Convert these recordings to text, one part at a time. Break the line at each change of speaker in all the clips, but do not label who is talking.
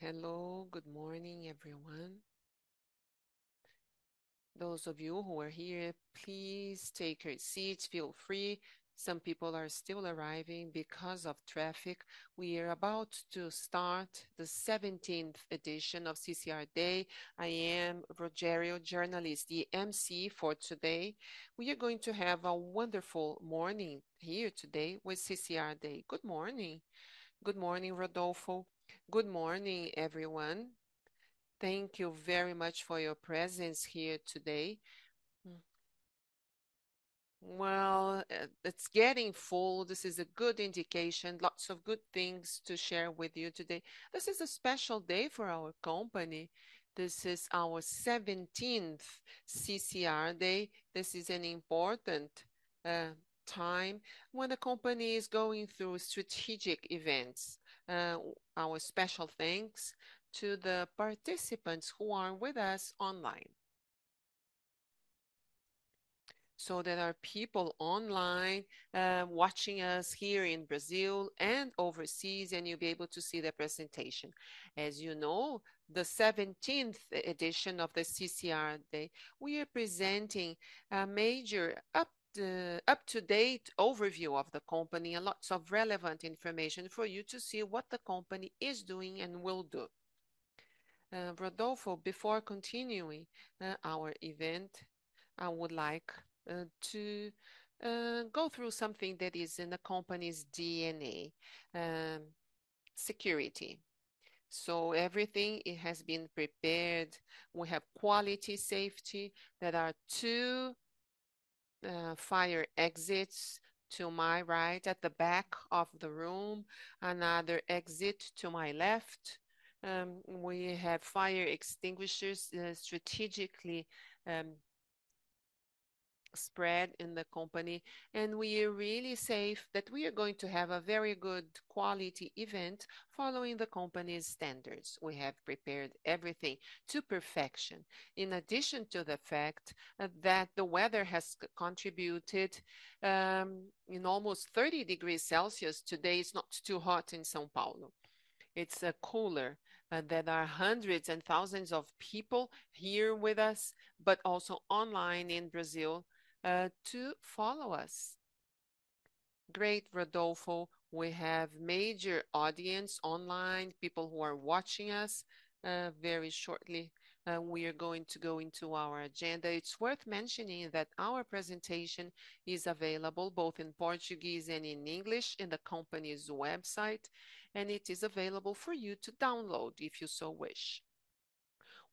Hello. Good morning, everyone. Those of you who are here, please take your seats. Feel free. Some people are still arriving because of traffic. We are about to start the seventeenth edition of CCR Day. I am Rogério, journalist, the MC for today. We are going to have a wonderful morning here today with CCR Day. Good morning. Good morning, Rodolfo. Good morning, everyone. Thank you very much for your presence here today. Well, it's getting full. This is a good indication, lots of good things to share with you today. This is a special day for our company. This is our seventeenth CCR Day. This is an important time when the company is going through strategic events. Our special thanks to the participants who are with us online. So there are people online, watching us here in Brazil and overseas, and you'll be able to see the presentation. As you know, the seventeenth edition of the CCR Day, we are presenting a major up-to-date overview of the company and lots of relevant information for you to see what the company is doing and will do. Rodolfo, before continuing our event, I would like to go through something that is in the company's DNA, security. So everything, it has been prepared. We have quality, safety. There are two fire exits to my right at the back of the room, another exit to my left. We have fire extinguishers strategically spread in the company, and we are really safe, that we are going to have a very good quality event following the company's standards. We have prepared everything to perfection, in addition to the fact that the weather has contributed, in almost 30 degrees Celsius. Today is not too hot in São Paulo. It's cooler. There are hundreds and thousands of people here with us, but also online in Brazil, to follow us. Great, Rodolfo, we have major audience online, people who are watching us. Very shortly, we are going to go into our agenda. It's worth mentioning that our presentation is available both in Portuguese and in English in the company's website, and it is available for you to download if you so wish.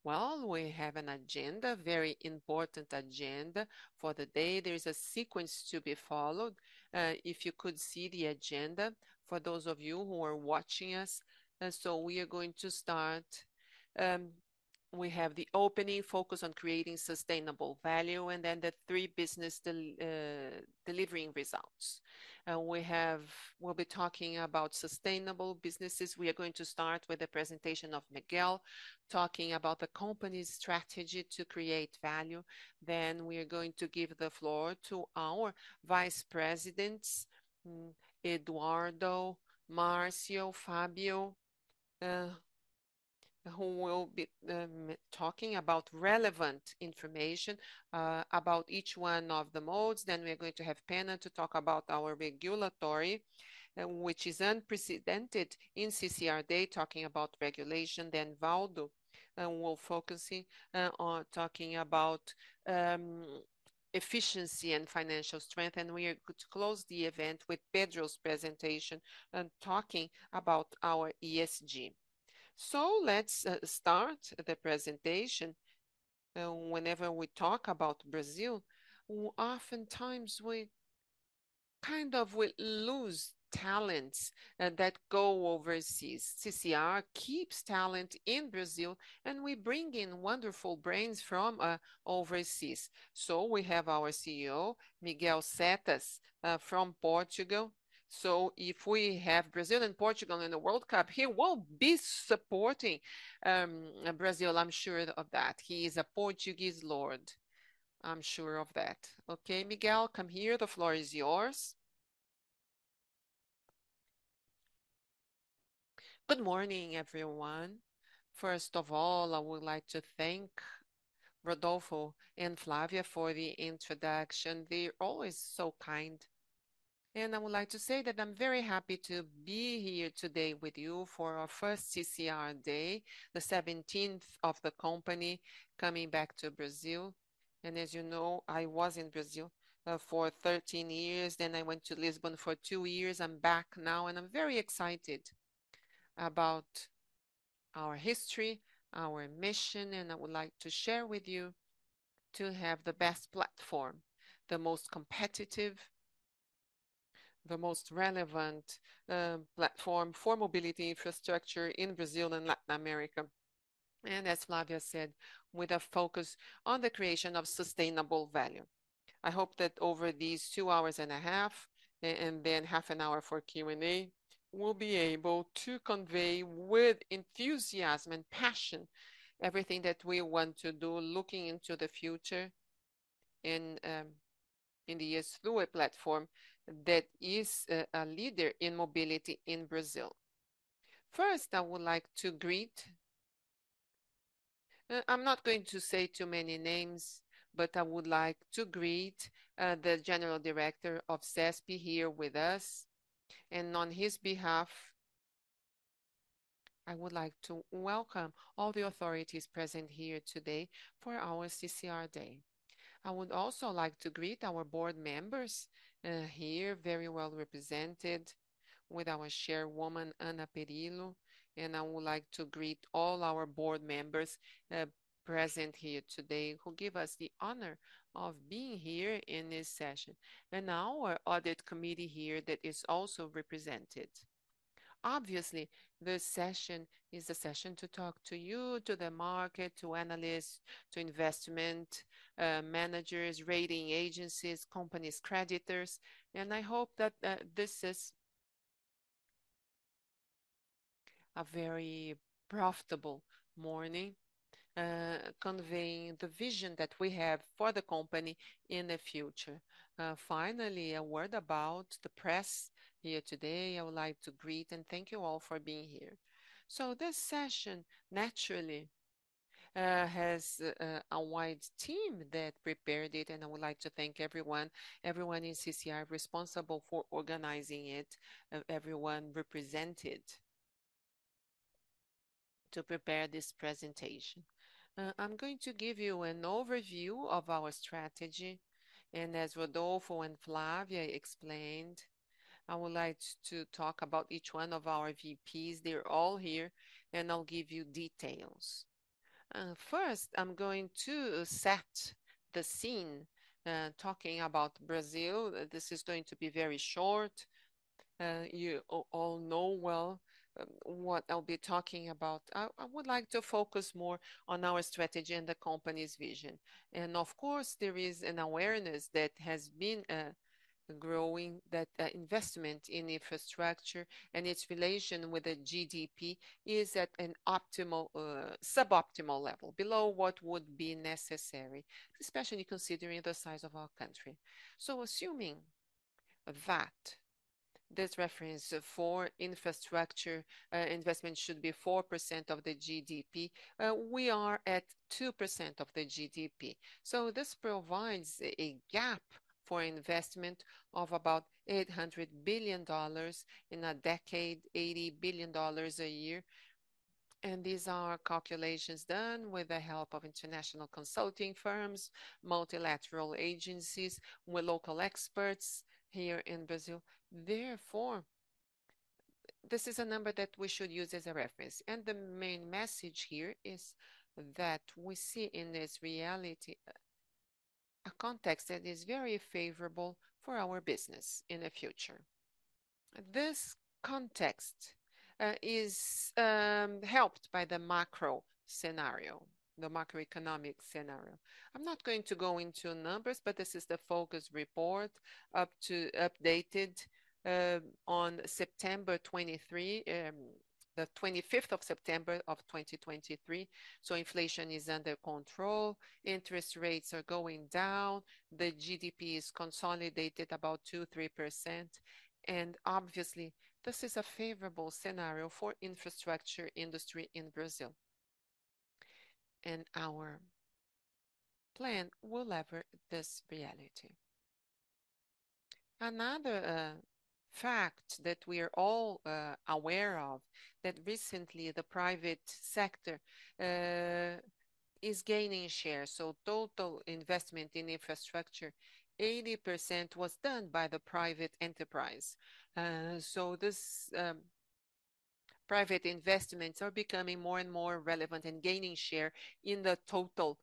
Well, we have an agenda, very important agenda for the day. There is a sequence to be followed. If you could see the agenda, for those of you who are watching us, and so we are going to start. We have the opening focus on creating sustainable value, and then the three business delivering results. We'll be talking about sustainable businesses. We are going to start with a presentation of Miguel, talking about the company's strategy to create value. Then we are going to give the floor to our vice presidents, Eduardo, Marcio, Fabio, who will be talking about relevant information about each one of the modes. Then we're going to have Pena to talk about our regulatory, which is unprecedented in CCR Day, talking about regulation. Then Valdo will focusing on talking about efficiency and financial strength. And we are going to close the event with Pedro's presentation, talking about our ESG. So let's start the presentation. Whenever we talk about Brazil, we oftentimes kind of lose talents that go overseas. CCR keeps talent in Brazil, and we bring in wonderful brains from overseas. So we have our CEO, Miguel Setas, from Portugal. So if we have Brazil and Portugal in the World Cup, he will be supporting Brazil, I'm sure of that. He is a Portuguese lord, I'm sure of that. Okay, Miguel, come here. The floor is yours. Good morning, everyone. First of all, I would like to thank Rodolfo and Flávia for the introduction. They're always so kind, and I would like to say that I'm very happy to be here today with you for our first CCR Day, the seventeenth of the company, coming back to Brazil. As you know, I was in Brazil for 13 years, then I went to Lisbon for two years. I'm back now, and I'm very excited about our history, our mission, and I would like to share with you to have the best platform, the most competitive, the most relevant platform for mobility infrastructure in Brazil and Latin America, and as Flávia said, with a focus on the creation of sustainable value. I hope that over these two hours and a half, and then half an hour for Q&A, we'll be able to convey with enthusiasm and passion everything that we want to do looking into the future in the Eslou platform that is a leader in mobility in Brazil. First, I would like to greet. I'm not going to say too many names, but I would like to greet the General Director of ARTESP here with us, and on his behalf, I would like to welcome all the authorities present here today for our CCR Day. I would also like to greet our board members here, very well represented with our Chairwoman Ana Penido, and I would like to greet all our board members present here today, who give us the honor of being here in this session, and our audit committee here that is also represented. Obviously, this session is a session to talk to you, to the market, to analysts, to investment managers, rating agencies, companies, creditors, and I hope that this is a very profitable morning conveying the vision that we have for the company in the future. Finally, a word about the press here today. I would like to greet and thank you all for being here. So this session naturally has a wide team that prepared it, and I would like to thank everyone, everyone in CCR responsible for organizing it, and everyone represented to prepare this presentation. I'm going to give you an overview of our strategy, and as Rodolfo and Flávia explained, I would like to talk about each one of our VPs. They're all here, and I'll give you details. First, I'm going to set the scene talking about Brazil. This is going to be very short. You all, all know well what I'll be talking about. I would like to focus more on our strategy and the company's vision. And of course, there is an awareness that has been growing, that investment in infrastructure and its relation with the GDP is at a suboptimal level, below what would be necessary, especially considering the size of our country. So assuming that this reference for infrastructure investment should be 4% of the GDP, we are at 2% of the GDP. So this provides a gap for investment of about $800 billion in a decade, $80 billion a year. And these are calculations done with the help of international consulting firms, multilateral agencies, with local experts here in Brazil. Therefore, this is a number that we should use as a reference, and the main message here is that we see in this reality, a context that is very favorable for our business in the future. This context is helped by the macro scenario, the macroeconomic scenario. I'm not going to go into numbers, but this is the focus report up to—updated on September 23, the 25th of September of 2023. Inflation is under control, interest rates are going down, the GDP is consolidated about 2-3%, and obviously, this is a favorable scenario for infrastructure industry in Brazil. And our plan will lever this reality. Another fact that we are all aware of, that recently, the private sector is gaining share. Total investment in infrastructure, 80% was done by the private enterprise. This private investments are becoming more and more relevant and gaining share in the total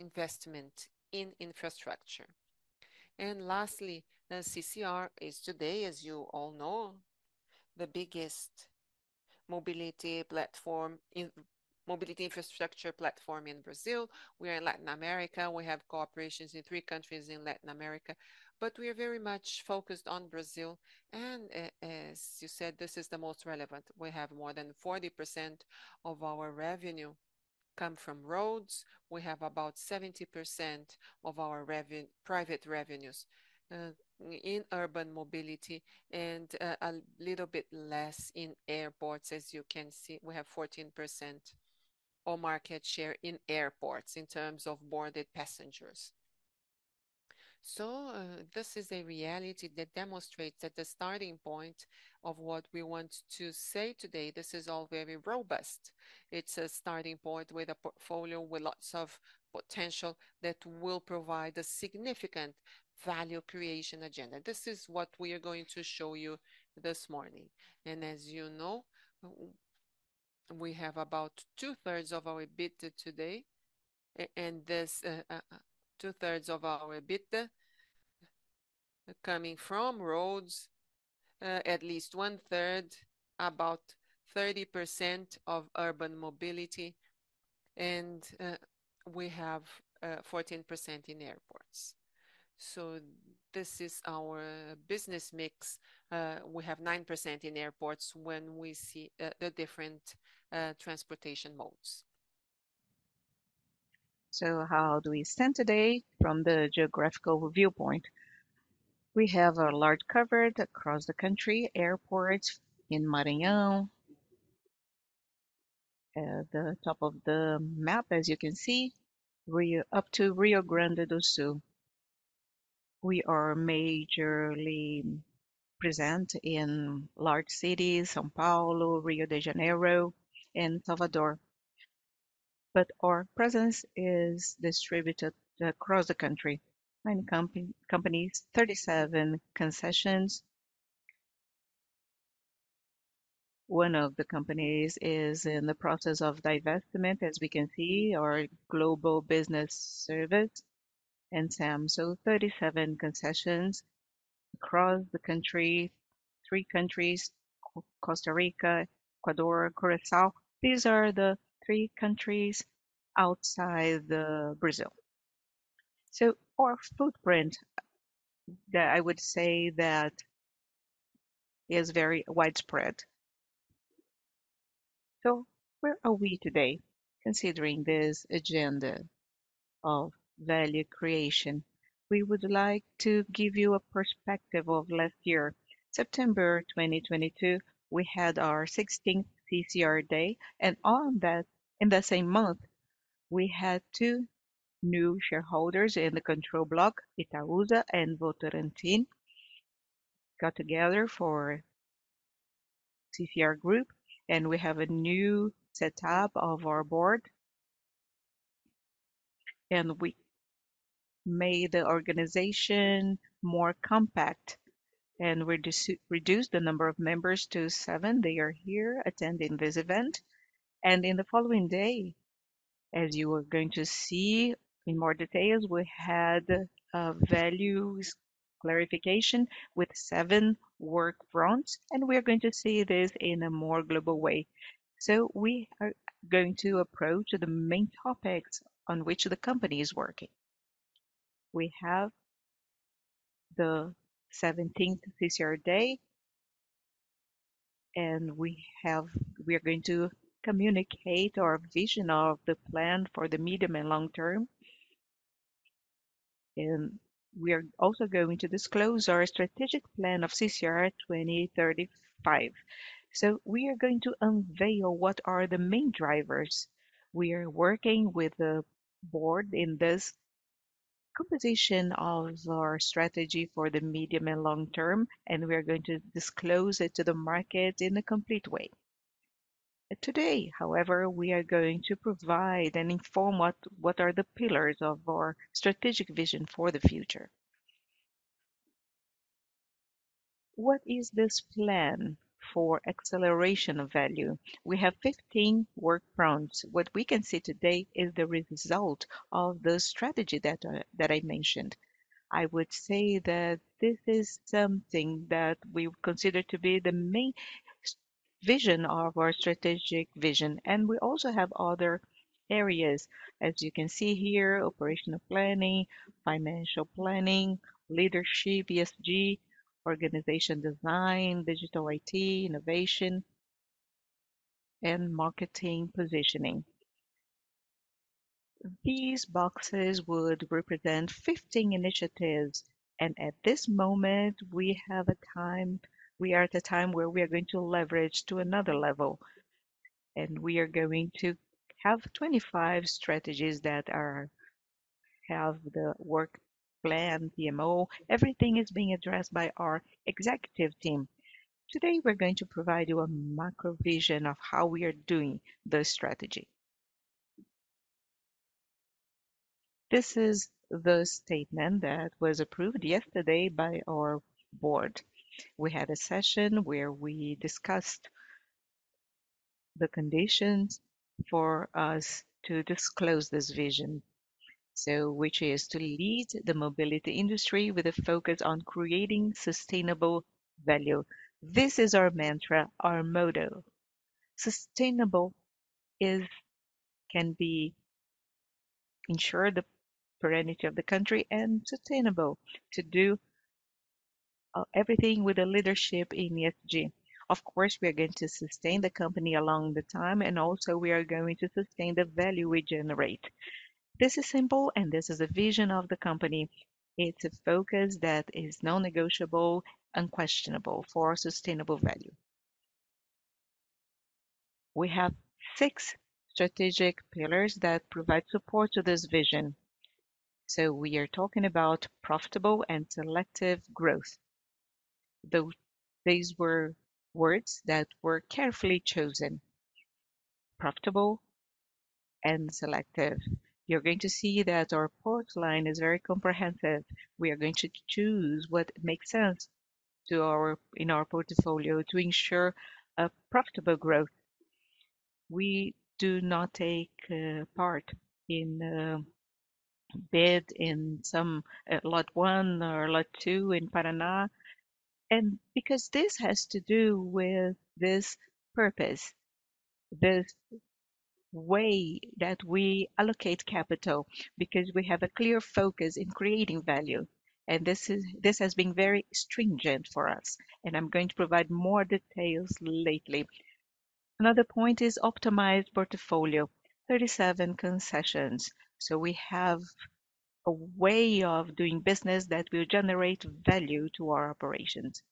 investment in infrastructure. And lastly, the CCR is today, as you all know, the biggest mobility platform in mobility infrastructure platform in Brazil. We are in Latin America. We have operations in three countries in Latin America, but we are very much focused on Brazil, and as you said, this is the most relevant. We have more than 40% of our revenue come from roads. We have about 70% of our private revenues in urban mobility, and a little bit less in airports. As you can see, we have 14% all market share in airports in terms of boarded passengers. So, this is a reality that demonstrates that the starting point of what we want to say today, this is all very robust. It's a starting point with a portfolio, with lots of potential, that will provide a significant value creation agenda. This is what we are going to show you this morning. And as you know, we have about two-thirds of our EBITDA today, and this two-thirds of our EBITDA coming from roads, at least one-third, about 30% of urban mobility, and we have 14% in airports. ... So this is our business mix. We have 9% in airports when we see the different transportation modes. So how do we stand today from the geographical viewpoint? We have a large coverage across the country, airports in Maranhão, at the top of the map, as you can see, Rio, up to Rio Grande do Sul. We are majorly present in large cities, São Paulo, Rio de Janeiro, and Salvador. But our presence is distributed across the country. Nine companies, 37 concessions. One of the companies is in the process of divestment. As we can see, our global business service in TAS. So 37 concessions across the country. Three countries: Costa Rica, Ecuador, Curaçao. These are the three countries outside the Brazil. So our footprint that I would say that is very widespread. So where are we today, considering this agenda of value creation? We would like to give you a perspective of last year. September 2022, we had our sixteenth CCR Day, and on that, in the same month, we had two new shareholders in the control block, Itaúsa and Votorantim, got together for CCR Group, and we have a new setup of our board. We made the organization more compact, and we reduced the number of members to seven. They are here attending this event. In the following day, as you are going to see in more details, we had values clarification with seven work fronts, and we are going to see this in a more global way. We are going to approach the main topics on which the company is working. We have the 17th CCR Day, and we are going to communicate our vision of the plan for the medium and long term. We are also going to disclose our strategic plan of CCR 2035. We are going to unveil what are the main drivers. We are working with the board in this composition of our strategy for the medium and long term, and we are going to disclose it to the market in a complete way. Today, however, we are going to provide and inform what are the pillars of our strategic vision for the future. What is this plan for acceleration of value? We have 15 work fronts. What we can see today is the result of the strategy that I mentioned. I would say that this is something that we consider to be the main vision of our strategic vision, and we also have other areas. As you can see here, operational planning, financial planning, leadership, ESG, organization design, digital IT, innovation, and marketing positioning. These boxes would represent 15 initiatives, and at this moment, we have a time... We are at a time where we are going to leverage to another level, and we are going to have 25 strategies that have the work plan, PMO. Everything is being addressed by our executive team. Today, we're going to provide you a macro vision of how we are doing the strategy. This is the statement that was approved yesterday by our board. We had a session where we discussed the conditions for us to disclose this vision, so which is to lead the mobility industry with a focus on creating sustainable value. This is our mantra, our motto. Sustainable can be ensure the perpetuity of the country and sustainable to do everything with a leadership in ESG. Of course, we are going to sustain the company along the time, and also, we are going to sustain the value we generate. This is simple, and this is a vision of the company. It's a focus that is non-negotiable, unquestionable for sustainable value. We have six strategic pillars that provide support to this vision. So we are talking about profitable and selective growth. These were words that were carefully chosen, profitable and selective. You're going to see that our product line is very comprehensive. We are going to choose what makes sense in our portfolio to ensure a profitable growth. We do not take part in bid in some lot 1 or lot 2 in Paraná, and because this has to do with this purpose, the way that we allocate capital, because we have a clear focus in creating value, and this is, this has been very stringent for us, and I'm going to provide more details lately. Another point is optimized portfolio, 37 concessions. So we have a way of doing business that will generate value to our operations,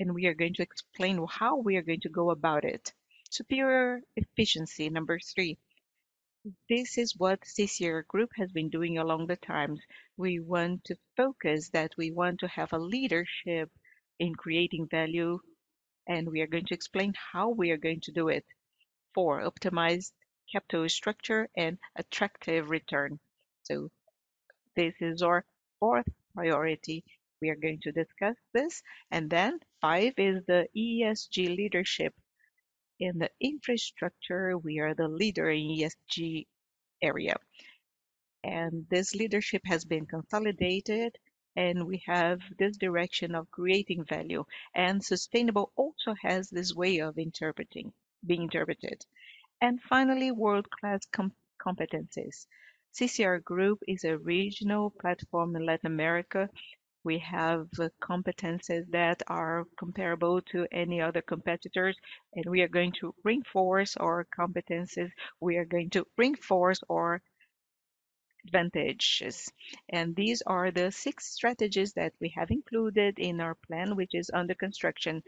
and we are going to explain how we are going to go about it. Superior efficiency, number 3. This is what CCR Group has been doing along the time. We want to focus that we want to have a leadership in creating value, and we are going to explain how we are going to do it. 4, optimize capital structure and attractive return. This is our fourth priority. We are going to discuss this. Then 5 is the ESG leadership. In the infrastructure, we are the leader in ESG area, and this leadership has been consolidated, and we have this direction of creating value. Sustainable also has this way of interpreting, being interpreted. Finally, world-class competencies. CCR Group is a regional platform in Latin America. We have the competencies that are comparable to any other competitors, and we are going to reinforce our competencies. We are going to reinforce our advantages. These are the 6 strategies that we have included in our plan, which is under construction.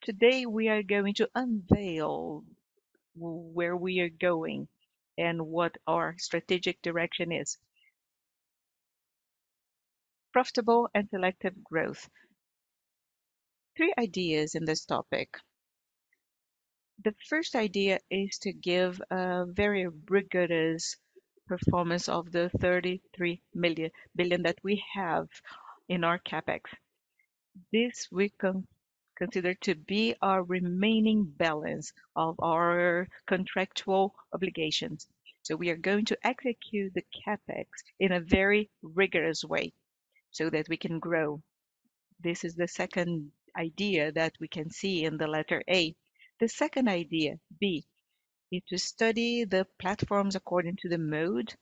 Today, we are going to unveil where we are going and what our strategic direction is. Profitable and selective growth. Three ideas in this topic. The first idea is to give a very rigorous performance of the 33 billion that we have in our CapEx. This we consider to be our remaining balance of our contractual obligations. So we are going to execute the CapEx in a very rigorous way so that we can grow. This is the second idea that we can see in the letter A. The second idea, B, is to study the platforms according to the mode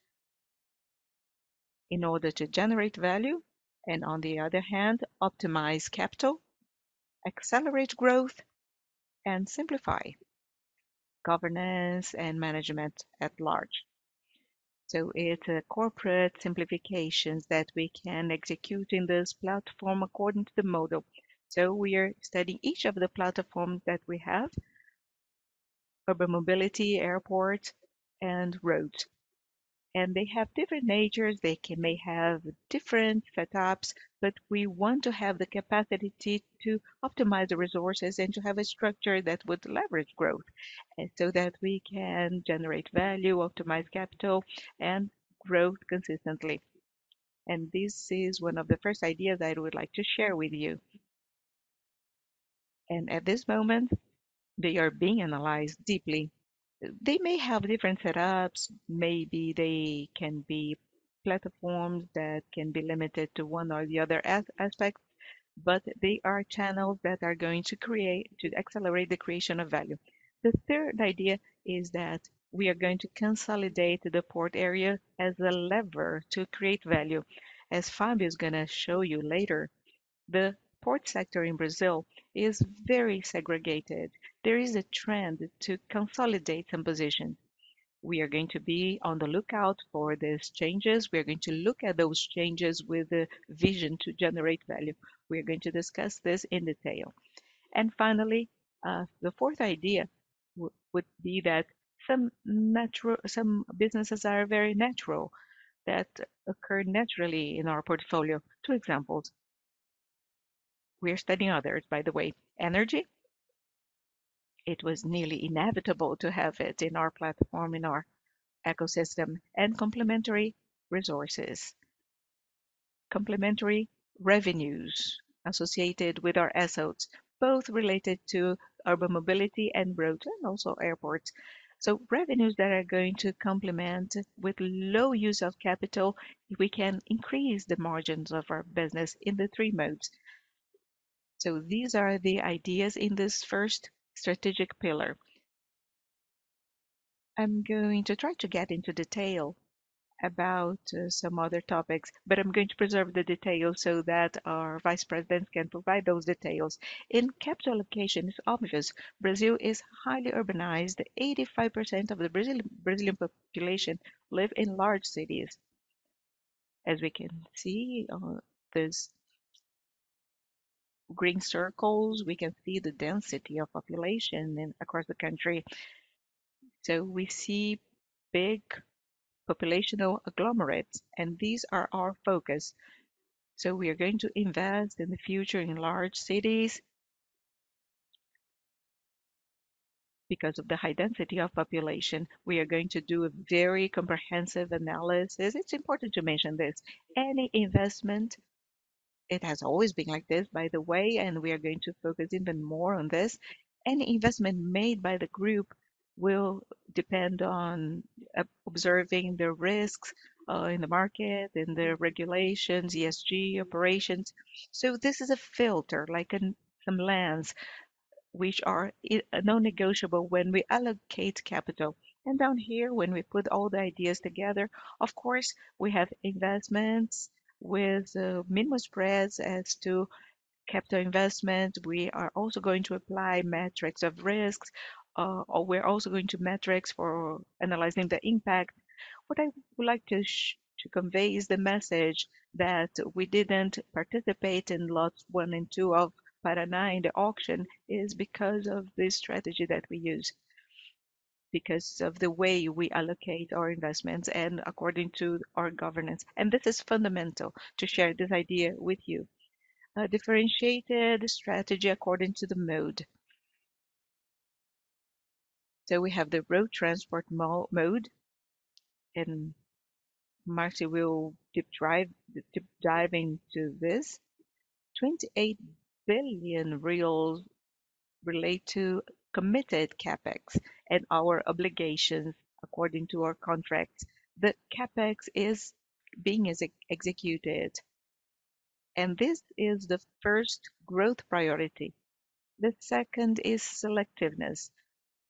in order to generate value and, on the other hand, optimize capital, accelerate growth, and simplify governance and management at large. So it's a corporate simplifications that we can execute in this platform according to the model. So we are studying each of the platforms that we have: urban mobility, airport, and roads. They have different natures, they can... may have different setups, but we want to have the capacity to optimize the resources and to have a structure that would leverage growth, and so that we can generate value, optimize capital, and growth consistently. This is one of the first ideas I would like to share with you. At this moment, they are being analyzed deeply. They may have different setups, maybe they can be platforms that can be limited to one or the other aspect, but they are channels that are going to create, to accelerate the creation of value. The third idea is that we are going to consolidate the port area as a lever to create value. As Fabio is gonna show you later, the port sector in Brazil is very segregated. There is a trend to consolidate some position. We are going to be on the lookout for these changes. We are going to look at those changes with a vision to generate value. We are going to discuss this in detail. And finally, the fourth idea would be that some businesses are very natural, that occur naturally in our portfolio. Two examples. We are studying others, by the way. Energy, it was nearly inevitable to have it in our platform, in our ecosystem, and complementary resources, complementary revenues associated with our assets, both related to urban mobility and roads, and also airports. So revenues that are going to complement with low use of capital, we can increase the margins of our business in the three modes. So these are the ideas in this first strategic pillar. I'm going to try to get into detail about some other topics, but I'm going to preserve the details so that our vice presidents can provide those details. In capital allocation, it's obvious, Brazil is highly urbanized. 85% of the Brazilian, Brazilian population live in large cities. As we can see on these green circles, we can see the density of population in across the country. So we see big populational agglomerates, and these are our focus. So we are going to invest in the future in large cities. Because of the high density of population, we are going to do a very comprehensive analysis. It's important to mention this. Any investment, it has always been like this, by the way, and we are going to focus even more on this, any investment made by the group-... It will depend on observing the risks in the market, and the regulations, ESG operations. So this is a filter, like an some lens, which are non-negotiable when we allocate capital. And down here, when we put all the ideas together, of course, we have investments with minimal spreads as to capital investment. We are also going to apply metrics of risks, or we're also going to metrics for analyzing the impact. What I would like to convey is the message that we didn't participate in lots 1 and 2 of Paraná in the auction, is because of the strategy that we use, because of the way we allocate our investments and according to our governance, and this is fundamental to share this idea with you. Differentiated strategy according to the mode. So we have the road transport mode, and Márcio will deep dive into this. 28 billion real relate to committed CapEx and our obligations according to our contracts. The CapEx is being executed, and this is the first growth priority. The second is selectiveness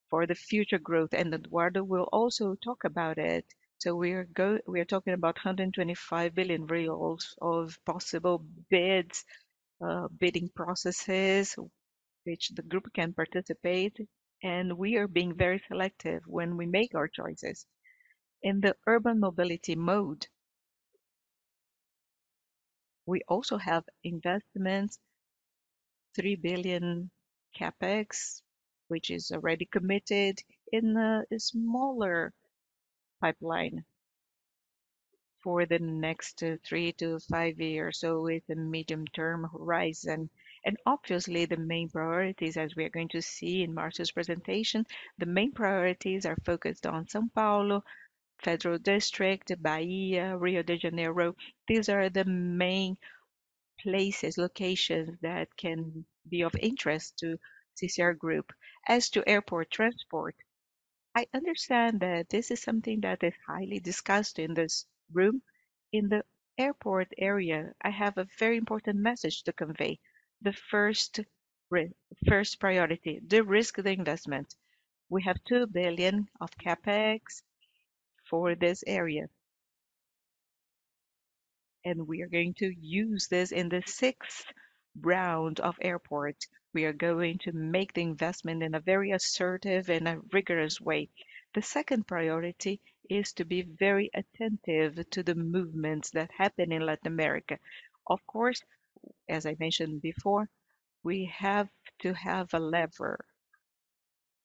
for the future growth, and Eduardo will also talk about it. So we are talking about 125 billion reais of possible bids, bidding processes, which the group can participate, and we are being very selective when we make our choices. In the urban mobility mode, we also have investments, 3 billion CapEx, which is already committed in a smaller pipeline for the next 3-5 years, so with a medium-term horizon. Obviously, the main priorities, as we are going to see in Márcio's presentation, the main priorities are focused on São Paulo, Federal District, Bahia, Rio de Janeiro. These are the main places, locations, that can be of interest to CCR Group. As to airport transport, I understand that this is something that is highly discussed in this room. In the airport area, I have a very important message to convey. The first priority, the risk of the investment. We have 2 billion of CapEx for this area, and we are going to use this in the sixth round of airports. We are going to make the investment in a very assertive and a rigorous way. The second priority is to be very attentive to the movements that happen in Latin America. Of course, as I mentioned before, we have to have a lever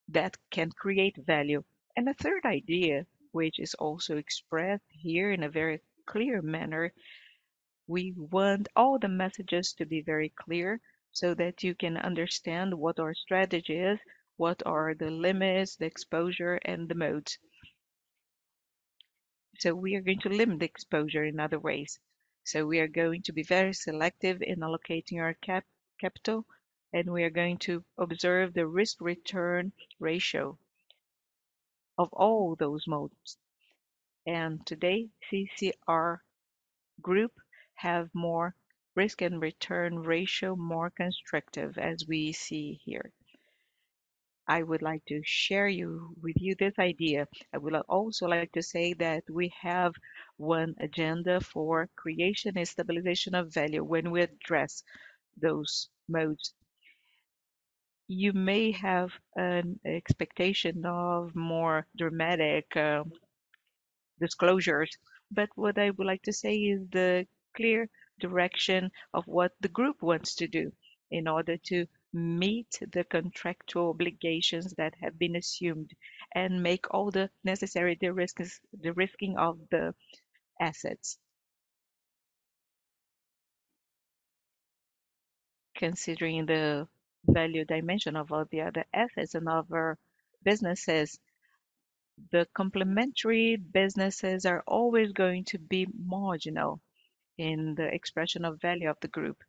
that can create value. The third idea, which is also expressed here in a very clear manner, we want all the messages to be very clear so that you can understand what our strategy is, what are the limits, the exposure, and the modes. We are going to limit the exposure in other ways. We are going to be very selective in allocating our capital, and we are going to observe the risk-return ratio of all those modes. And today, CCR Group have more risk and return ratio, more constructive, as we see here. I would like to share with you this idea. I would also like to say that we have one agenda for creation and stabilization of value when we address those modes. You may have an expectation of more dramatic disclosures, but what I would like to say is the clear direction of what the group wants to do in order to meet the contractual obligations that have been assumed, and make all the necessary, the risking of the assets. Considering the value dimension of all the other assets and other businesses, the complementary businesses are always going to be marginal in the expression of value of the group.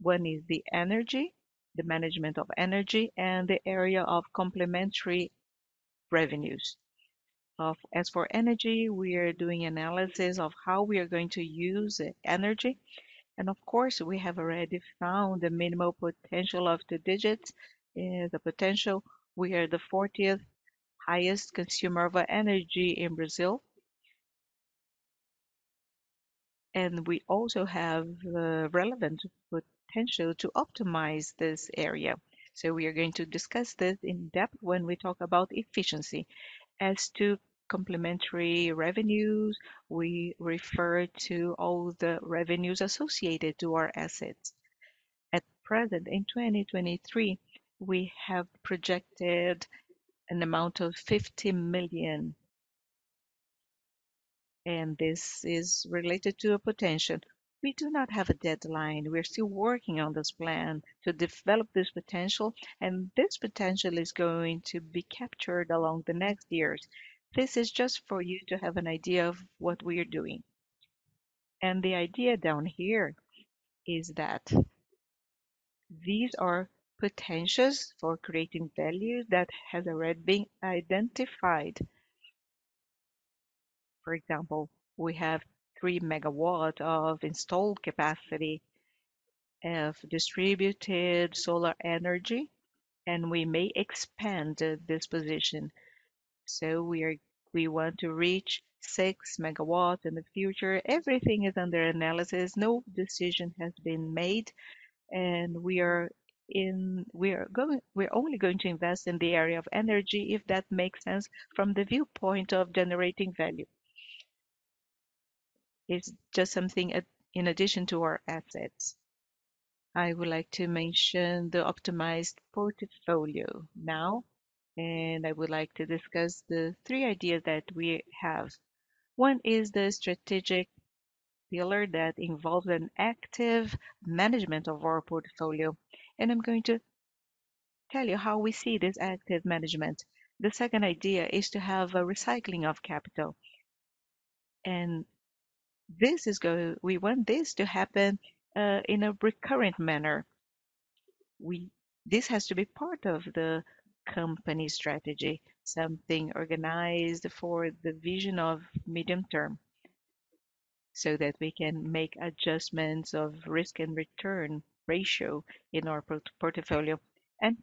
One is the energy, the management of energy, and the area of complementary revenues. As for energy, we are doing analysis of how we are going to use the energy, and of course, we have already found the minimal potential of the digits, the potential. We are the fortieth highest consumer of energy in Brazil, and we also have the relevant potential to optimize this area. So we are going to discuss this in depth when we talk about efficiency. As to complementary revenues, we refer to all the revenues associated to our assets. At present, in 2023, we have projected an amount of 50 million, and this is related to a potential. We do not have a deadline. We are still working on this plan to develop this potential, and this potential is going to be captured along the next years. This is just for you to have an idea of what we are doing.... The idea down here is that these are potentials for creating value that has already been identified. For example, we have 3 megawatts of installed capacity of distributed solar energy, and we may expand this position. So we want to reach 6 megawatts in the future. Everything is under analysis, no decision has been made, and we're only going to invest in the area of energy, if that makes sense, from the viewpoint of generating value. It's just something at, in addition to our assets. I would like to mention the optimized portfolio now, and I would like to discuss the three ideas that we have. One is the strategic pillar that involves an active management of our portfolio, and I'm going to tell you how we see this active management. The second idea is to have a recycling of capital, and this is going, we want this to happen in a recurrent manner. This has to be part of the company strategy, something organized for the vision of medium term, so that we can make adjustments of risk and return ratio in our portfolio.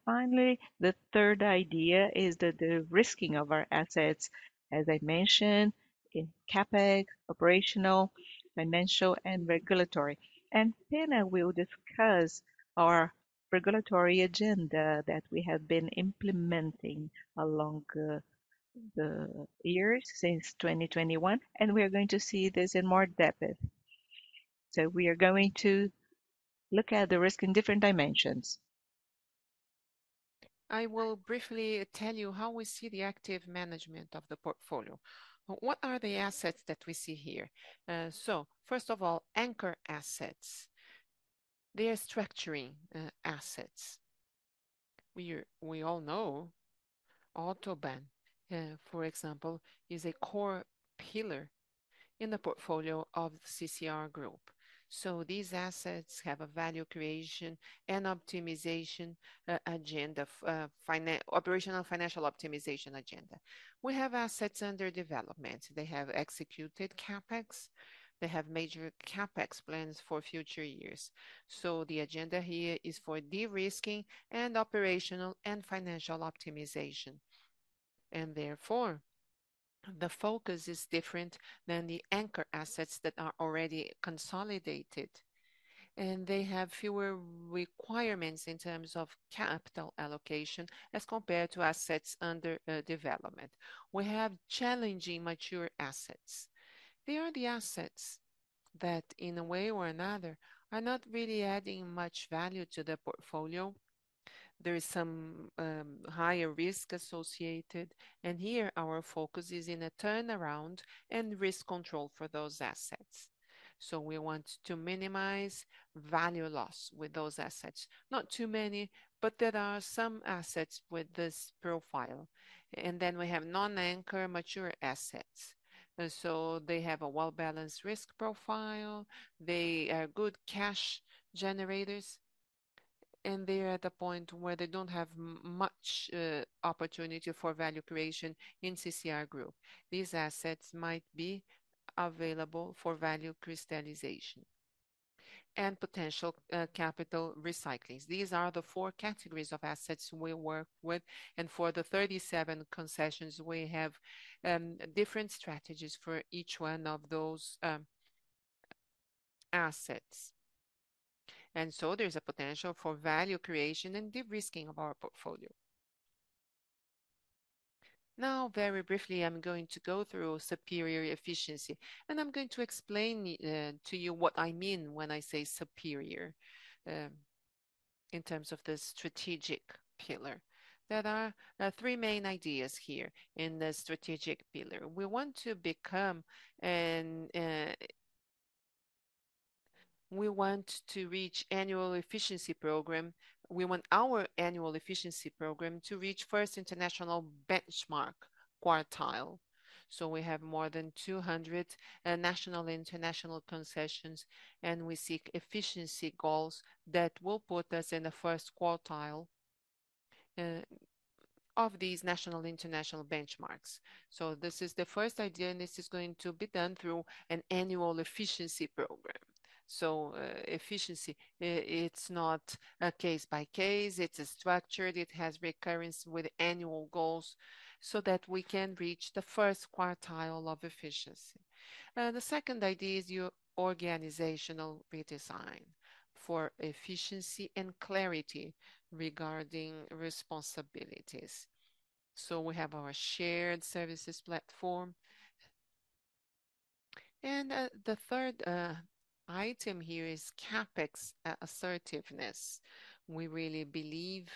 Finally, the third idea is that the risking of our assets, as I mentioned, in CapEx, operational, financial, and regulatory. Then I will discuss our regulatory agenda that we have been implementing along the years since 2021, and we are going to see this in more depth. We are going to look at the risk in different dimensions. I will briefly tell you how we see the active management of the portfolio. What are the assets that we see here? So first of all, anchor assets. They are structuring assets. We all know AutoBAn, for example, is a core pillar in the portfolio of CCR Group. So these assets have a value creation and optimization, operational financial optimization agenda. We have assets under development. They have executed CapEx, they have major CapEx plans for future years. So the agenda here is for de-risking and operational and financial optimization, and therefore, the focus is different than the anchor assets that are already consolidated, and they have fewer requirements in terms of capital allocation as compared to assets under development. We have challenging mature assets. They are the assets that, in a way or another, are not really adding much value to the portfolio. There is some higher risk associated, and here our focus is in a turnaround and risk control for those assets. So we want to minimize value loss with those assets. Not too many, but there are some assets with this profile. Then we have non-anchor mature assets. So they have a well-balanced risk profile, they are good cash generators, and they are at the point where they don't have much opportunity for value creation in CCR Group. These assets might be available for value crystallization and potential capital recyclings. These are the four categories of assets we work with, and for the 37 concessions, we have different strategies for each one of those assets. So there's a potential for value creation and de-risking of our portfolio. Now, very briefly, I'm going to go through superior efficiency, and I'm going to explain to you what I mean when I say superior in terms of the strategic pillar. There are three main ideas here in the strategic pillar. We want our annual efficiency program to reach first international benchmark quartile. So we have more than 200 national, international concessions, and we seek efficiency goals that will put us in the first quartile of these national, international benchmarks. So this is the first idea, and this is going to be done through an annual efficiency program. So, efficiency, it's not a case by case, it is structured, it has recurrence with annual goals, so that we can reach the first quartile of efficiency. The second idea is your organizational redesign for efficiency and clarity regarding responsibilities. So we have our shared services platform. The third item here is CapEx assertiveness. We really believe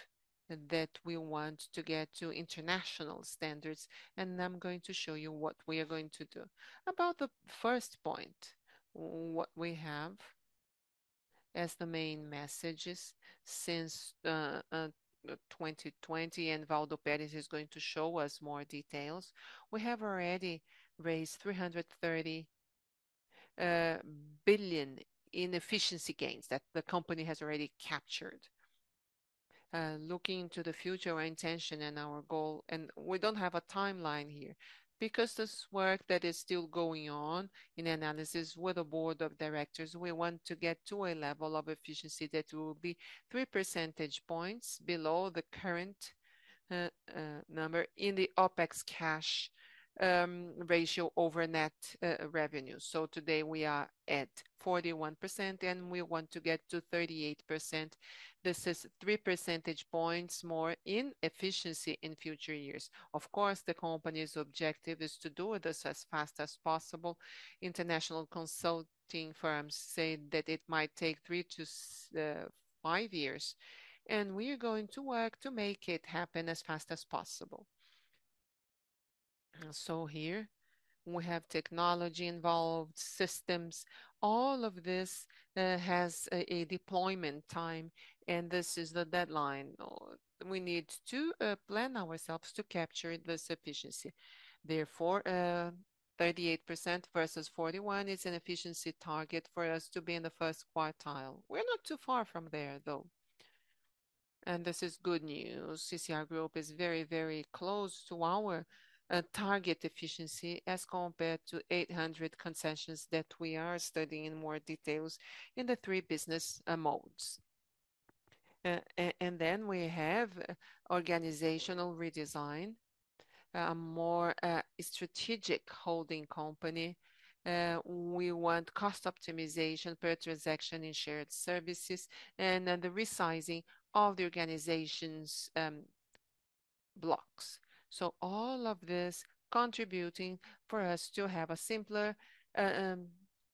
that we want to get to international standards, and I'm going to show you what we are going to do. About the first point, what we have as the main messages since 2020, and Waldo Perez is going to show us more details. We have already raised 330 billion in efficiency gains that the company has already captured. Looking to the future, our intention and our goal, and we don't have a timeline here, because this work that is still going on in analysis with the board of directors, we want to get to a level of efficiency that will be three percentage points below the current number in the OpEx cash ratio over net revenue. So today we are at 41%, and we want to get to 38%. This is 3 percentage points more in efficiency in future years. Of course, the company's objective is to do this as fast as possible. International consulting firms say that it might take 3-5 years, and we are going to work to make it happen as fast as possible. So here we have technology involved, systems. All of this has a deployment time, and this is the deadline. We need to plan ourselves to capture this efficiency. Therefore, 38% versus 41% is an efficiency target for us to be in the first quartile. We're not too far from there, though, and this is good news. CCR Group is very, very close to our target efficiency as compared to 800 concessions that we are studying in more details in the three business modes. And then we have organizational redesign, a more strategic holding company. We want cost optimization per transaction in shared services and the resizing of the organization's blocks. So all of this contributing for us to have a simpler,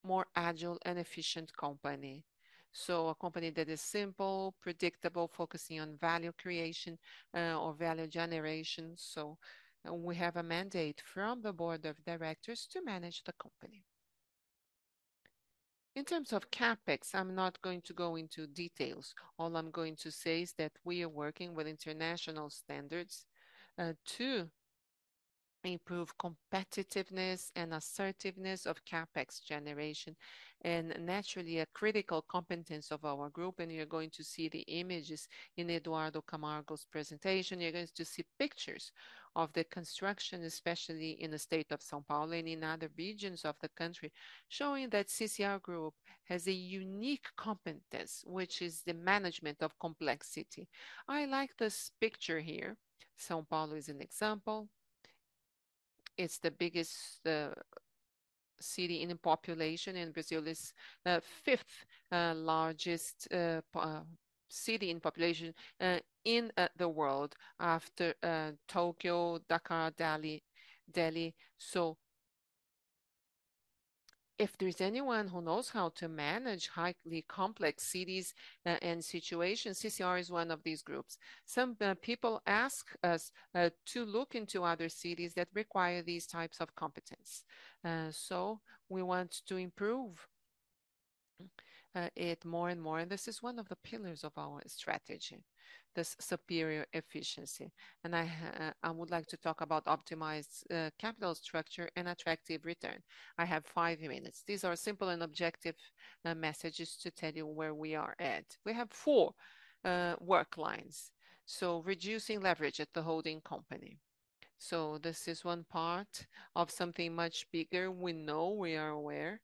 more agile and efficient company. So a company that is simple, predictable, focusing on value creation, or value generation, we have a mandate from the board of directors to manage the company. In terms of CapEx, I'm not going to go into details. All I'm going to say is that we are working with international standards to improve competitiveness and assertiveness of CapEx generation, and naturally, a critical competence of our group. And you're going to see the images in Eduardo Camargo's presentation. You're going to see pictures of the construction, especially in the state of São Paulo and in other regions of the country, showing that CCR Group has a unique competence, which is the management of complexity. I like this picture here. São Paulo is an example. It's the biggest city in the population in Brazil, it's the fifth largest city in population in the world, after Tokyo, Dhaka, Delhi, Delhi. So if there's anyone who knows how to manage highly complex cities and, and situations, CCR is one of these groups. Some people ask us to look into other cities that require these types of competence, so we want to improve it more and more, and this is one of the pillars of our strategy, this superior efficiency. I would like to talk about optimized capital structure and attractive return. I have five minutes. These are simple and objective messages to tell you where we are at. We have four work lines, so reducing leverage at the holding company. So this is one part of something much bigger. We know, we are aware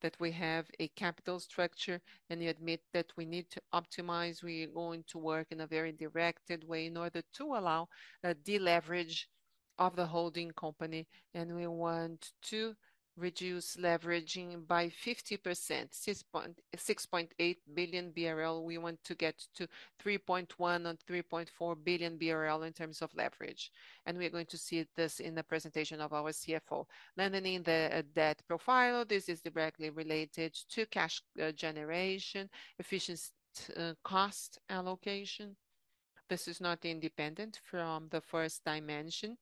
that we have a capital structure, and we admit that we need to optimize. We are going to work in a very directed way in order to allow a deleverage of the holding company, and we want to reduce leveraging by 50%, 6.8 billion BRL. We want to get to 3.1-3.4 billion BRL in terms of leverage, and we are going to see this in the presentation of our CFO. Lengthening the debt profile, this is directly related to cash generation, efficiency, cost allocation. This is not independent from the first dimension.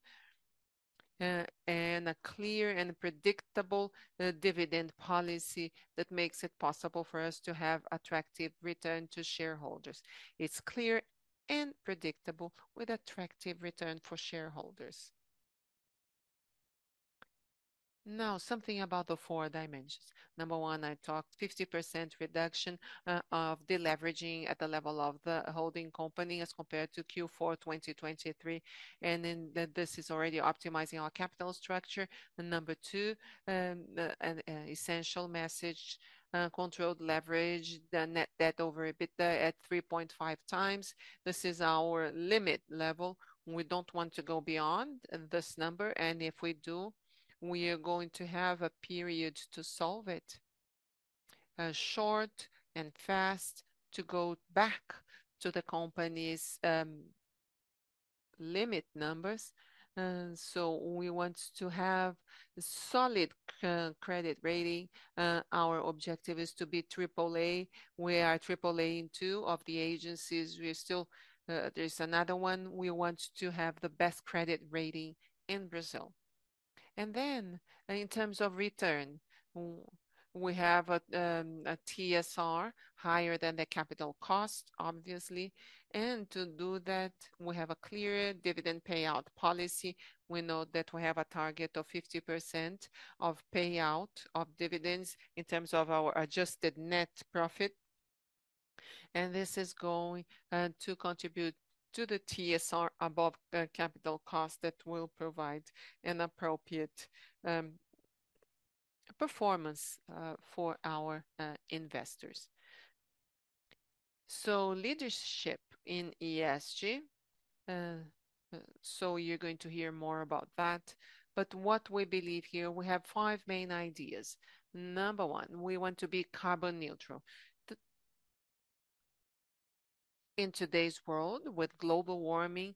And a clear and predictable dividend policy that makes it possible for us to have attractive return to shareholders. It's clear and predictable, with attractive return for shareholders. Now, something about the four dimensions. Number 1, I talked 50% reduction of deleveraging at the level of the holding company as compared to Q4 2023, and then this is already optimizing our capital structure. And number 2, an essential message, controlled leverage, the net debt over EBITDA at 3.5 times. This is our limit level. We don't want to go beyond this number, and if we do, we are going to have a period to solve it, short and fast to go back to the company's limit numbers. So we want to have a solid credit rating. Our objective is to be triple A. We are triple A in two of the agencies. We are still... There is another one. We want to have the best credit rating in Brazil. And then, in terms of return, we have a TSR higher than the capital cost, obviously. And to do that, we have a clear dividend payout policy. We know that we have a target of 50% of payout of dividends in terms of our adjusted net profit, and this is going to contribute to the TSR above the capital cost that will provide an appropriate performance for our investors. So leadership in ESG, so you're going to hear more about that, but what we believe here, we have five main ideas. Number 1, we want to be carbon neutral. In today's world, with global warming,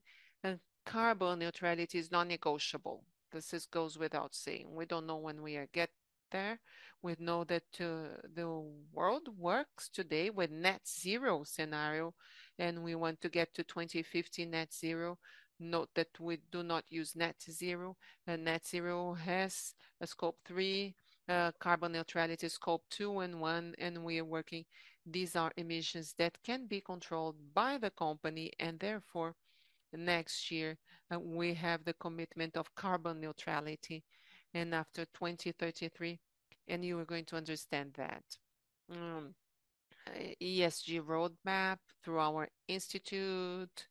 carbon neutrality is non-negotiable. This goes without saying. We don't know when we get there. We know that the world works today with net zero scenario, and we want to get to 2050 net zero. Note that we do not use net zero, and net zero has a scope three, carbon neutrality, scope two and one, and we are working. These are emissions that can be controlled by the company, and therefore, next year, we have the commitment of carbon neutrality, and after 2033, and you are going to understand that. ESG roadmap through our institute,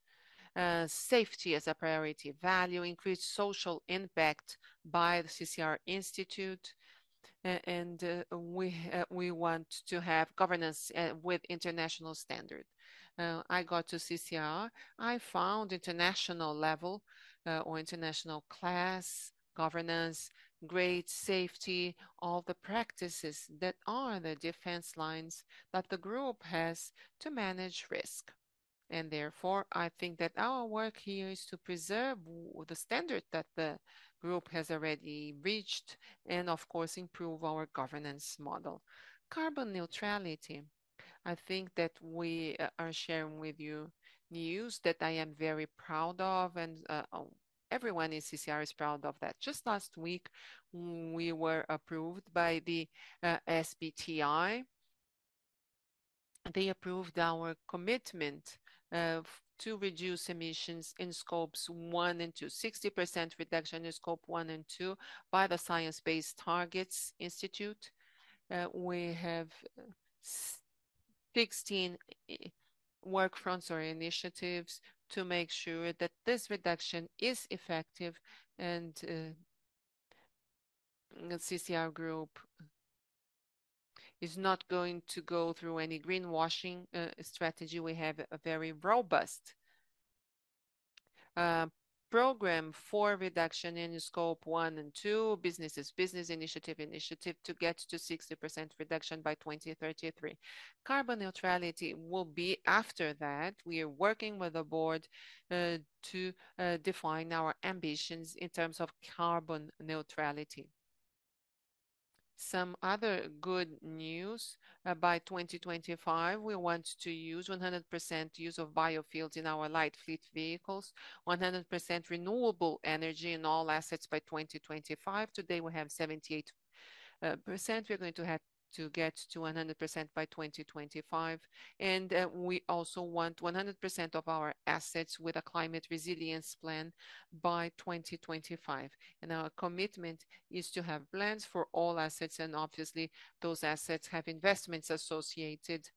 safety as a priority value, increased social impact by the CCR Institute, and we want to have governance with international standard. I got to CCR, I found international level, or international class, governance, great safety, all the practices that are the defense lines that the group has to manage risk. And therefore, I think that our work here is to preserve the standard that the group has already reached, and of course, improve our governance model. Carbon neutrality, I think that we are sharing with you news that I am very proud of, and everyone in CCR is proud of that. Just last week, we were approved by the SBTi. They approved our commitment to reduce emissions in scopes one and two, 60% reduction in scope one and two by the Science Based Targets initiative. We have 16 workfronts or initiatives to make sure that this reduction is effective, and CCR Group is not going to go through any greenwashing strategy. We have a very robust program for reduction in scope one and two, business initiative to get to 60% reduction by 2033. Carbon neutrality will be after that. We are working with the board to define our ambitions in terms of carbon neutrality. Some other good news, by 2025, we want to use 100% use of biofuels in our light fleet vehicles, 100% renewable energy in all assets by 2025. Today, we have 78%. We're going to have to get to 100% by 2025, and we also want 100% of our assets with a climate resilience plan by 2025. And our commitment is to have plans for all assets, and obviously, those assets have investments associated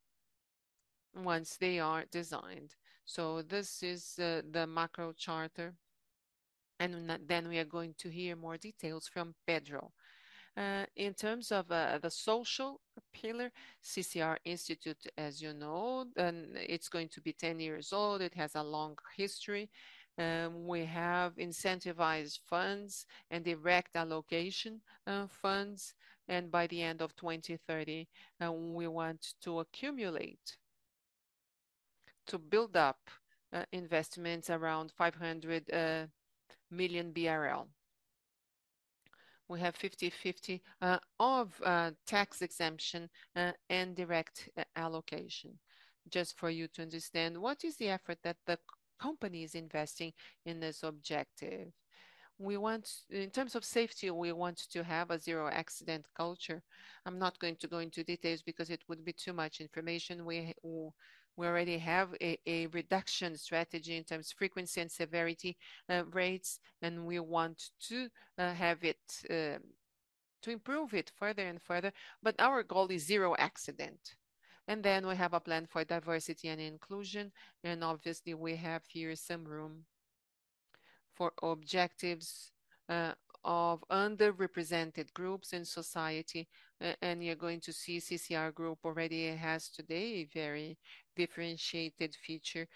once they are designed. So this is the macro charter, and then we are going to hear more details from Pedro. In terms of the social pillar, CCR Institute, as you know, it's going to be 10 years old. It has a long history. We have incentivized funds and direct allocation, funds, and by the end of 2030, we want to accumulate, to build up, investments around 500 million BRL. We have 50/50 of tax exemption and direct allocation. Just for you to understand, what is the effort that the company is investing in this objective? We want. In terms of safety, we want to have a zero accident culture. I'm not going to go into details because it would be too much information. We already have a reduction strategy in terms of frequency and severity rates, and we want to have it to improve it further and further, but our goal is zero accident. And then we have a plan for diversity and inclusion, and obviously, we have here some room for objectives of underrepresented groups in society. And you're going to see CCR Group already has today a very differentiated feature.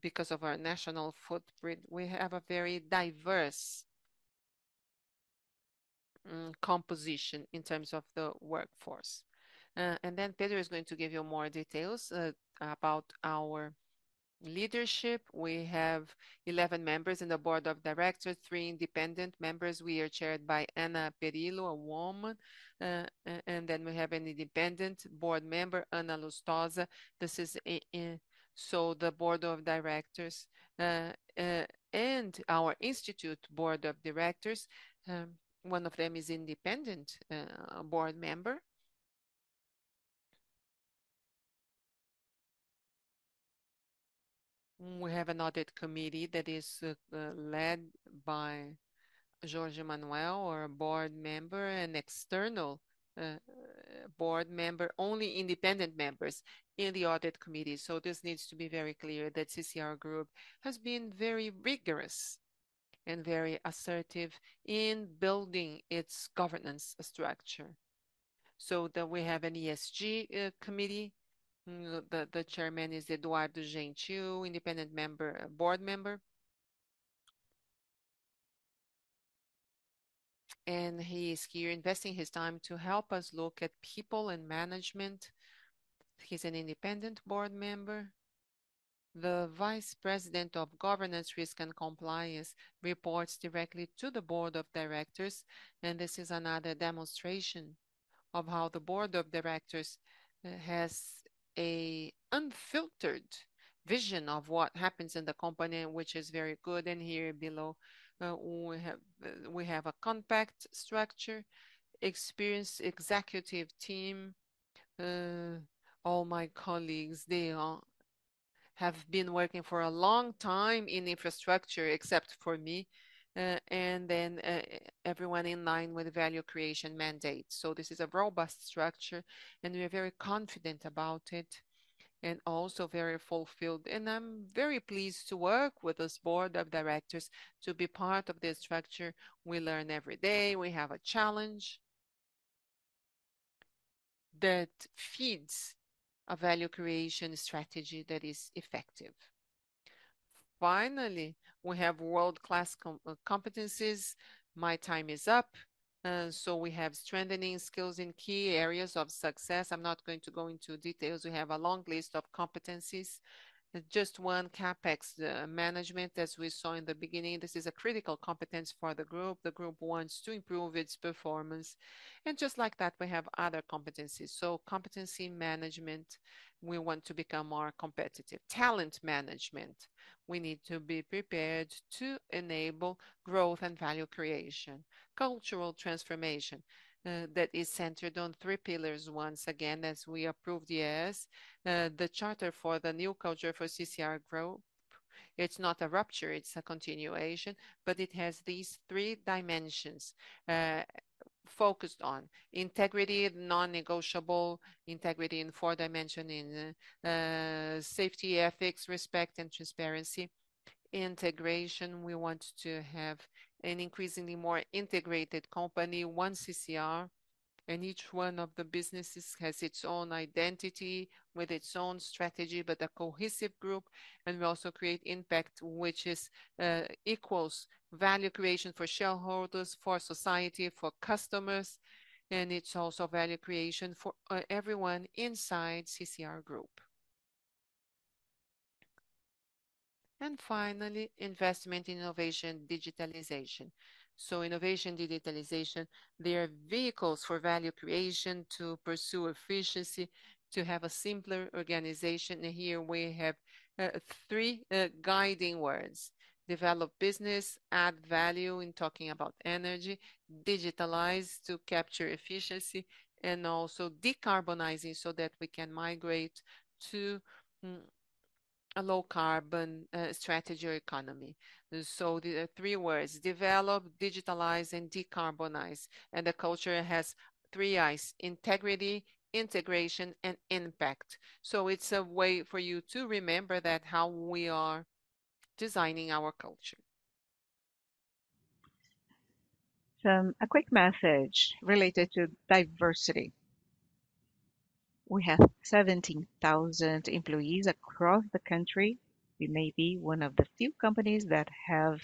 Because of our national footprint, we have a very diverse composition in terms of the workforce. And then Pedro is going to give you more details about our leadership. We have 11 members in the board of directors, 3 independent members. We are chaired by Ana Perillo, a woman, and then we have an independent board member, Ana Lustosa. So the board of directors and our institute board of directors, one of them is independent board member. We have an audit committee that is led by Jorge Manuel, our board member and external board member, only independent members in the audit committee. So this needs to be very clear that CCR Group has been very rigorous and very assertive in building its governance structure. So then we have an ESG committee. The chairman is Eduardo Gentil, independent member board member. And he is here investing his time to help us look at people and management. He's an independent board member. The vice president of governance, risk, and compliance reports directly to the board of directors, and this is another demonstration of how the board of directors has a unfiltered vision of what happens in the company, which is very good. And here below we have a compact structure, experienced executive team. All my colleagues, they, have been working for a long time in infrastructure, except for me. And then, everyone in line with the value creation mandate. So this is a robust structure, and we're very confident about it, and also very fulfilled. I'm very pleased to work with this board of directors to be part of this structure. We learn every day. We have a challenge that feeds a value creation strategy that is effective. Finally, we have world-class competencies. My time is up, so we have strengthening skills in key areas of success. I'm not going to go into details. We have a long list of competencies. Just one, CapEx, management, as we saw in the beginning, this is a critical competence for the group. The group wants to improve its performance, and just like that, we have other competencies. So competency management, we want to become more competitive. Talent management, we need to be prepared to enable growth and value creation. Cultural transformation, that is centered on three pillars, once again, as we approved yes, the charter for the new culture for CCR Group. It's not a rupture, it's a continuation, but it has these three dimensions, focused on: integrity, non-negotiable integrity in four dimension, safety, ethics, respect, and transparency. Integration, we want to have an increasingly more integrated company, one CCR, and each one of the businesses has its own identity with its own strategy, but a cohesive group. And we also create impact, which is equals value creation for shareholders, for society, for customers, and it's also value creation for everyone inside CCR Group. And finally, investment, innovation, digitalization. So innovation, digitalization, they are vehicles for value creation to pursue efficiency, to have a simpler organization. And here we have three guiding words: develop business, add value in talking about energy, digitalize to capture efficiency, and also decarbonizing so that we can migrate to a low carbon strategy or economy. So the three words, develop, digitalize, and decarbonize. And the culture has three Is: integrity, integration, and impact. So it's a way for you to remember that how we are designing our culture. So a quick message related to diversity. We have 17,000 employees across the country. We may be one of the few companies that have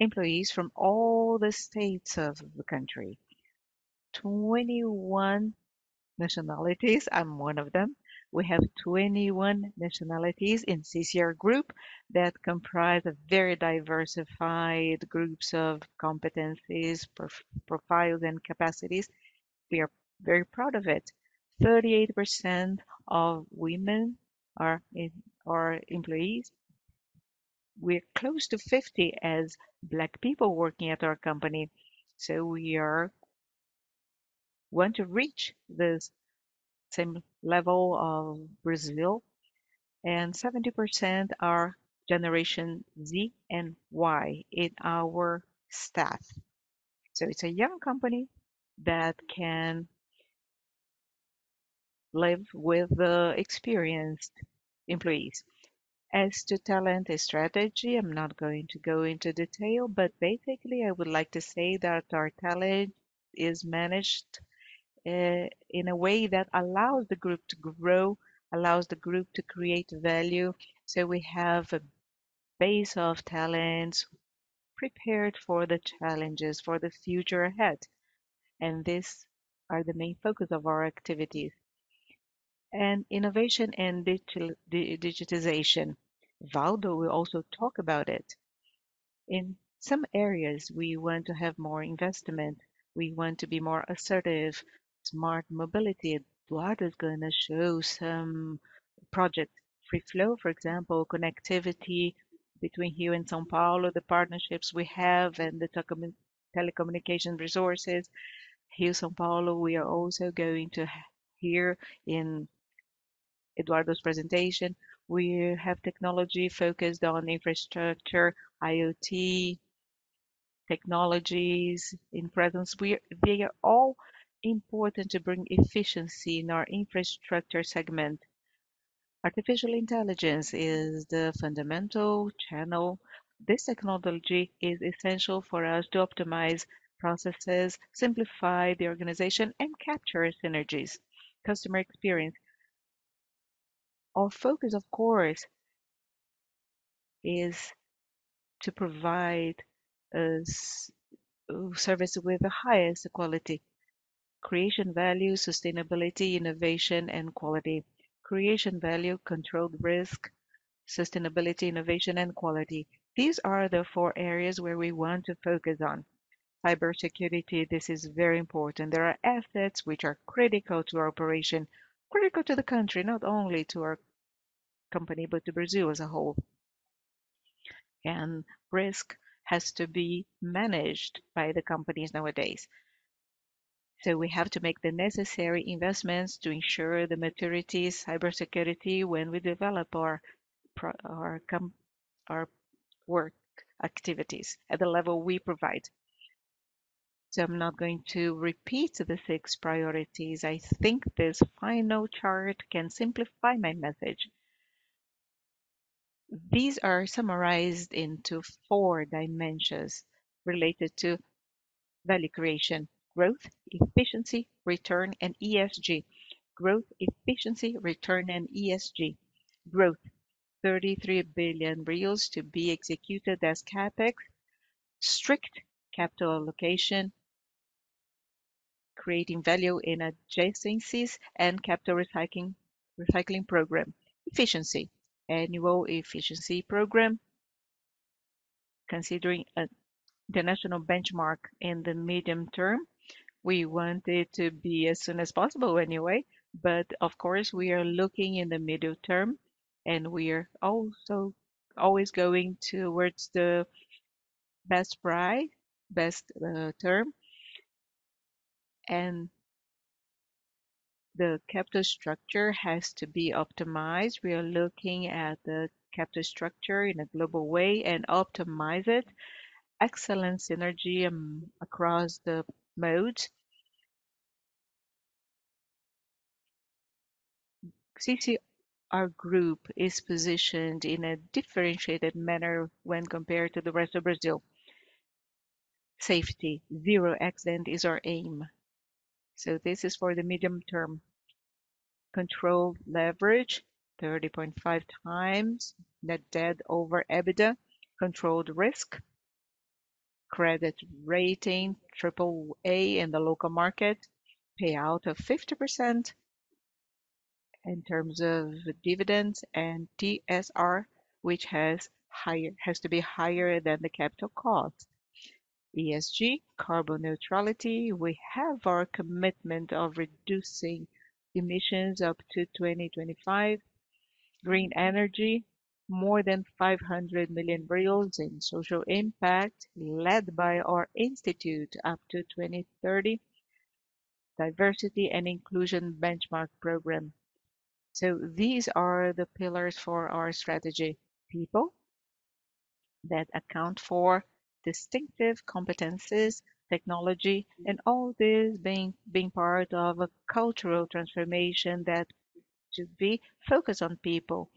employees from all the states of the country. 21 nationalities, I'm one of them. We have 21 nationalities in CCR Group that comprise of very diversified groups of competencies, profiles, and capacities. We are very proud of it. 38% of women are employees. We're close to 50% as Black people working at our company, so we want to reach the same level of Brazil, and 70% are Generation Z and Y in our staff. So it's a young company that can live with experienced employees. As to talent and strategy, I'm not going to go into detail, but basically, I would like to say that our talent is managed in a way that allows the group to grow, allows the group to create value. So we have a base of talents prepared for the challenges for the future ahead, and these are the main focus of our activities. Innovation and digitization, Valdo will also talk about it. In some areas, we want to have more investment. We want to be more assertive. Smart mobility, Eduardo is gonna show some project, Free Flow, for example, connectivity-... between here and São Paulo, the partnerships we have and the telecommunication resources. Here in São Paulo, we are also going to hear in Eduardo's presentation. We have technology focused on infrastructure, IoT technologies in presence. They are all important to bring efficiency in our infrastructure segment. Artificial intelligence is the fundamental channel. This technology is essential for us to optimize processes, simplify the organization, and capture synergies. Customer experience. Our focus, of course, is to provide a service with the highest quality. Creating value, sustainability, innovation, and quality. Creating value, controlled risk, sustainability, innovation, and quality. These are the four areas where we want to focus on. Cybersecurity, this is very important. There are assets which are critical to our operation, critical to the country, not only to our company, but to Brazil as a whole. Risk has to be managed by the companies nowadays. So we have to make the necessary investments to ensure the maturity, cybersecurity, when we develop our work activities at the level we provide. So I'm not going to repeat the six priorities. I think this final chart can simplify my message. These are summarized into four dimensions related to value creation: growth, efficiency, return, and ESG. Growth, efficiency, return, and ESG. Growth: 33 billion to be executed as CapEx, strict capital allocation, creating value in adjacencies, and capital recycling, recycling program. Efficiency: annual efficiency program, considering the national benchmark in the medium term. We want it to be as soon as possible anyway, but of course, we are looking in the medium term, and we are also always going towards the best price, best term. The capital structure has to be optimized. We are looking at the capital structure in a global way and optimize it. Excellent synergy across the modes. CCR, our group, is positioned in a differentiated manner when compared to the rest of Brazil. Safety, zero accident is our aim. So this is for the medium term. Controlled leverage, 30.5x net debt over EBITDA. Controlled risk, credit rating AAA in the local market, payout of 50% in terms of dividends, and TSR, which has to be higher than the capital cost. ESG, carbon neutrality. We have our commitment of reducing emissions up to 2025. Green energy, more than 500 million reais in social impact, led by our institute up to 2030. Diversity and inclusion benchmark program. So these are the pillars for our strategy. People that account for distinctive competencies, technology, and all this being part of a cultural transformation that should be focused on people,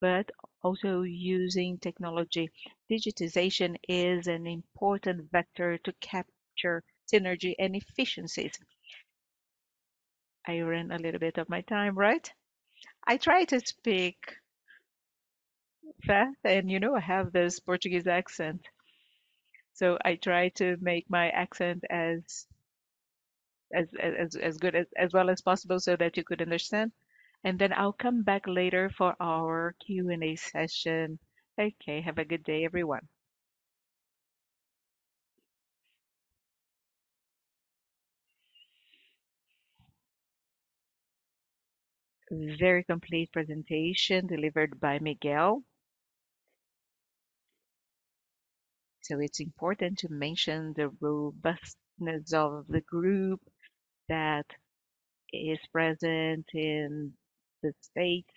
but also using technology. Digitization is an important vector to capture synergy and efficiencies. I ran a little bit of my time, right? I try to speak fast, and, you know, I have this Portuguese accent, so I try to make my accent as well as possible so that you could understand. Then I'll come back later for our Q&A session. Okay, have a good day, everyone. Very complete presentation delivered by Miguel. It's important to mention the robustness of the group that is present in the state,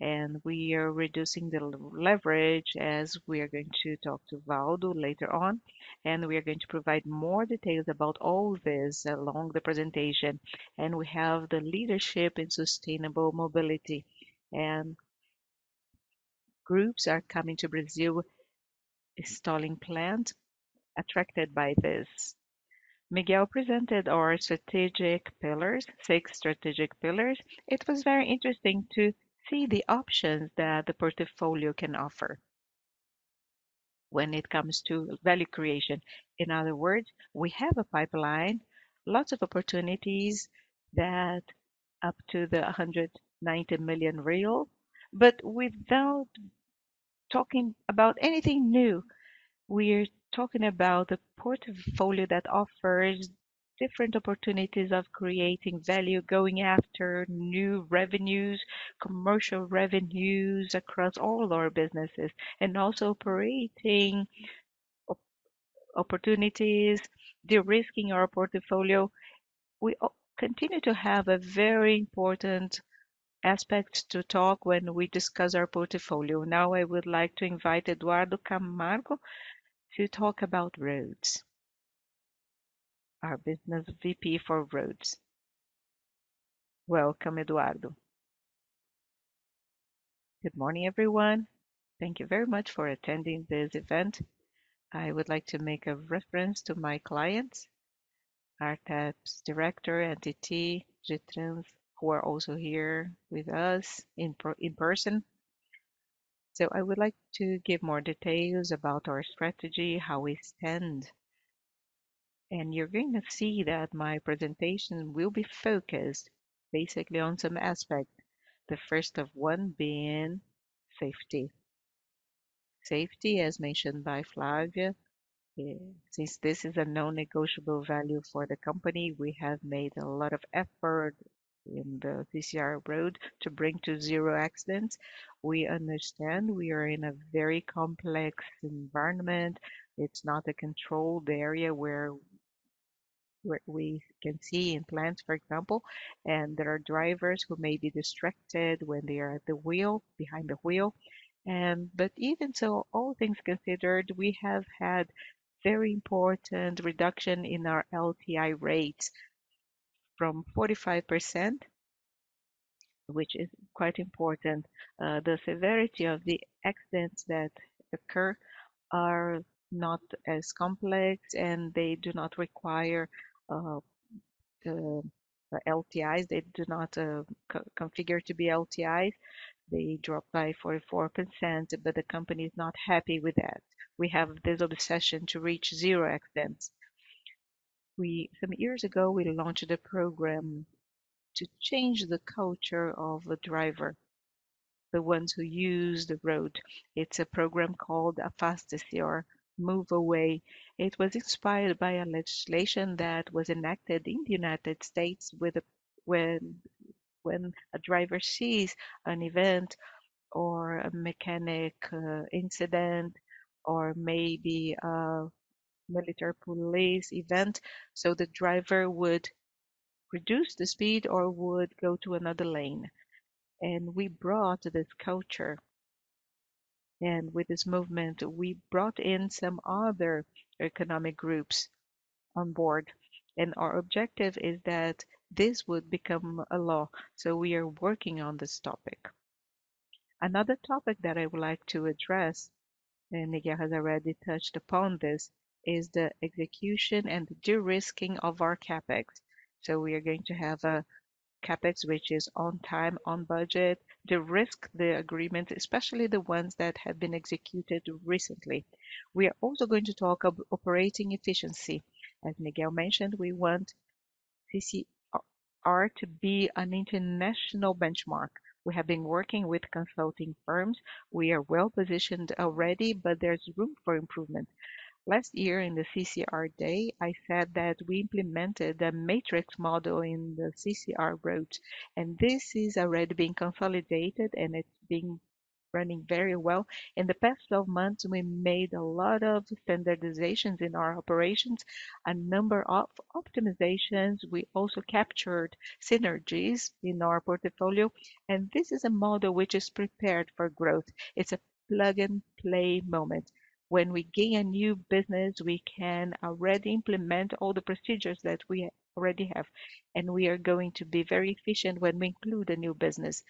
and we are reducing the leverage, as we are going to talk to Waldo later on. We are going to provide more details about all this along the presentation. We have the leadership in sustainable mobility, and groups are coming to Brazil, installing plant, attracted by this. Miguel presented our strategic pillars, six strategic pillars. It was very interesting to see the options that the portfolio can offer when it comes to value creation. In other words, we have a pipeline, lots of opportunities that up to 190 million reais, but without talking about anything new. We are talking about a portfolio that offers different opportunities of creating value, going after new revenues, commercial revenues across all our businesses, and also creating opportunities, de-risking our portfolio. We continue to have a very important aspect to talk when we discuss our portfolio. Now, I would like to invite Eduardo Camargo to talk about roads, our business VP for roads. Welcome, Eduardo. Good morning, everyone. Thank you very much for attending this event. I would like to make a reference to my clients, ARTESP's director, and the team, who are also here with us in person. So I would like to give more details about our strategy, how we stand, and you're going to see that my presentation will be focused basically on some aspect, the first of one being safety. Safety, as mentioned by Flávia, since this is a non-negotiable value for the company, we have made a lot of effort in the CCR Road to bring to zero accidents. We understand we are in a very complex environment. It's not a controlled area where we can see in plants, for example, and there are drivers who may be distracted when they are at the wheel, behind the wheel. But even so, all things considered, we have had very important reduction in our LTI rates from 45%, which is quite important. The severity of the accidents that occur are not as complex, and they do not require the LTIs. They do not co-configure to be LTIs. They dropped by 44%, but the company is not happy with that. We have this obsession to reach zero accidents. Some years ago, we launched a program to change the culture of the driver, the ones who use the road. It's a program called Afaste-se or Move Away. It was inspired by a legislation that was enacted in the United States, when a driver sees an event or a mechanic incident or maybe a military police event, so the driver would reduce the speed or would go to another lane. We brought this culture, and with this movement, we brought in some other economic groups on board, and our objective is that this would become a law. We are working on this topic. Another topic that I would like to address, and Miguel has already touched upon this, is the execution and de-risking of our CapEx. We are going to have a CapEx which is on time, on budget, de-risk the agreement, especially the ones that have been executed recently. We are also going to talk about operating efficiency. As Miguel mentioned, we want CCR to be an international benchmark. We have been working with consulting firms. We are well-positioned already, but there's room for improvement. Last year, in the CCR Day, I said that we implemented a matrix model in the CCR Road, and this is already being consolidated, and it's been running very well. In the past 12 months, we made a lot of standardizations in our operations, a number of optimizations. We also captured synergies in our portfolio, and this is a model which is prepared for growth. It's a plug-and-play moment. When we gain a new business, we can already implement all the procedures that we already have, and we are going to be very efficient when we include a new business.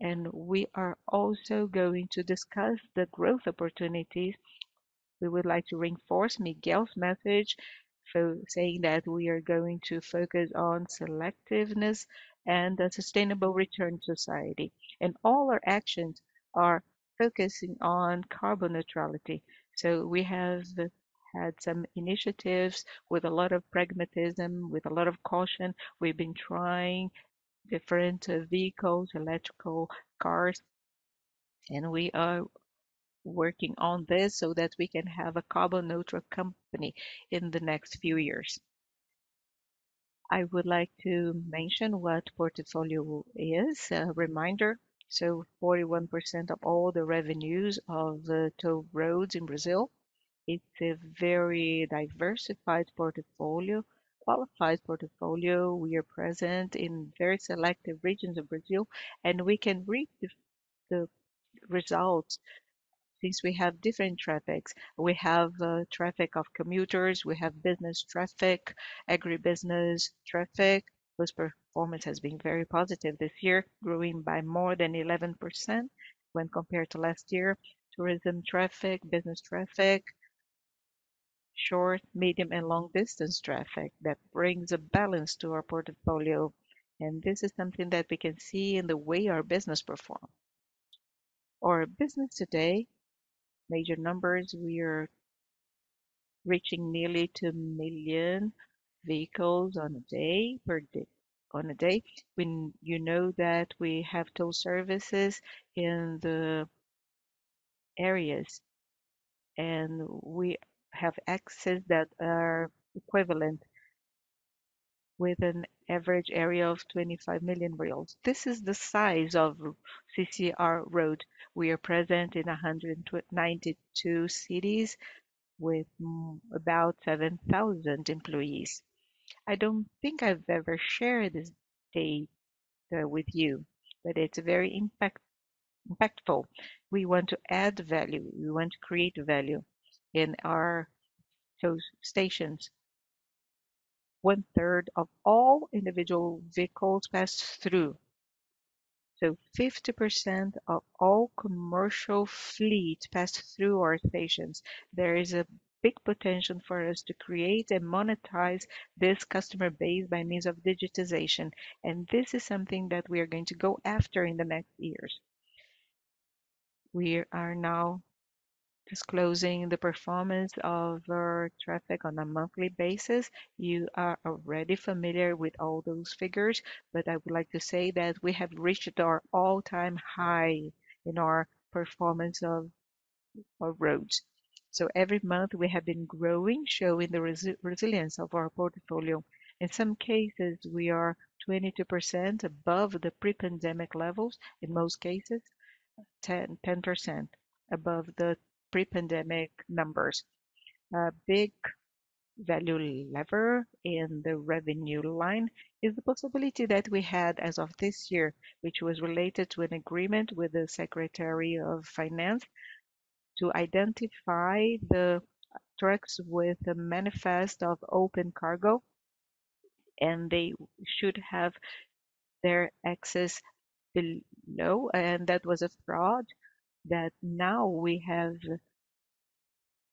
We are also going to discuss the growth opportunities. We would like to reinforce Miguel's message, so saying that we are going to focus on selectiveness and a sustainable return to society, and all our actions are focusing on carbon neutrality. We have had some initiatives with a lot of pragmatism, with a lot of caution. We've been trying different vehicles, electrical cars, and we are working on this so that we can have a carbon-neutral company in the next few years. I would like to mention what portfolio is, a reminder. So 41% of all the revenues of the toll roads in Brazil. It's a very diversified portfolio, qualified portfolio. We are present in very selective regions of Brazil, and we can reap the results since we have different traffics. We have traffic of commuters, we have business traffic, agribusiness traffic, whose performance has been very positive this year, growing by more than 11% when compared to last year. Tourism traffic, business traffic, short, medium, and long-distance traffic that brings a balance to our portfolio, and this is something that we can see in the way our business perform. Our business today, major numbers, we are reaching nearly two million vehicles per day. When you know that we have toll services in the areas, and we have axes that are equivalent, with an average area of 25 million reais. This is the size of CCR Road. We are present in 92 cities with about 7,000 employees. I don't think I've ever shared this data with you, but it's very impactful. We want to add value. We want to create value in our toll stations. One-third of all individual vehicles pass through. So 50% of all commercial fleet pass through our stations. There is a big potential for us to create and monetize this customer base by means of digitization, and this is something that we are going to go after in the next years. We are now disclosing the performance of our traffic on a monthly basis. You are already familiar with all those figures, but I would like to say that we have reached our all-time high in our performance of roads. So every month, we have been growing, showing the resilience of our portfolio. In some cases, we are 22% above the pre-pandemic levels. In most cases, 10% above the pre-pandemic numbers. A big value lever in the revenue line is the possibility that we had as of this year, which was related to an agreement with the Secretary of Finance, to identify the trucks with a manifest of open cargo, and they should have their axis be low, and that was a fraud that now we have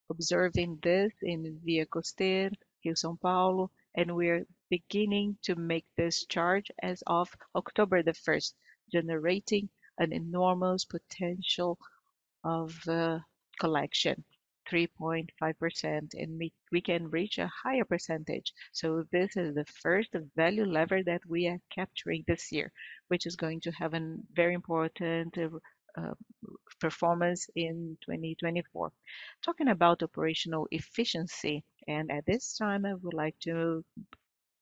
observing this in ViaCosteira, here in São Paulo, and we are beginning to make this charge as of October the 1st, generating an enormous potential of collection, 3.5%, and we can reach a higher percentage. So this is the first value lever that we are capturing this year, which is going to have a very important performance in 2024. Talking about operational efficiency, and at this time, I would like to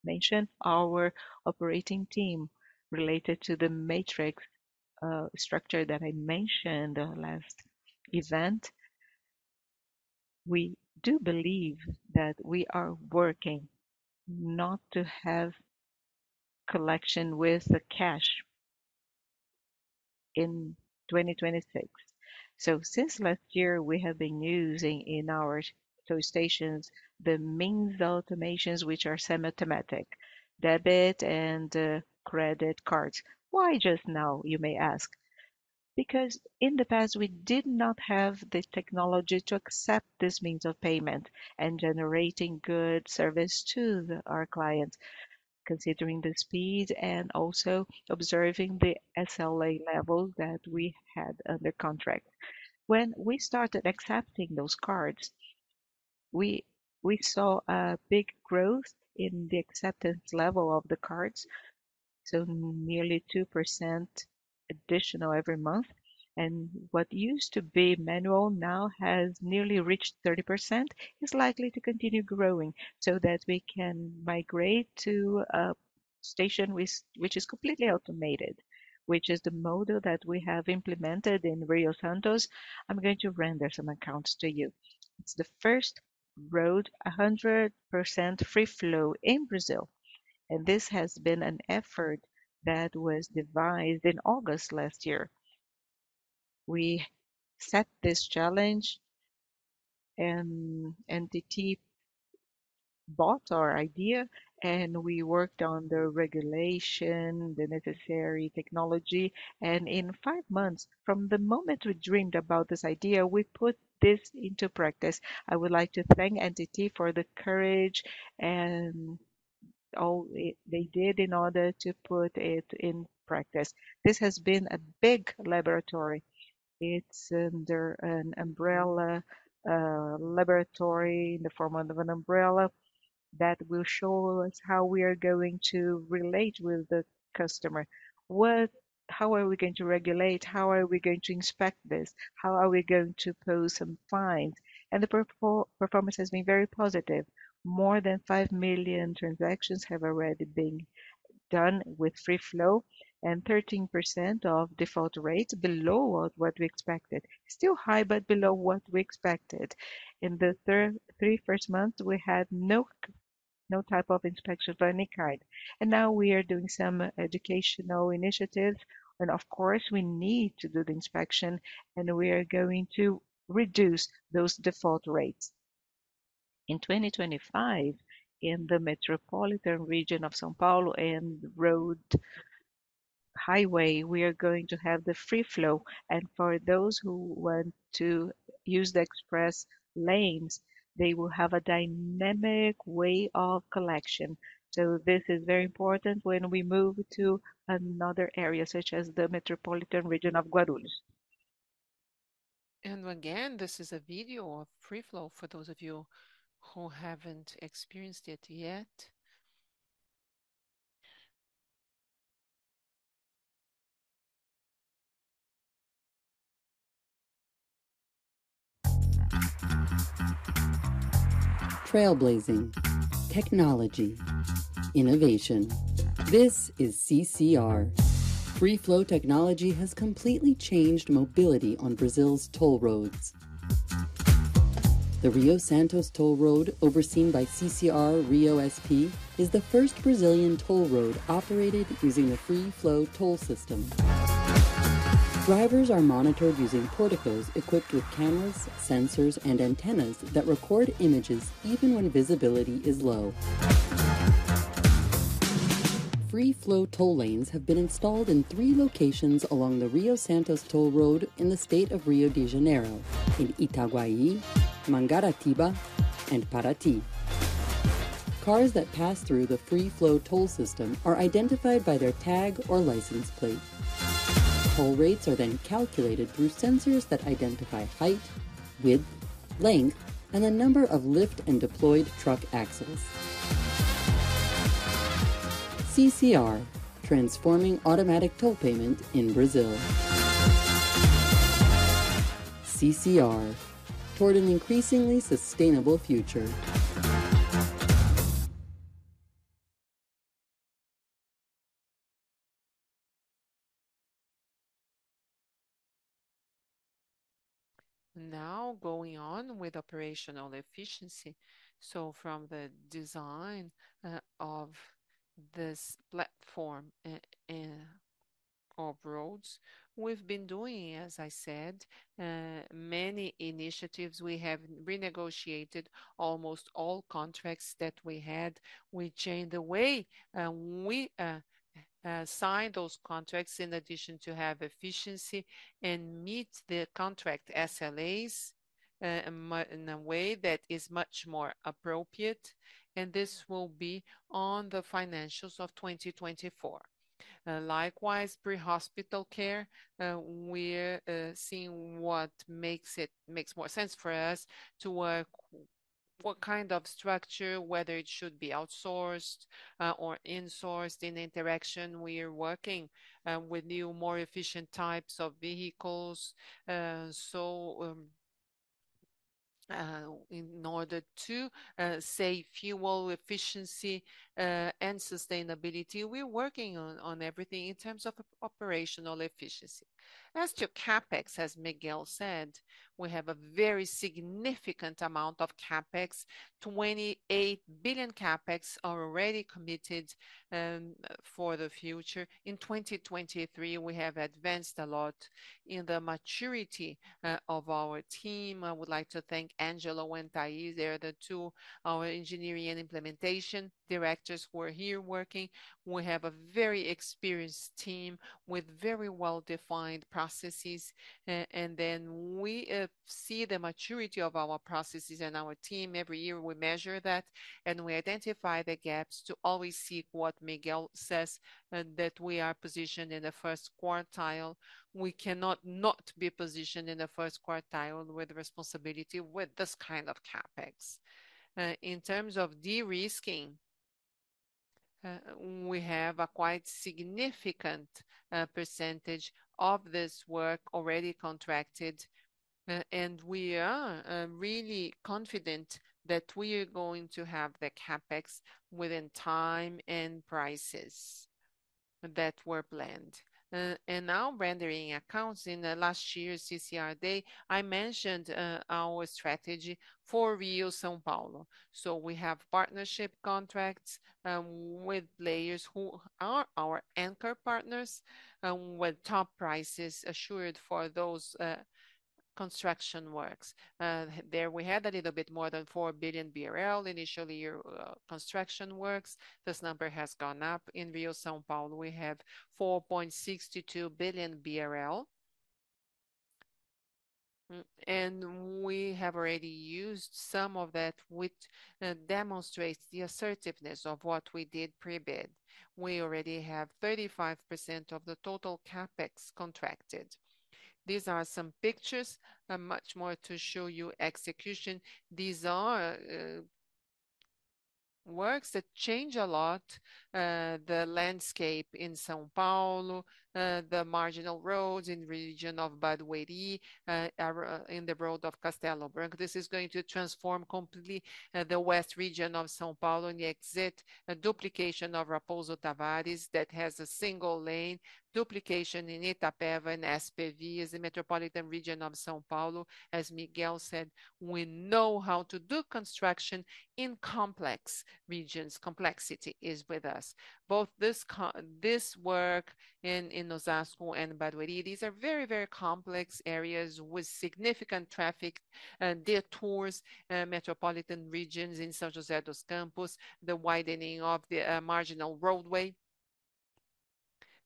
mention our operating team related to the matrix structure that I mentioned the last event. We do believe that we are working not to have collection with the cash in 2026. So since last year, we have been using in our toll stations the means of automations, which are semi-automatic, debit and credit cards. Why just now, you may ask? Because in the past, we did not have the technology to accept this means of payment and generating good service to our clients, considering the speed and also observing the SLA level that we had under contract. When we started accepting those cards, we saw a big growth in the acceptance level of the cards, so nearly 2% additional every month. What used to be manual now has nearly reached 30%, is likely to continue growing so that we can migrate to a station which, which is completely automated, which is the model that we have implemented in Rio-Santos. I'm going to render some accounts to you. It's the first road, 100% free flow in Brazil, and this has been an effort that was devised in August last year. We set this challenge, and, and ANTT bought our idea, and we worked on the regulation, the necessary technology, and in 5 months, from the moment we dreamed about this idea, we put this into practice. I would like to thank ANTT for the courage and all that they did in order to put it in practice. This has been a big laboratory. It's under an umbrella laboratory in the form of an umbrella that will show us how we are going to relate with the customer. How are we going to regulate? How are we going to inspect this? How are we going to pose some fines? And the performance has been very positive. More than 5 million transactions have already been done with Free Flow, and 13% of default rates below what we expected. Still high, but below what we expected. In the three first months, we had no type of inspection of any kind, and now we are doing some educational initiatives, and of course, we need to do the inspection, and we are going to reduce those default rates. In 2025, in the metropolitan region of São Paulo and road highway, we are going to have the Free Flow, and for those who want to use the express lanes, they will have a dynamic way of collection. So this is very important when we move to another area, such as the metropolitan region of Guarulhos. And again, this is a video of Free Flow for those of you who haven't experienced it yet. Trailblazing, technology, innovation. This is CCR. Free flow technology has completely changed mobility on Brazil's toll roads. The Rio-Santos Toll Road, overseen by CCR RioSP, is the first Brazilian toll road operated using the free flow toll system. Drivers are monitored using porticos equipped with cameras, sensors, and antennas that record images even when visibility is low. Free flow toll lanes have been installed in three locations along the Rio-Santos Toll Road in the state of Rio de Janeiro, in Itaguaí, Mangaratiba, and Paraty. Cars that pass through the free flow toll system are identified by their tag or license plate. Toll rates are then calculated through sensors that identify height, width, length, and the number of lift and deployed truck axles. CCR, transforming automatic toll payment in Brazil. CCR, toward an increasingly sustainable future. Now, going on with operational efficiency. From the design of this platform in of roads, we've been doing, as I said, many initiatives. We have renegotiated almost all contracts that we had. We changed the way we sign those contracts, in addition to have efficiency and meet the contract SLAs, in a way that is much more appropriate, and this will be on the financials of 2024. Likewise, pre-hospital care, we're seeing what makes it makes more sense for us to work, what kind of structure, whether it should be outsourced or insourced. In interaction, we are working with new, more efficient types of vehicles. So, in order to save fuel efficiency and sustainability, we're working on everything in terms of operational efficiency. As to CapEx, as Miguel said, we have a very significant amount of CapEx, 28 billion CapEx already committed, for the future. In 2023, we have advanced a lot in the maturity, of our team. I would like to thank Angelo and Thais. They are the two, our engineering and implementation directors, who are here working. We have a very experienced team with very well-defined processes, and then we, see the maturity of our processes and our team. Every year, we measure that, and we identify the gaps to always see what Miguel says, and that we are positioned in the first quartile. We cannot not be positioned in the first quartile with responsibility, with this kind of CapEx. In terms of de-risking, we have a quite significant percentage of this work already contracted, and we are really confident that we are going to have the CapEx within time and prices that were planned. Now, rendering accounts. In last year's CCR Day, I mentioned our strategy for Rio-São Paulo. So we have partnership contracts with players who are our anchor partners with top prices assured for those construction works. There we had a little bit more than 4 billion BRL initially construction works. This number has gone up. In Rio-São Paulo, we have 4.62 billion BRL, and we have already used some of that, which demonstrates the assertiveness of what we did pre-bid. We already have 35% of the total CapEx contracted. These are some pictures, much more to show you execution. These are works that change a lot the landscape in São Paulo, the marginal roads in region of Bandeirantes, in the road of Castelo Branco. This is going to transform completely the west region of São Paulo and the exit, a duplication of Raposo Tavares that has a single lane, duplication in Itapeva and SPVias is the metropolitan region of São Paulo. As Miguel said, we know how to do construction in complex regions. Complexity is with us. Both this work in Osasco and Bandeirantes, these are very, very complex areas with significant traffic, detours, metropolitan regions in São José dos Campos, the widening of the marginal roadway.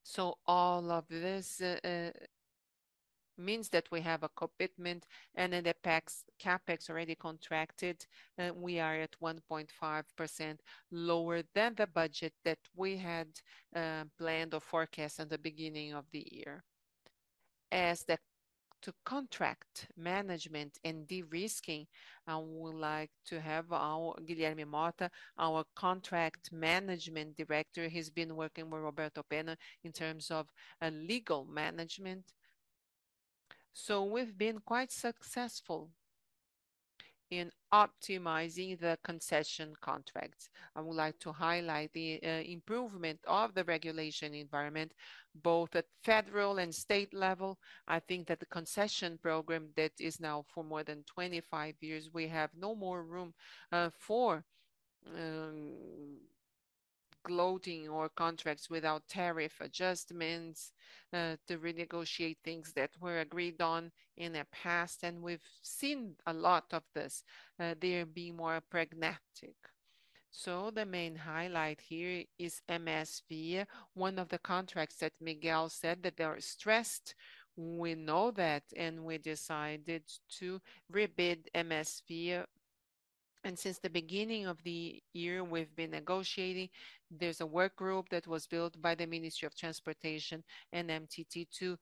So all of this means that we have a commitment, and in the planned CapEx already contracted, we are at 1.5% lower than the budget that we had planned or forecast at the beginning of the year. As to contract management and de-risking, I would like to have our Guilherme Mota, our Contract Management Director. He's been working with Roberto Pena in terms of legal management. So we've been quite successful in optimizing the concession contracts. I would like to highlight the improvement of the regulatory environment, both at federal and state level. I think that the concession program that is now for more than 25 years, we have no more room for gloating or contracts without tariff adjustments to renegotiate things that were agreed on in the past, and we've seen a lot of this. They're being more pragmatic. So the main highlight here is MSVia, one of the contracts that Miguel said that they are stressed. We know that, and we decided to rebid MSVia. Since the beginning of the year, we've been negotiating. There's a work group that was built by the Ministry of Transportation and MTT to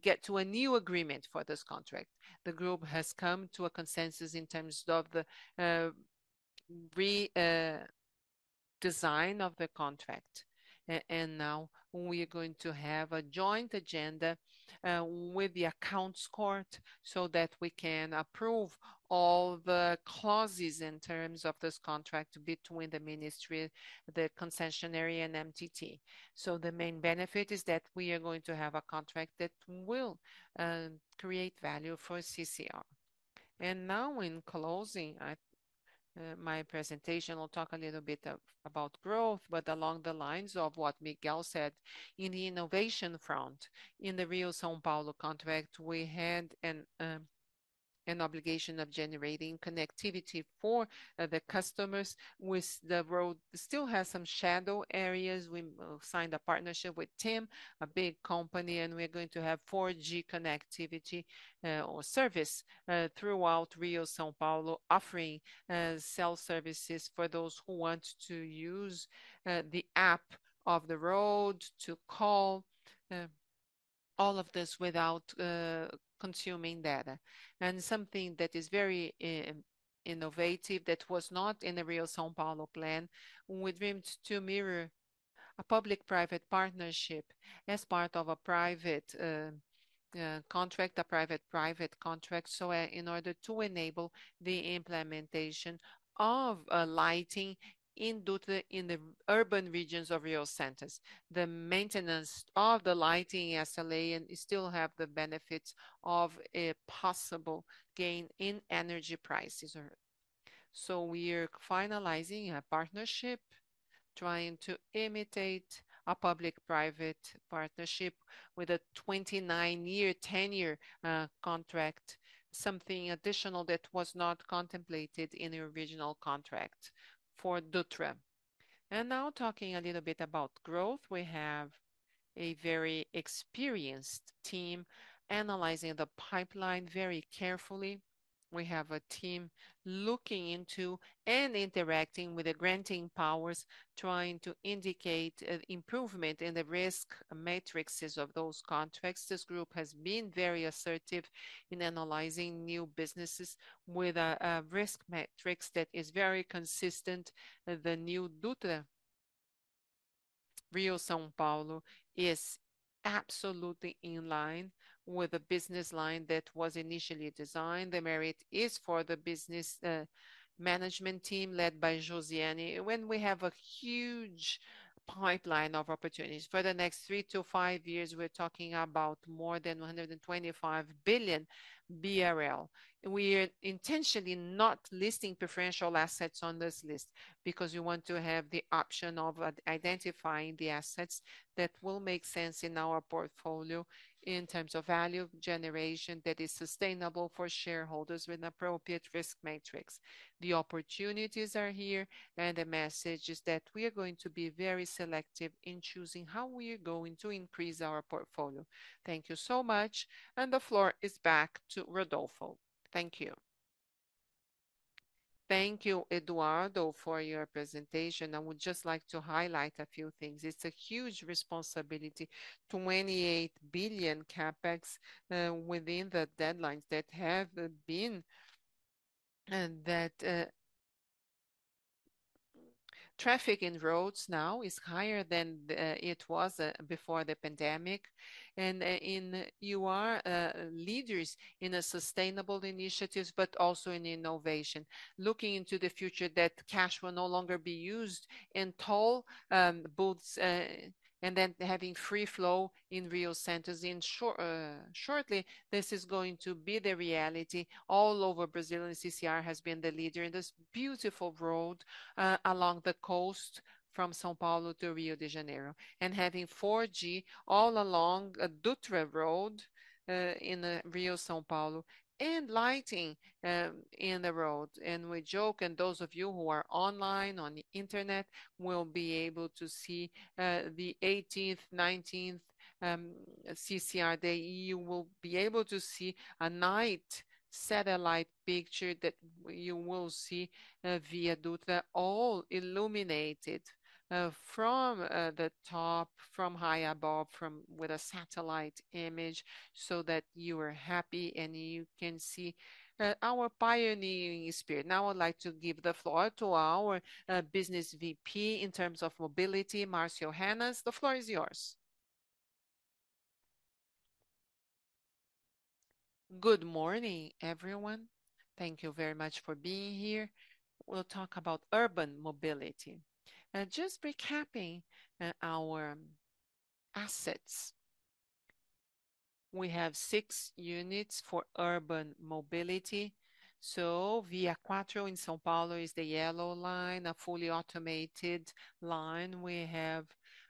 get to a new agreement for this contract. The group has come to a consensus in terms of the design of the contract, and now we are going to have a joint agenda with the accounts court, so that we can approve all the clauses in terms of this contract between the ministry, the concessionaire, and MTT. So the main benefit is that we are going to have a contract that will create value for CCR. And now, in closing, my presentation will talk a little bit about growth, but along the lines of what Miguel said. In the innovation front, in the Rio-São Paulo contract, we had an obligation of generating connectivity for the customers, with the road still has some shadow areas. We signed a partnership with TIM, a big company, and we are going to have 4G connectivity or service throughout Rio-São Paulo, offering cell services for those who want to use the app of the road to call all of this without consuming data. And something that is very innovative, that was not in the Rio-São Paulo plan, we dreamt to mirror a public-private partnership as part of a private contract, a private-private contract, so in order to enable the implementation of lighting in Dutra, in the urban regions of Rio Centers. The maintenance of the lighting SLA, and you still have the benefits of a possible gain in energy prices. So we are finalizing a partnership, trying to imitate a public-private partnership with a 29-year tenure contract, something additional that was not contemplated in the original contract for Dutra. Now talking a little bit about growth, we have a very experienced team analyzing the pipeline very carefully. We have a team looking into and interacting with the granting powers, trying to indicate improvement in the risk matrices of those contracts. This group has been very assertive in analyzing new businesses with a risk matrix that is very consistent. The new Dutra, Rio-São Paulo, is absolutely in line with the business line that was initially designed. The merit is for the business management team, led by Josiane. When we have a huge pipeline of opportunities. For the next 3-5 years, we're talking about more than 125 billion BRL. We are intentionally not listing preferential assets on this list, because we want to have the option of identifying the assets that will make sense in our portfolio in terms of value generation that is sustainable for shareholders with an appropriate risk matrix. The opportunities are here, and the message is that we are going to be very selective in choosing how we are going to increase our portfolio. Thank you so much, and the floor is back to Rodolfo. Thank you. Thank you, Eduardo, for your presentation. I would just like to highlight a few things. It's a huge responsibility, 28 billion CapEx within the deadlines that have been... And that, traffic in roads now is higher than it was before the pandemic. And you are leaders in sustainable initiatives, but also in innovation. Looking into the future, that cash will no longer be used in toll booths, and then having free flow in Rio-Santos. In short, shortly, this is going to be the reality all over Brazil, and CCR has been the leader in this beautiful road along the coast from São Paulo to Rio de Janeiro, and having 4G all along Dutra road in the Rio-São Paulo, and lighting in the road. And we joke, and those of you who are online on the internet will be able to see the 18th, 19th CCR Day. You will be able to see a night satellite picture, that you will see Via Dutra all illuminated from high above with a satellite image, so that you are happy, and you can see our pioneering spirit. Now, I'd like to give the floor to our business VP in terms of mobility, Marcio Hannas, the floor is yours. Good morning, everyone. Thank you very much for being here. We'll talk about urban mobility. Just recapping, our assets. We have 6 units for urban mobility. So ViaQuatro in São Paulo is the yellow line, a fully automated line. We have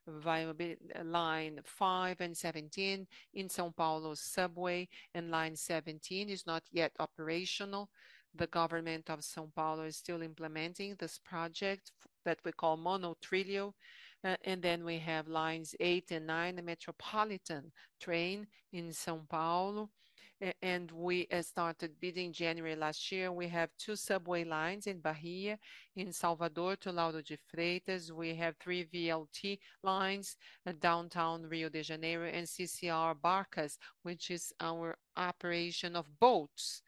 ViaMobilidade Line 5 and 17 in São Paulo subway, and Line 17 is not yet operational. The government of São Paulo is still implementing this project that we call Monotrilho. And then we have Lines 8 and 9, the metropolitan train in São Paulo. And we started building January last year. We have 2 subway lines in Bahia, in Salvador to Lauro de Freitas. We have three VLT lines in downtown Rio de Janeiro and CCR Barcas, which is our operation of boats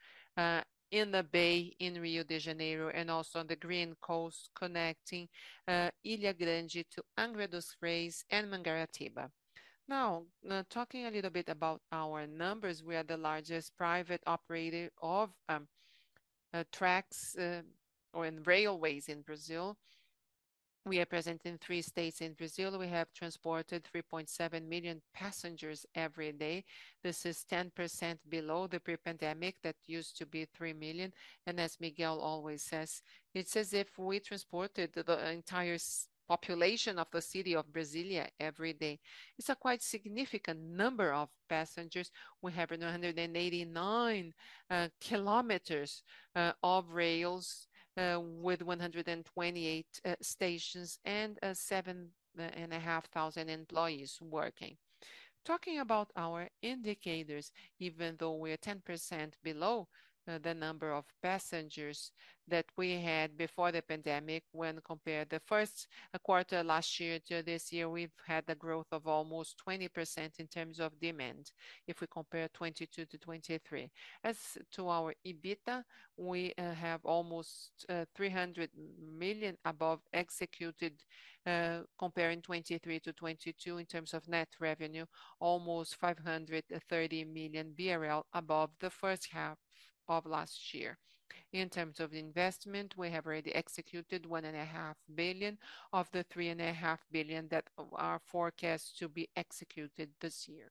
in the bay in Rio de Janeiro, and also on the Green Coast, connecting Ilha Grande to Angra dos Reis and Mangaratiba. Now, talking a little bit about our numbers, we are the largest private operator of tracks or in railways in Brazil. We are present in three states in Brazil. We have transported 3.7 million passengers every day. This is 10% below the pre-pandemic, that used to be 3 million, and as Miguel always says, "It's as if we transported the entire population of the city of Brasília every day." It's a quite significant number of passengers. We have 189 kilometers of rails with 128 stations, and 7,500 employees working. Talking about our indicators, even though we are 10% below the number of passengers that we had before the pandemic, when compared the first quarter last year to this year, we've had a growth of almost 20% in terms of demand, if we compare 2022 to 2023. As to our EBITDA, we have almost 300 million above executed, comparing 2023 to 2022 in terms of net revenue, almost 530 million BRL above the first half of last year. In terms of investment, we have already executed 1.5 billion of the 3.5 billion that are forecast to be executed this year.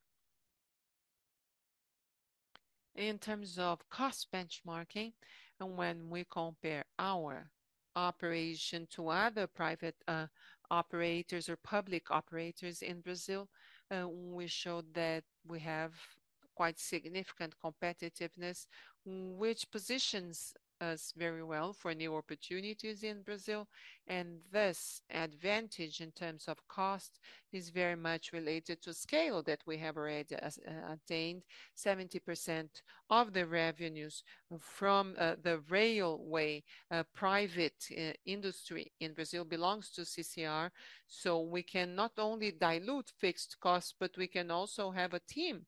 In terms of cost benchmarking, and when we compare our operation to other private operators or public operators in Brazil, we showed that we have quite significant competitiveness, which positions us very well for new opportunities in Brazil. And this advantage, in terms of cost, is very much related to scale that we have already attained. 70% of the revenues from the railway private industry in Brazil belongs to CCR. So we can not only dilute fixed costs, but we can also have a team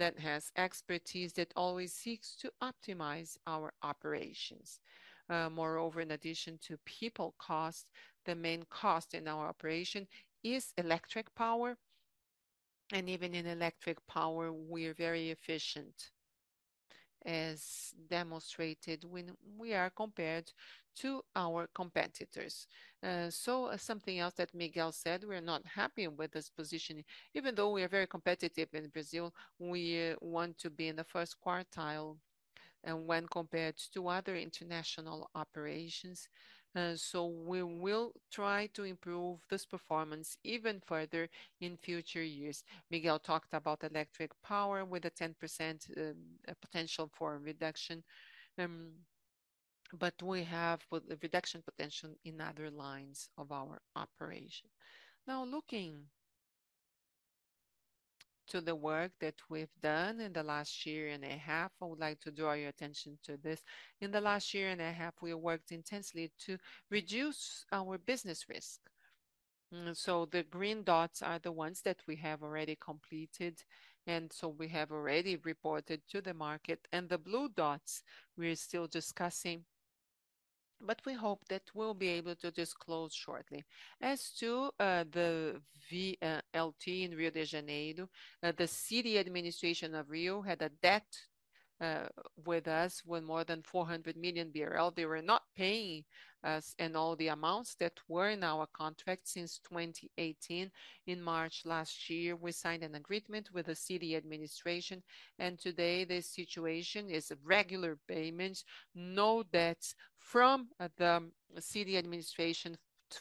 that has expertise, that always seeks to optimize our operations. Moreover, in addition to people cost, the main cost in our operation is electric power, and even in electric power, we're very efficient, as demonstrated when we are compared to our competitors. So something else that Miguel said, we're not happy with this positioning. Even though we are very competitive in Brazil, we want to be in the first quartile, when compared to other international operations. So we will try to improve this performance even further in future years. Miguel talked about electric power with a 10%, potential for reduction, but we have with a reduction potential in other lines of our operation. Now, looking to the work that we've done in the last year and a half, I would like to draw your attention to this. In the last year and a half, we worked intensely to reduce our business risk. So the green dots are the ones that we have already completed, and so we have already reported to the market. And the blue dots, we're still discussing, but we hope that we'll be able to disclose shortly. As to the VLT in Rio de Janeiro, the city administration of Rio had a debt with us, with more than 400 million BRL. They were not paying us and all the amounts that were in our contract since 2018. In March last year, we signed an agreement with the city administration, and today the situation is regular payments. No debts from the city administration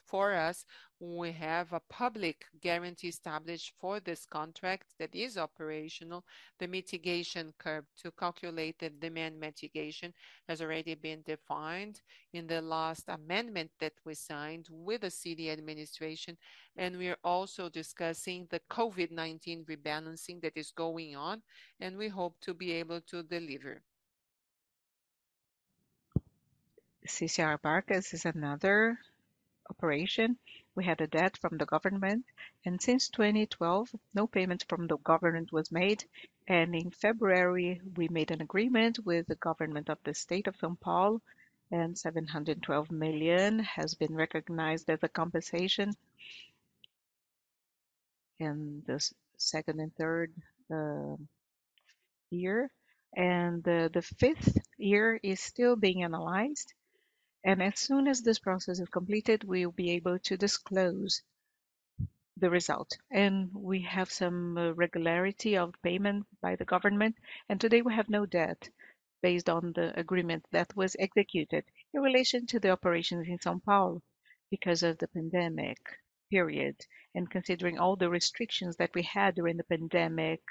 for us. We have a public guarantee established for this contract that is operational. The mitigation curve to calculate the demand mitigation has already been defined in the last amendment that we signed with the city administration, and we are also discussing the COVID-19 rebalancing that is going on, and we hope to be able to deliver. CCR Barcas is another operation. We had a debt from the government, and since 2012, no payment from the government was made. In February, we made an agreement with the government of the State of São Paulo, and 712 million has been recognized as a compensation.... in the second and third year, and the fifth year is still being analyzed. As soon as this process is completed, we will be able to disclose the result. We have some regularity of payment by the government, and today we have no debt based on the agreement that was executed in relation to the operations in São Paulo. Because of the pandemic period, and considering all the restrictions that we had during the pandemic,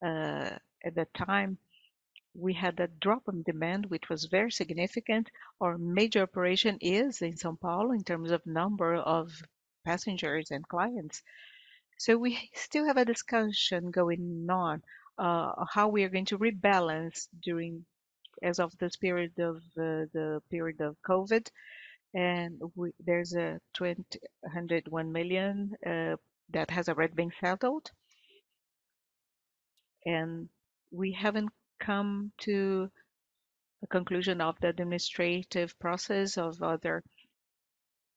at that time, we had a drop in demand, which was very significant. Our major operation is in São Paulo in terms of number of passengers and clients. So we still have a discussion going on, how we are going to rebalance during as of this period of, the period of COVID, and there's 201 million that has already been settled. And we haven't come to a conclusion of the administrative process of other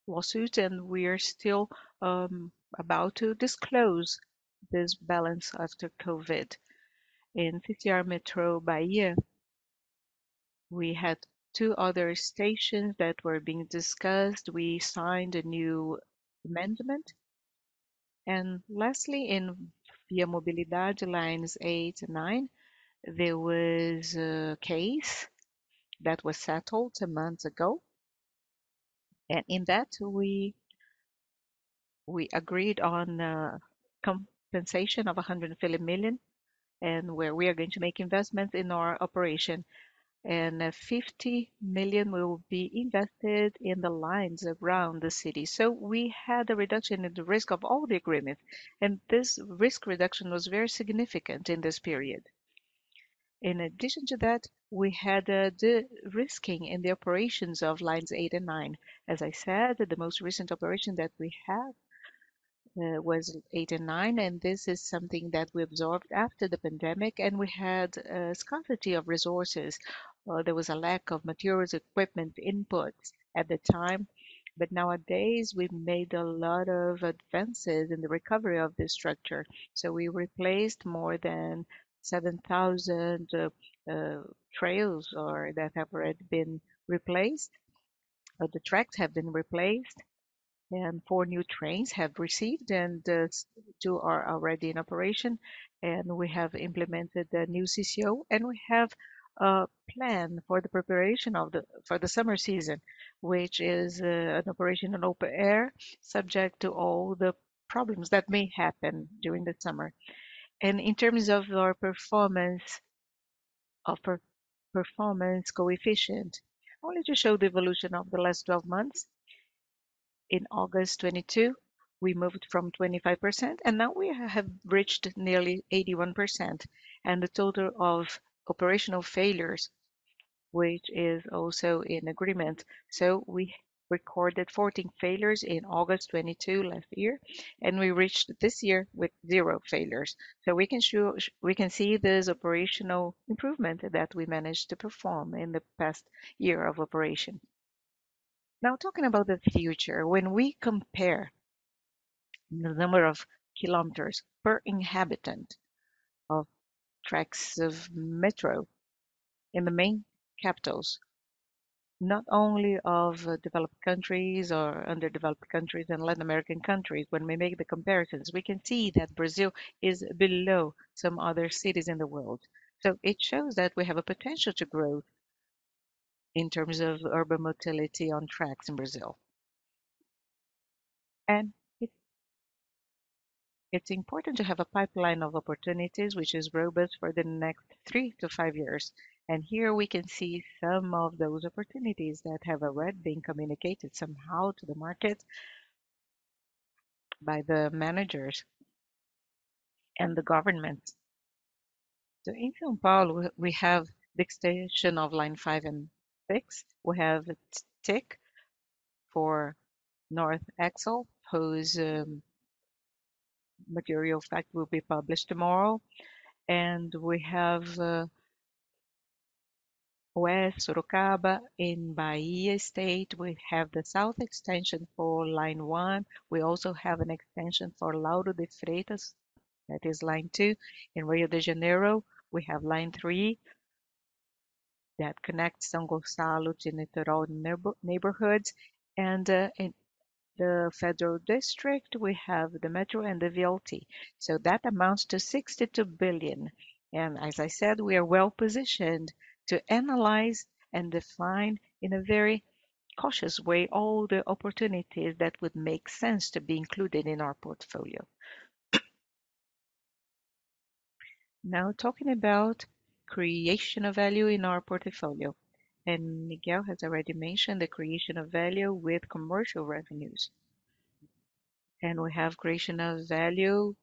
lawsuits, and we are still about to disclose this balance after COVID. In CCR Metrô Bahia, we had two other stations that were being discussed. We signed a new amendment. And lastly, in ViaMobilidade Lines 8 and 9, there was a case that was settled two months ago, and in that we, we agreed on a compensation of 150 million, and where we are going to make investments in our operation, and 50 million will be invested in the lines around the city. We had a reduction in the risk of all the agreement, and this risk reduction was very significant in this period. In addition to that, we had de-risking in the operations of Lines 8 and 9. As I said, the most recent operation that we had was 8 and 9, and this is something that we absorbed after the pandemic, and we had a scarcity of resources. There was a lack of materials, equipment, inputs at the time, but nowadays, we've made a lot of advances in the recovery of this structure. We replaced more than 7,000 rails that have already been replaced. The tracks have been replaced, and 4 new trains have been received, and 2 are already in operation, and we have implemented a new CCO, and we have a plan for the preparation for the summer season, which is an operation in open air, subject to all the problems that may happen during the summer. In terms of our performance, our performance coefficient, I wanted to show the evolution of the last 12 months. In August 2022, we moved from 25%, and now we have reached nearly 81%, and the total of operational failures, which is also in agreement. So we recorded 14 failures in August 2022, last year, and we reached this year with 0 failures. So we can see this operational improvement that we managed to perform in the past year of operation. Now, talking about the future, when we compare the number of kilometers per inhabitant of tracks of metro in the main capitals, not only of developed countries or underdeveloped countries and Latin American countries, when we make the comparisons, we can see that Brazil is below some other cities in the world. So it shows that we have a potential to grow in terms of urban mobility on tracks in Brazil. It's important to have a pipeline of opportunities, which is robust for the next 3-5 years. Here we can see some of those opportunities that have already been communicated somehow to the market by the managers and the government. So in São Paulo, we have the extension of Line 5 and 6. We have a TIC for North Axis, whose material fact will be published tomorrow. And we have West Sorocaba. In Bahia, we have the south extension for Line 1. We also have an extension for Lauro de Freitas, that is Line 2. In Rio de Janeiro, we have Line 3 that connects São Gonçalo to Niterói neighboring neighborhoods. In the Federal District, we have the metro and the VLT. So that amounts to 62 billion. As I said, we are well-positioned to analyze and define, in a very cautious way, all the opportunities that would make sense to be included in our portfolio. Now, talking about creation of value in our portfolio, and Miguel has already mentioned the creation of value with commercial revenues. And we have creation of value,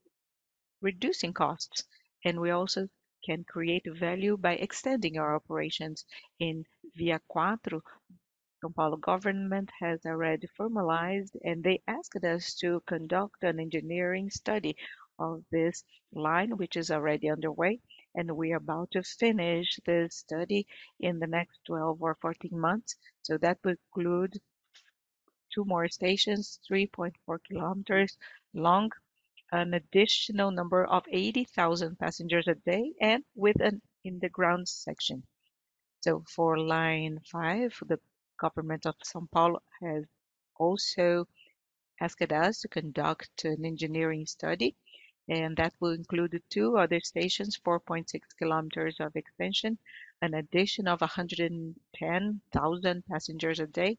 reducing costs, and we also can create value by extending our operations in ViaQuatro. São Paulo government has already formalized, and they asked us to conduct an engineering study of this line, which is already underway, and we are about to finish the study in the next 12 or 14 months. So that will include two more stations, 3.4 kilometers long, an additional number of 80,000 passengers a day, and with an underground section. So for Line Five, the government of São Paulo has also asked us to conduct an engineering study, and that will include two other stations, 4.6 kilometers of expansion, an addition of 110,000 passengers a day,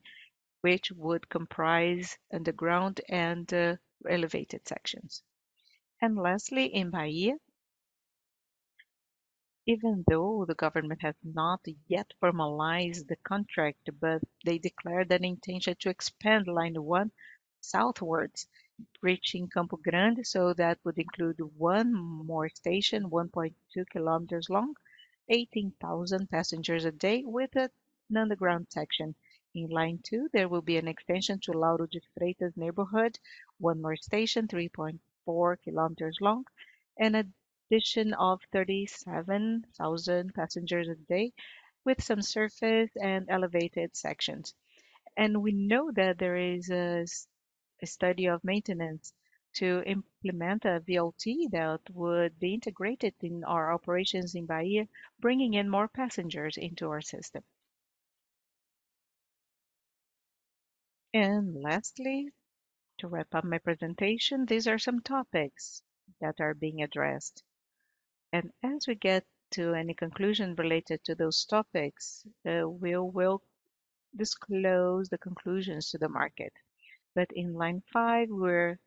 which would comprise underground and elevated sections. And lastly, in Bahia, even though the government has not yet formalized the contract, but they declared an intention to expand Line 1 southwards, reaching Campo Grande, so that would include one more station, 1.2 kilometers long, 18,000 passengers a day, with an underground section. In Line 2, there will be an extension to Lauro de Freitas neighborhood, one more station, 3.4 kilometers long, an addition of 37,000 passengers a day, with some surface and elevated sections. And we know that there is a study of maintenance to implement a VLT that would be integrated in our operations in Bahia, bringing in more passengers into our system. And lastly, to wrap up my presentation, these are some topics that are being addressed. And as we get to any conclusion related to those topics, we will disclose the conclusions to the market. But in Line 5, we're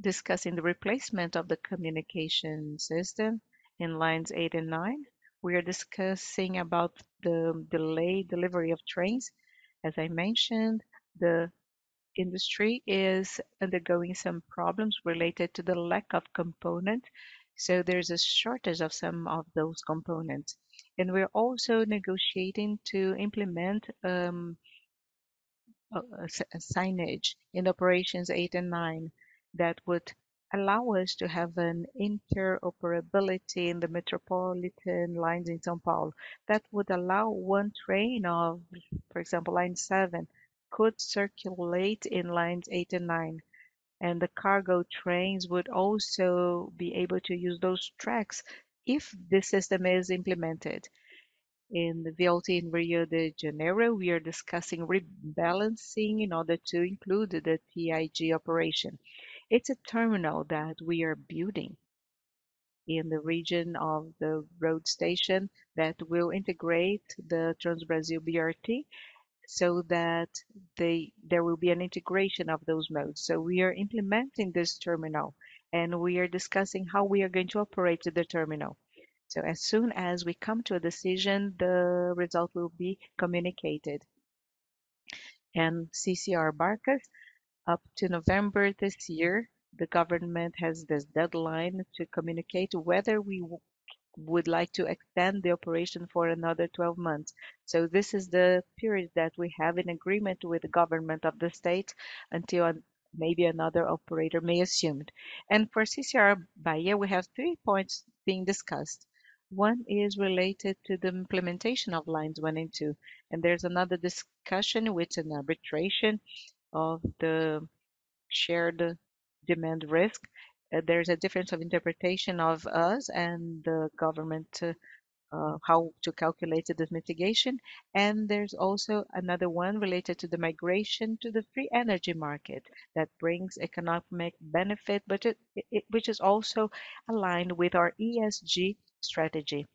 discussing the replacement of the communication system. In Lines 8 and 9, we are discussing about the delayed delivery of trains. As I mentioned, the industry is undergoing some problems related to the lack of component, so there's a shortage of some of those components. And we're also negotiating to implement a signage in Operations 8 and 9 that would allow us to have an interoperability in the metropolitan lines in São Paulo. That would allow one train of, for example, Line 7, could circulate in Lines 8 and 9, and the cargo trains would also be able to use those tracks if the system is implemented. In the VLT in Rio de Janeiro, we are discussing rebalancing in order to include the TIG operation. It's a terminal that we are building in the region of the road station that will integrate the Transbrasil BRT, so that there will be an integration of those modes. We are implementing this terminal, and we are discussing how we are going to operate the terminal. As soon as we come to a decision, the result will be communicated. CCR Barcas, up to November this year, the government has this deadline to communicate whether we would like to extend the operation for another 12 months. This is the period that we have in agreement with the government of the state, until maybe another operator may assume it. For CCR Bahia, we have three points being discussed. One is related to the implementation of Lines 1 and 2, and there's another discussion, which an arbitration of the shared demand risk. There's a difference of interpretation of us and the government, how to calculate the mitigation. And there's also another one related to the migration to the free energy market that brings economic benefit, but it, which is also aligned with our ESG strategy.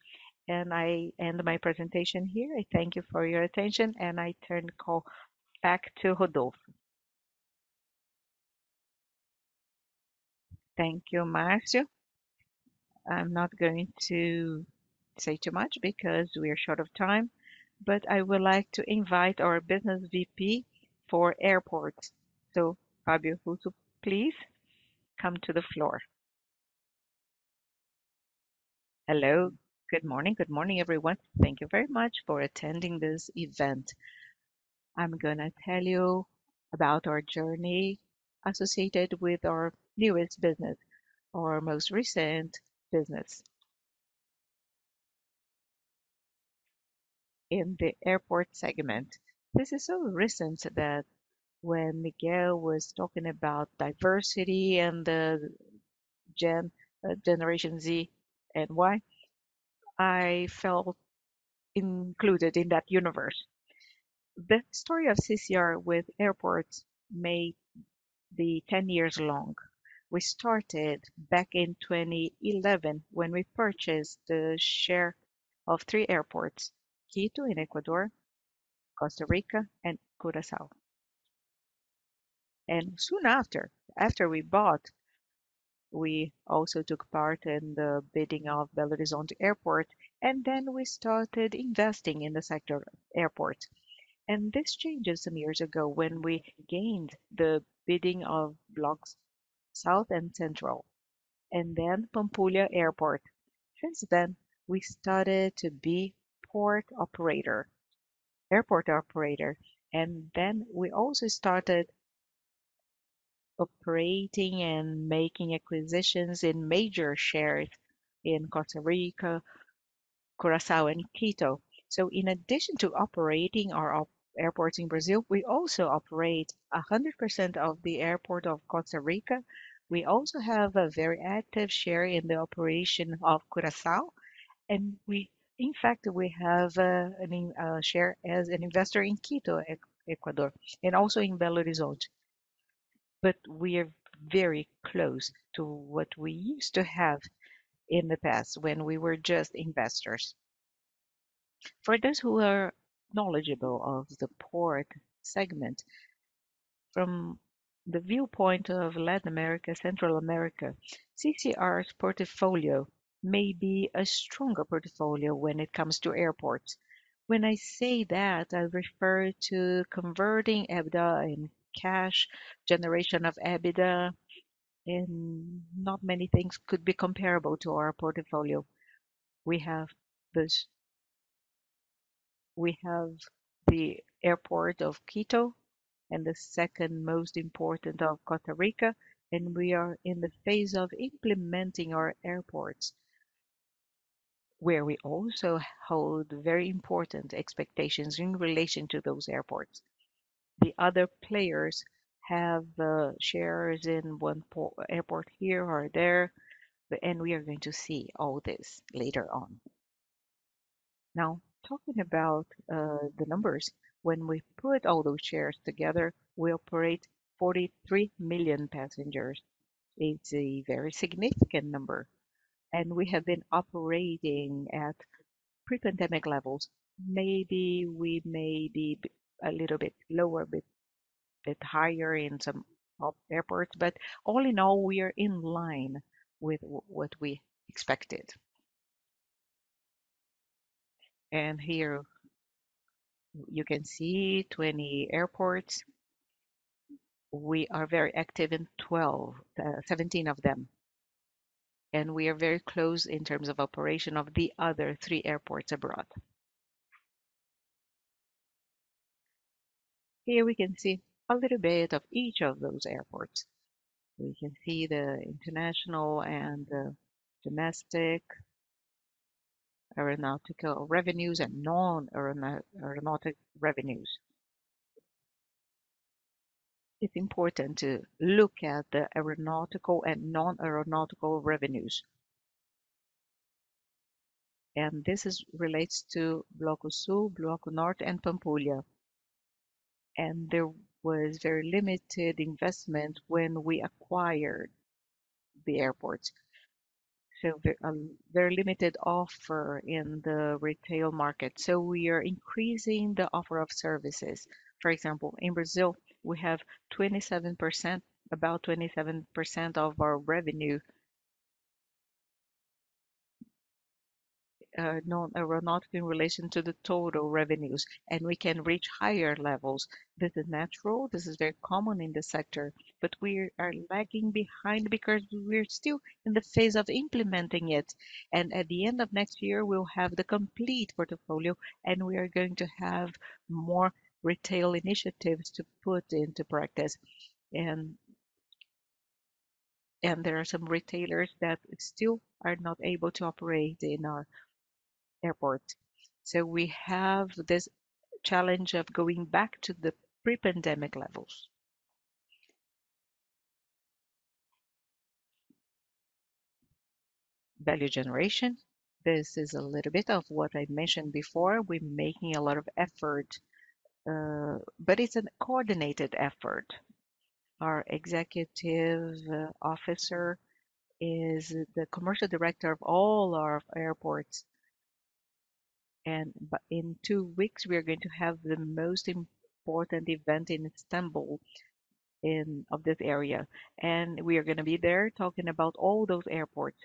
And I end my presentation here. I thank you for your attention, and I turn the call back to Rodolfo. Thank you, Marcio. I'm not going to say too much because we are short of time, but I would like to invite our Business VP for airports. So Fabio Russo, please come to the floor. Hello, good morning. Good morning, everyone. Thank you very much for attending this event. I'm gonna tell you about our journey associated with our newest business, our most recent business in the airport segment. This is so recent that when Miguel was talking about diversity and the Generation Z and Y, I felt included in that universe. The story of CCR with airports may be 10 years long. We started back in 2011, when we purchased the share of 3 airports: Quito in Ecuador, Costa Rica, and Curaçao. And soon after, after we bought, we also took part in the bidding of Belo Horizonte Airport, and then we started investing in the airport sector. And this changed just some years ago when we gained the bidding of blocks South and Central, and then Pampulha Airport. Since then, we started to be airport operator, and then we also started operating and making acquisitions in major shares in Costa Rica, Curaçao, and Quito. So in addition to operating our airports in Brazil, we also operate 100% of the airport of Costa Rica. We also have a very active share in the operation of Curaçao, and we, in fact, we have, I mean, a share as an investor in Quito, Ecuador, and also in Belo Horizonte. But we are very close to what we used to have in the past when we were just investors. For those who are knowledgeable of the port segment, from the viewpoint of Latin America, Central America, CCR's portfolio may be a stronger portfolio when it comes to airports. When I say that, I refer to converting EBITDA and cash, generation of EBITDA, and not many things could be comparable to our portfolio. We have the airport of Quito, and the second most important of Costa Rica, and we are in the phase of implementing our airports, where we also hold very important expectations in relation to those airports. The other players have shares in one airport here or there, and we are going to see all this later on. Now, talking about the numbers, when we put all those shares together, we operate 43 million passengers. It's a very significant number, and we have been operating at pre-pandemic levels. Maybe we may be a little bit lower, but a bit higher in some of airports. But all in all, we are in line with what we expected. And here, you can see 20 airports. We are very active in 17 of them, and we are very close in terms of operation of the other 3 airports abroad. Here, we can see a little bit of each of those airports. We can see the international and the domestic aeronautical revenues and non-aeronautical revenues. It's important to look at the aeronautical and non-aeronautical revenues. This relates to Bloco Sul, Bloco Norte and Pampulha. There was very limited investment when we acquired the airports, so very limited offer in the retail market, so we are increasing the offer of services. For example, in Brazil, we have about 27% of our revenue non-aeronautical in relation to the total revenues, and we can reach higher levels. This is natural. This is very common in the sector, but we are lagging behind because we're still in the phase of implementing it. And at the end of next year, we'll have the complete portfolio, and we are going to have more retail initiatives to put into practice. And, and there are some retailers that still are not able to operate in our airports. So we have this challenge of going back to the pre-pandemic levels. Value generation. This is a little bit of what I mentioned before. We're making a lot of effort, but it's a coordinated effort. Our executive officer is the commercial director of all our airports, and in 2 weeks, we are going to have the most important event in Istanbul, in of this area, and we are gonna be there talking about all those airports.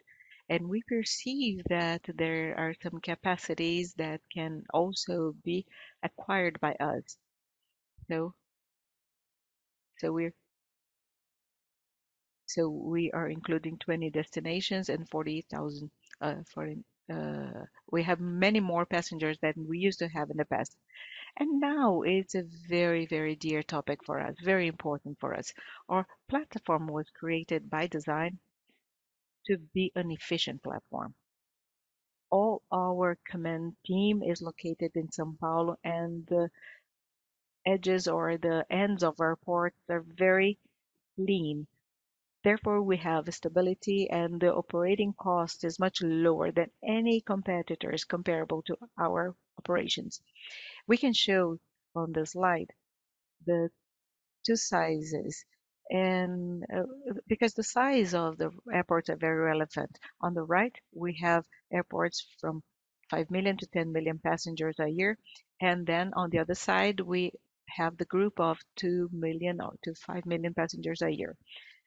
We perceive that there are some capacities that can also be acquired by us. So we are including 20 destinations and 48,000 foreign. We have many more passengers than we used to have in the past. And now it's a very, very dear topic for us, very important for us. Our platform was created by design to be an efficient platform. All our command team is located in São Paulo, and the edges or the ends of our port are very lean. Therefore, we have stability, and the operating cost is much lower than any competitors comparable to our operations. We can show on the slide the two sizes, and because the size of the airports are very relevant. On the right, we have airports from 5 million to 10 million passengers a year, and then on the other side, we have the group of 2 million up to 5 million passengers a year.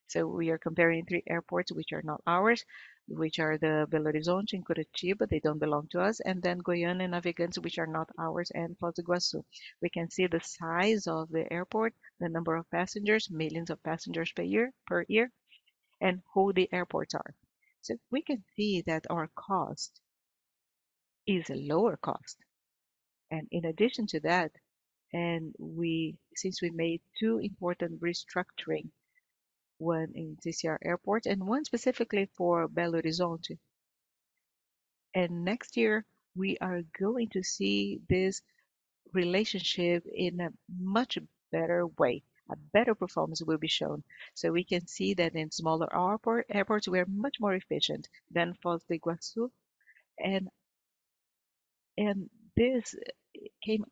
So we are comparing three airports, which are not ours, which are the Belo Horizonte and Curitiba, they don't belong to us, and then Goiânia and Navegantes, which are not ours, and Porto Alegre. We can see the size of the airport, the number of passengers, millions of passengers per year, per year, and who the airports are. So we can see that our cost-... is a lower cost. In addition to that, since we made two important restructurings, one in CCR Airport and one specifically for Belo Horizonte. Next year, we are going to see this relationship in a much better way. A better performance will be shown. So we can see that in smaller airports, we are much more efficient than Foz do Iguaçu. And this result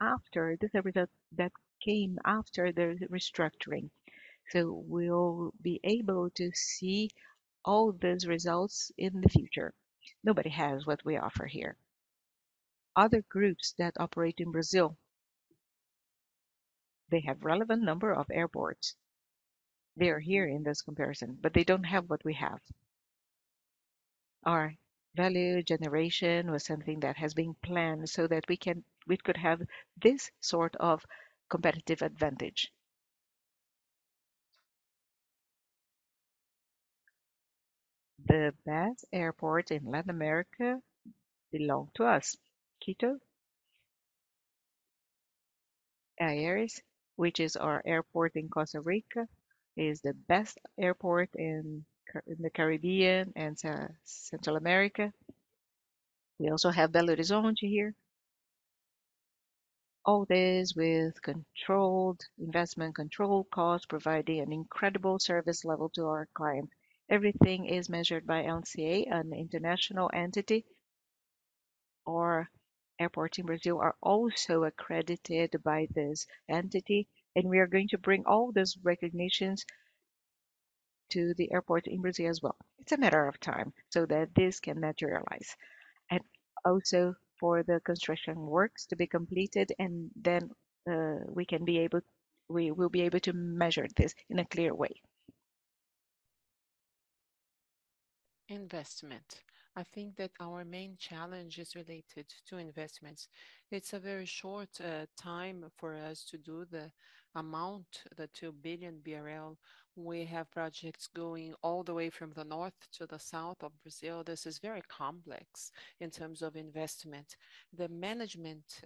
came after the restructuring. So we'll be able to see all these results in the future. Nobody has what we offer here. Other groups that operate in Brazil, they have a relevant number of airports. They are here in this comparison, but they don't have what we have. Our value generation was something that has been planned so that we could have this sort of competitive advantage. The best airport in Latin America belong to us, Quito. Aeris, which is our airport in Costa Rica, is the best airport in the Caribbean and so, Central America. We also have Belo Horizonte here. All this with controlled investment, controlled cost, providing an incredible service level to our client. Everything is measured by LCA, an international entity. Our airports in Brazil are also accredited by this entity, and we are going to bring all these recognitions to the airport in Brazil as well. It's a matter of time, so that this can materialize, and also for the construction works to be completed, and then we will be able to measure this in a clear way. Investment. I think that our main challenge is related to investments. It's a very short time for us to do the amount, the 2 billion BRL. We have projects going all the way from the north to the south of Brazil. This is very complex in terms of investment. The management,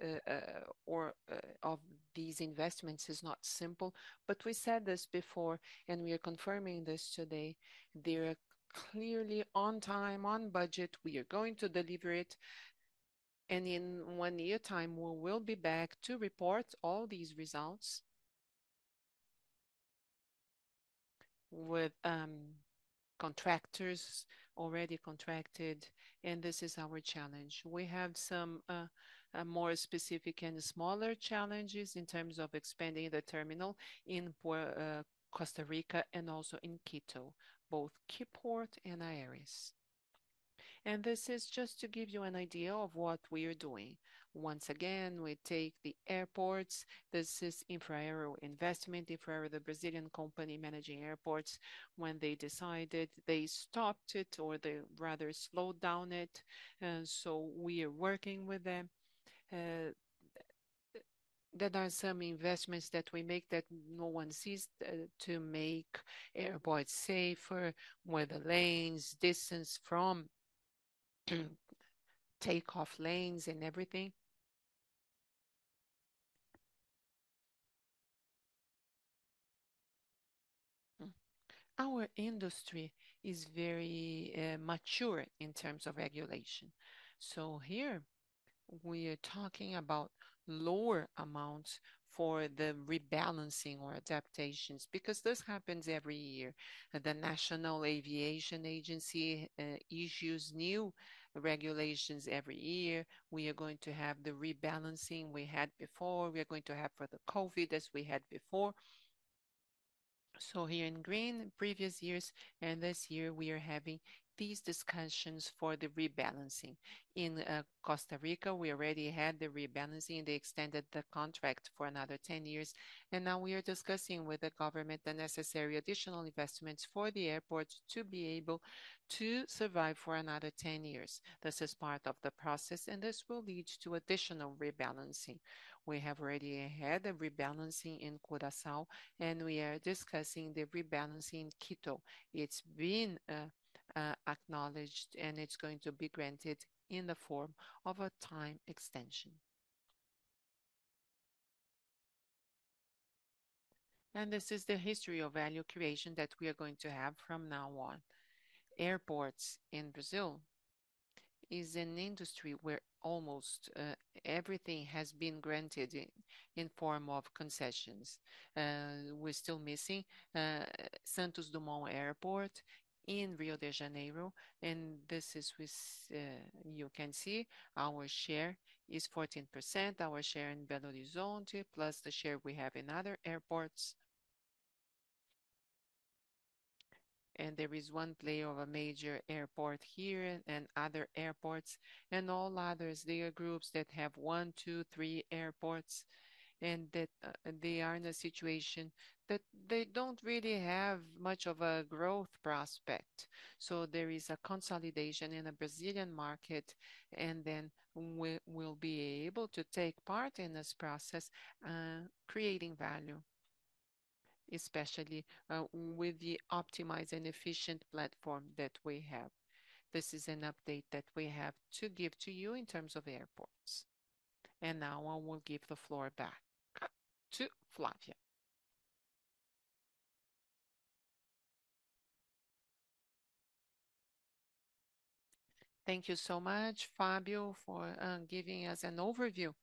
or, of these investments is not simple, but we said this before, and we are confirming this today. They are clearly on time, on budget. We are going to deliver it, and in one year time, we will be back to report all these results. With contractors already contracted, and this is our challenge. We have some more specific and smaller challenges in terms of expanding the terminal in Puer- Costa Rica and also in Quito, both Quiport and Aeris. And this is just to give you an idea of what we are doing. Once again, we take the airports. This is Infraero investment. Infraero, the Brazilian company managing airports, when they decided, they stopped it or they rather slowed down it, and so we are working with them. There are some investments that we make that no one sees, to make airports safer, weather lanes, distance from, take-off lanes and everything. Our industry is very mature in terms of regulation. So here we are talking about lower amounts for the rebalancing or adaptations, because this happens every year. The National Aviation Agency issues new regulations every year. We are going to have the rebalancing we had before. We are going to have for the COVID, as we had before. So here in green, previous years, and this year we are having these discussions for the rebalancing. In Costa Rica, we already had the rebalancing. They extended the contract for another 10 years, and now we are discussing with the government the necessary additional investments for the airport to be able to survive for another 10 years. This is part of the process, and this will lead to additional rebalancing. We have already had a rebalancing in Curaçao, and we are discussing the rebalancing in Quito. It's been acknowledged, and it's going to be granted in the form of a time extension. And this is the history of value creation that we are going to have from now on. Airports in Brazil is an industry where almost everything has been granted in form of concessions. We're still missing Santos Dumont Airport in Rio de Janeiro, and this is with... You can see our share is 14%, our share in Belo Horizonte, plus the share we have in other airports. There is one player of a major airport here and other airports, and all others, they are groups that have one, two, three airports, and that, they are in a situation that they don't really have much of a growth prospect. So there is a consolidation in the Brazilian market, and then we, we'll be able to take part in this process, creating value... especially, with the optimized and efficient platform that we have. This is an update that we have to give to you in terms of airports. Now I will give the floor back to Flávia. Thank you so much, Fabio, for giving us an overview.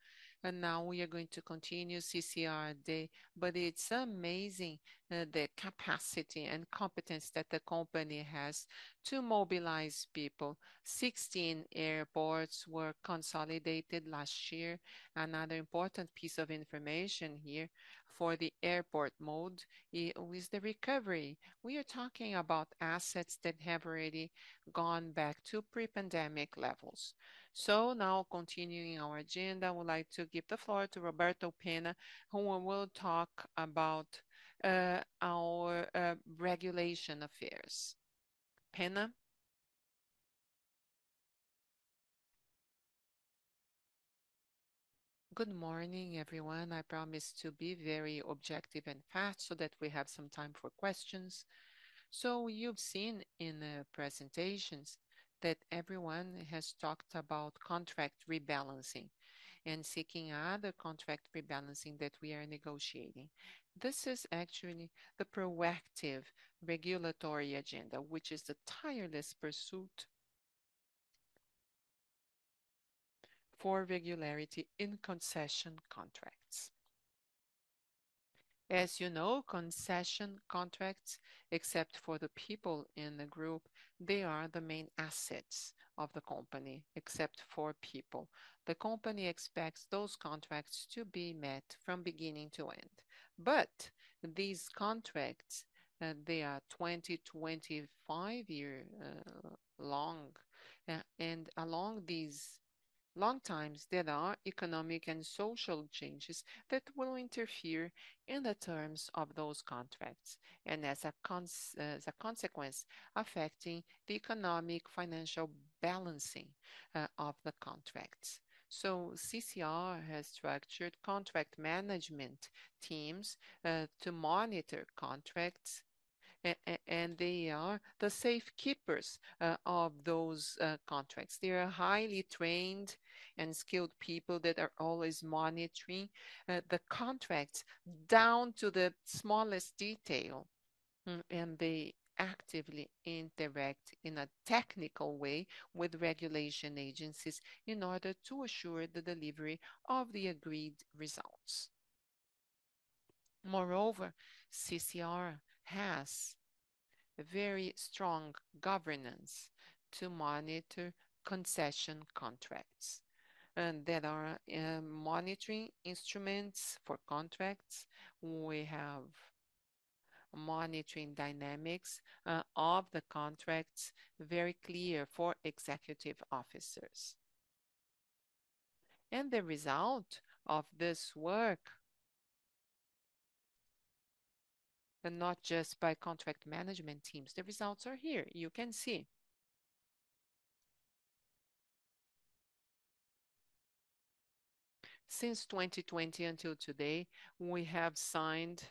Now we are going to continue CCR day. But it's amazing, the capacity and competence that the company has to mobilize people. 16 airports were consolidated last year. Another important piece of information here for the airport mode with the recovery. We are talking about assets that have already gone back to pre-pandemic levels. So now continuing our agenda, I would like to give the floor to Roberto Pena, who will talk about, our, regulatory affairs. Pena? Good morning, everyone. I promise to be very objective and fast so that we have some time for questions. So you've seen in the presentations that everyone has talked about contract rebalancing, and seeking other contract rebalancing that we are negotiating. This is actually the proactive regulatory agenda, which is the tireless pursuit for regularity in concession contracts. As you know, concession contracts, except for the people in the group, they are the main assets of the company, except for people. The company expects those contracts to be met from beginning to end. But these contracts, they are 20-25-year long, and along these long times, there are economic and social changes that will interfere in the terms of those contracts, and as a consequence, affecting the economic, financial balancing of the contracts. So CCR has structured contract management teams to monitor contracts, and they are the safe keepers of those contracts. They are highly trained and skilled people that are always monitoring the contracts down to the smallest detail, and they actively interact in a technical way with regulation agencies in order to assure the delivery of the agreed results. Moreover, CCR has very strong governance to monitor concession contracts, and there are monitoring instruments for contracts. We have monitoring dynamics of the contracts, very clear for executive officers. The result of this work... But not just by contract management teams, the results are here. You can see. Since 2020 until today, we have signed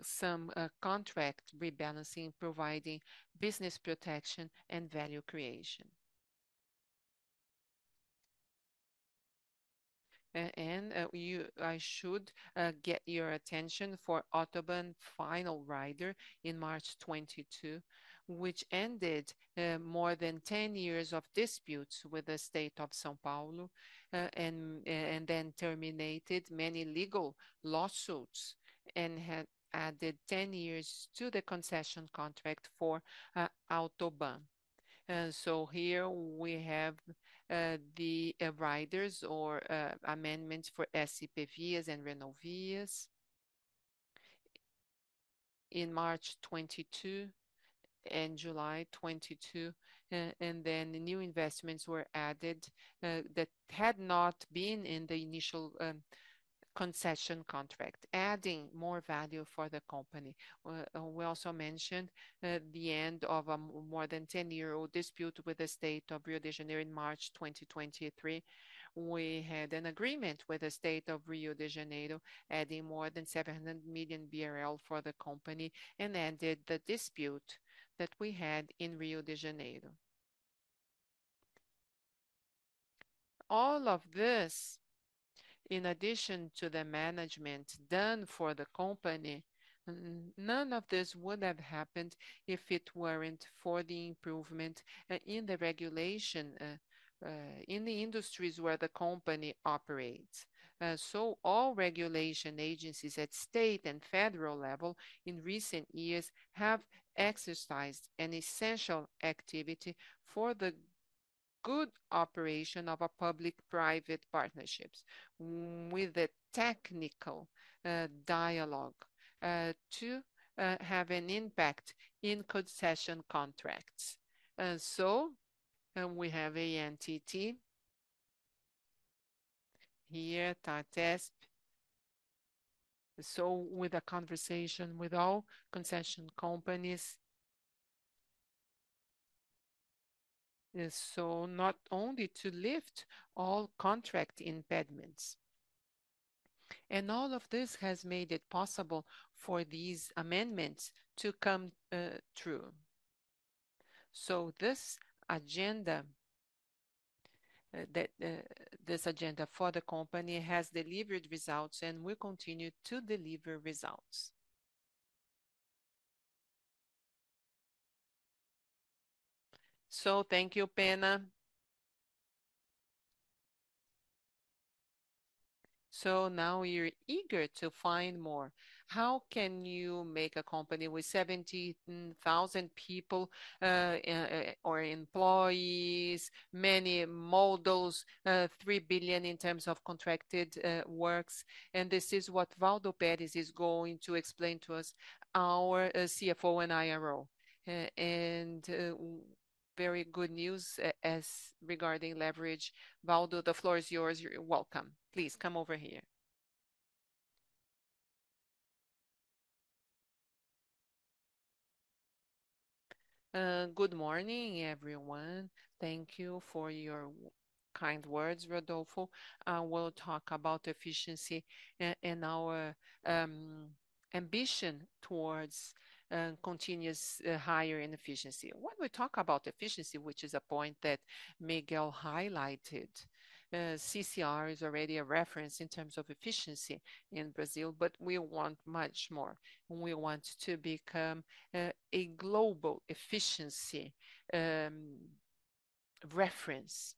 some contract rebalancing, providing business protection and value creation. I should get your attention for AutoBAn final rider in March 2022, which ended more than 10 years of disputes with the state of São Paulo, and then terminated many legal lawsuits, and had added 10 years to the concession contract for AutoBAn. So here we have the riders or amendments for SCPVias and Renovias... In March 2022 and July 2022, and then new investments were added, that had not been in the initial concession contract, adding more value for the company. We also mentioned the end of a more than 10-year-old dispute with the State of Rio de Janeiro in March 2023. We had an agreement with the State of Rio de Janeiro, adding more than 700 million BRL for the company, and ended the dispute that we had in Rio de Janeiro. All of this, in addition to the management done for the company, none of this would have happened if it weren't for the improvement in the regulation in the industries where the company operates. So all regulation agencies at state and federal level in recent years have exercised an essential activity for the good operation of a public-private partnerships, with a technical dialogue to have an impact in concession contracts. And so we have ANTT here, ARTESP. So with a conversation with all concession companies. And so not only to lift all contract impediments. And all of this has made it possible for these amendments to come through. So this agenda that this agenda for the company has delivered results and will continue to deliver results. So thank you, Pena. So now we are eager to find more. How can you make a company with 70,000 people or employees, many models, 3 billion in terms of contracted works? This is what Waldo Perez is going to explain to us, our CFO and IRO. Very good news as regarding leverage. Valdo, the floor is yours. You're welcome. Please come over here. Good morning, everyone. Thank you for your kind words, Rodolfo. We'll talk about efficiency and our ambition towards continuous higher efficiency. When we talk about efficiency, which is a point that Miguel highlighted, CCR is already a reference in terms of efficiency in Brazil, but we want much more. We want to become a global efficiency reference.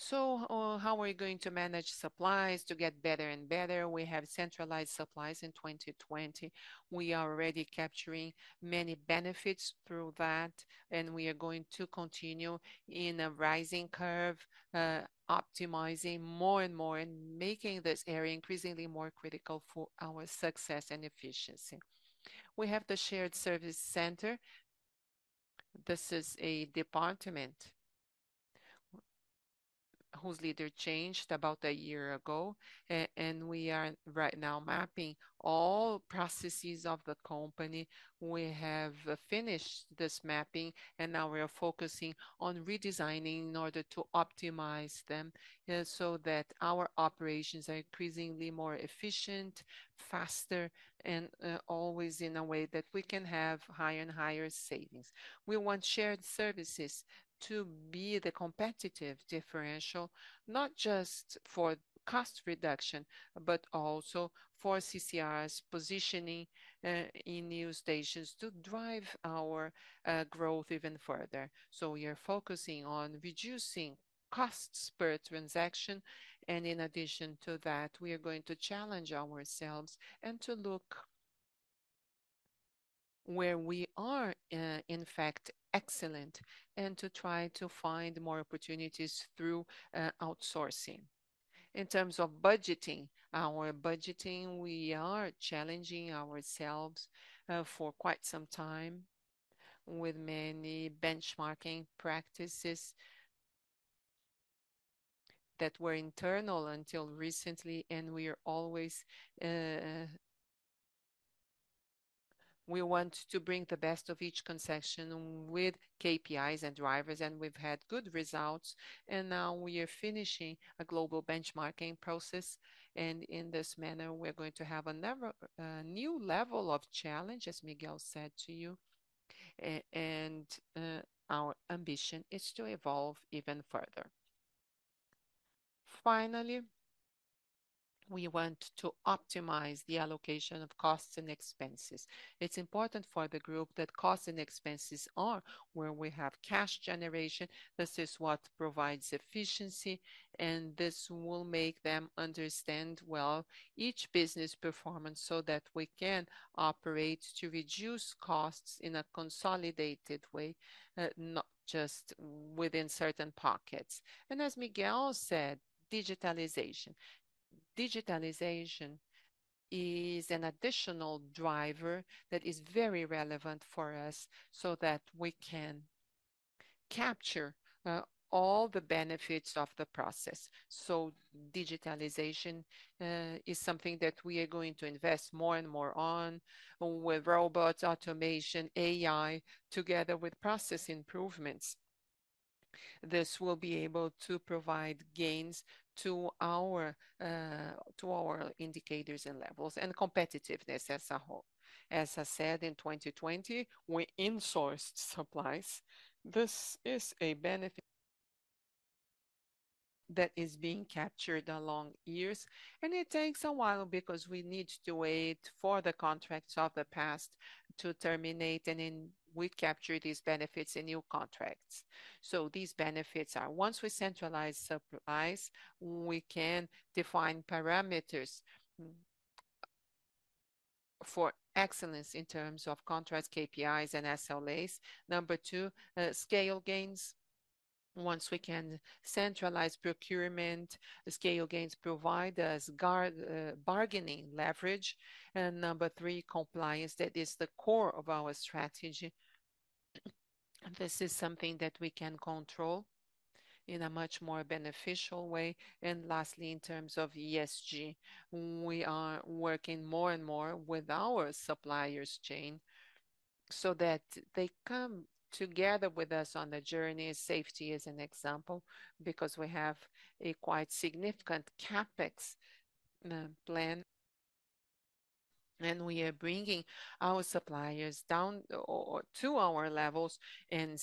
So, how are we going to manage supplies to get better and better? We have centralized supplies in 2020. We are already capturing many benefits through that, and we are going to continue in a rising curve, optimizing more and more and making this area increasingly more critical for our success and efficiency. We have the shared service center. This is a department whose leader changed about a year ago, and we are right now mapping all processes of the company. We have finished this mapping, and now we are focusing on redesigning in order to optimize them, so that our operations are increasingly more efficient, faster, and always in a way that we can have higher and higher savings. We want shared services to be the competitive differential, not just for cost reduction, but also for CCR's positioning in new stations to drive our growth even further. So we are focusing on reducing costs per transaction, and in addition to that, we are going to challenge ourselves and to look where we are, in fact, excellent, and to try to find more opportunities through outsourcing. In terms of budgeting, our budgeting, we are challenging ourselves for quite some time with many benchmarking practices that were internal until recently, and we are always... We want to bring the best of each concession with KPIs and drivers, and we've had good results, and now we are finishing a global benchmarking process. In this manner, we're going to have another new level of challenge, as Miguel said to you, and our ambition is to evolve even further. Finally, we want to optimize the allocation of costs and expenses. It's important for the group that costs and expenses are where we have cash generation. This is what provides efficiency, and this will make them understand well each business performance, so that we can operate to reduce costs in a consolidated way, not just within certain pockets. And as Miguel said, digitalization. Digitalization is an additional driver that is very relevant for us so that we can capture, all the benefits of the process. So digitalization, is something that we are going to invest more and more on with robots, automation, AI, together with process improvements. This will be able to provide gains to our, to our indicators and levels, and competitiveness as a whole. As I said, in 2020, we insourced supplies. This is a benefit that is being captured along years, and it takes a while because we need to wait for the contracts of the past to terminate, and then we capture these benefits in new contracts. So these benefits are: once we centralize supplies, we can define parameters for excellence in terms of contracts, KPIs, and SLAs. Number 2, scale gains. Once we can centralize procurement, scale gains provide us good bargaining leverage. And number 3, compliance. That is the core of our strategy. This is something that we can control... in a much more beneficial way. And lastly, in terms of ESG, we are working more and more with our supply chain so that they come together with us on the journey. Safety is an example, because we have a quite significant CapEx plan, and we are bringing our suppliers down or to our levels and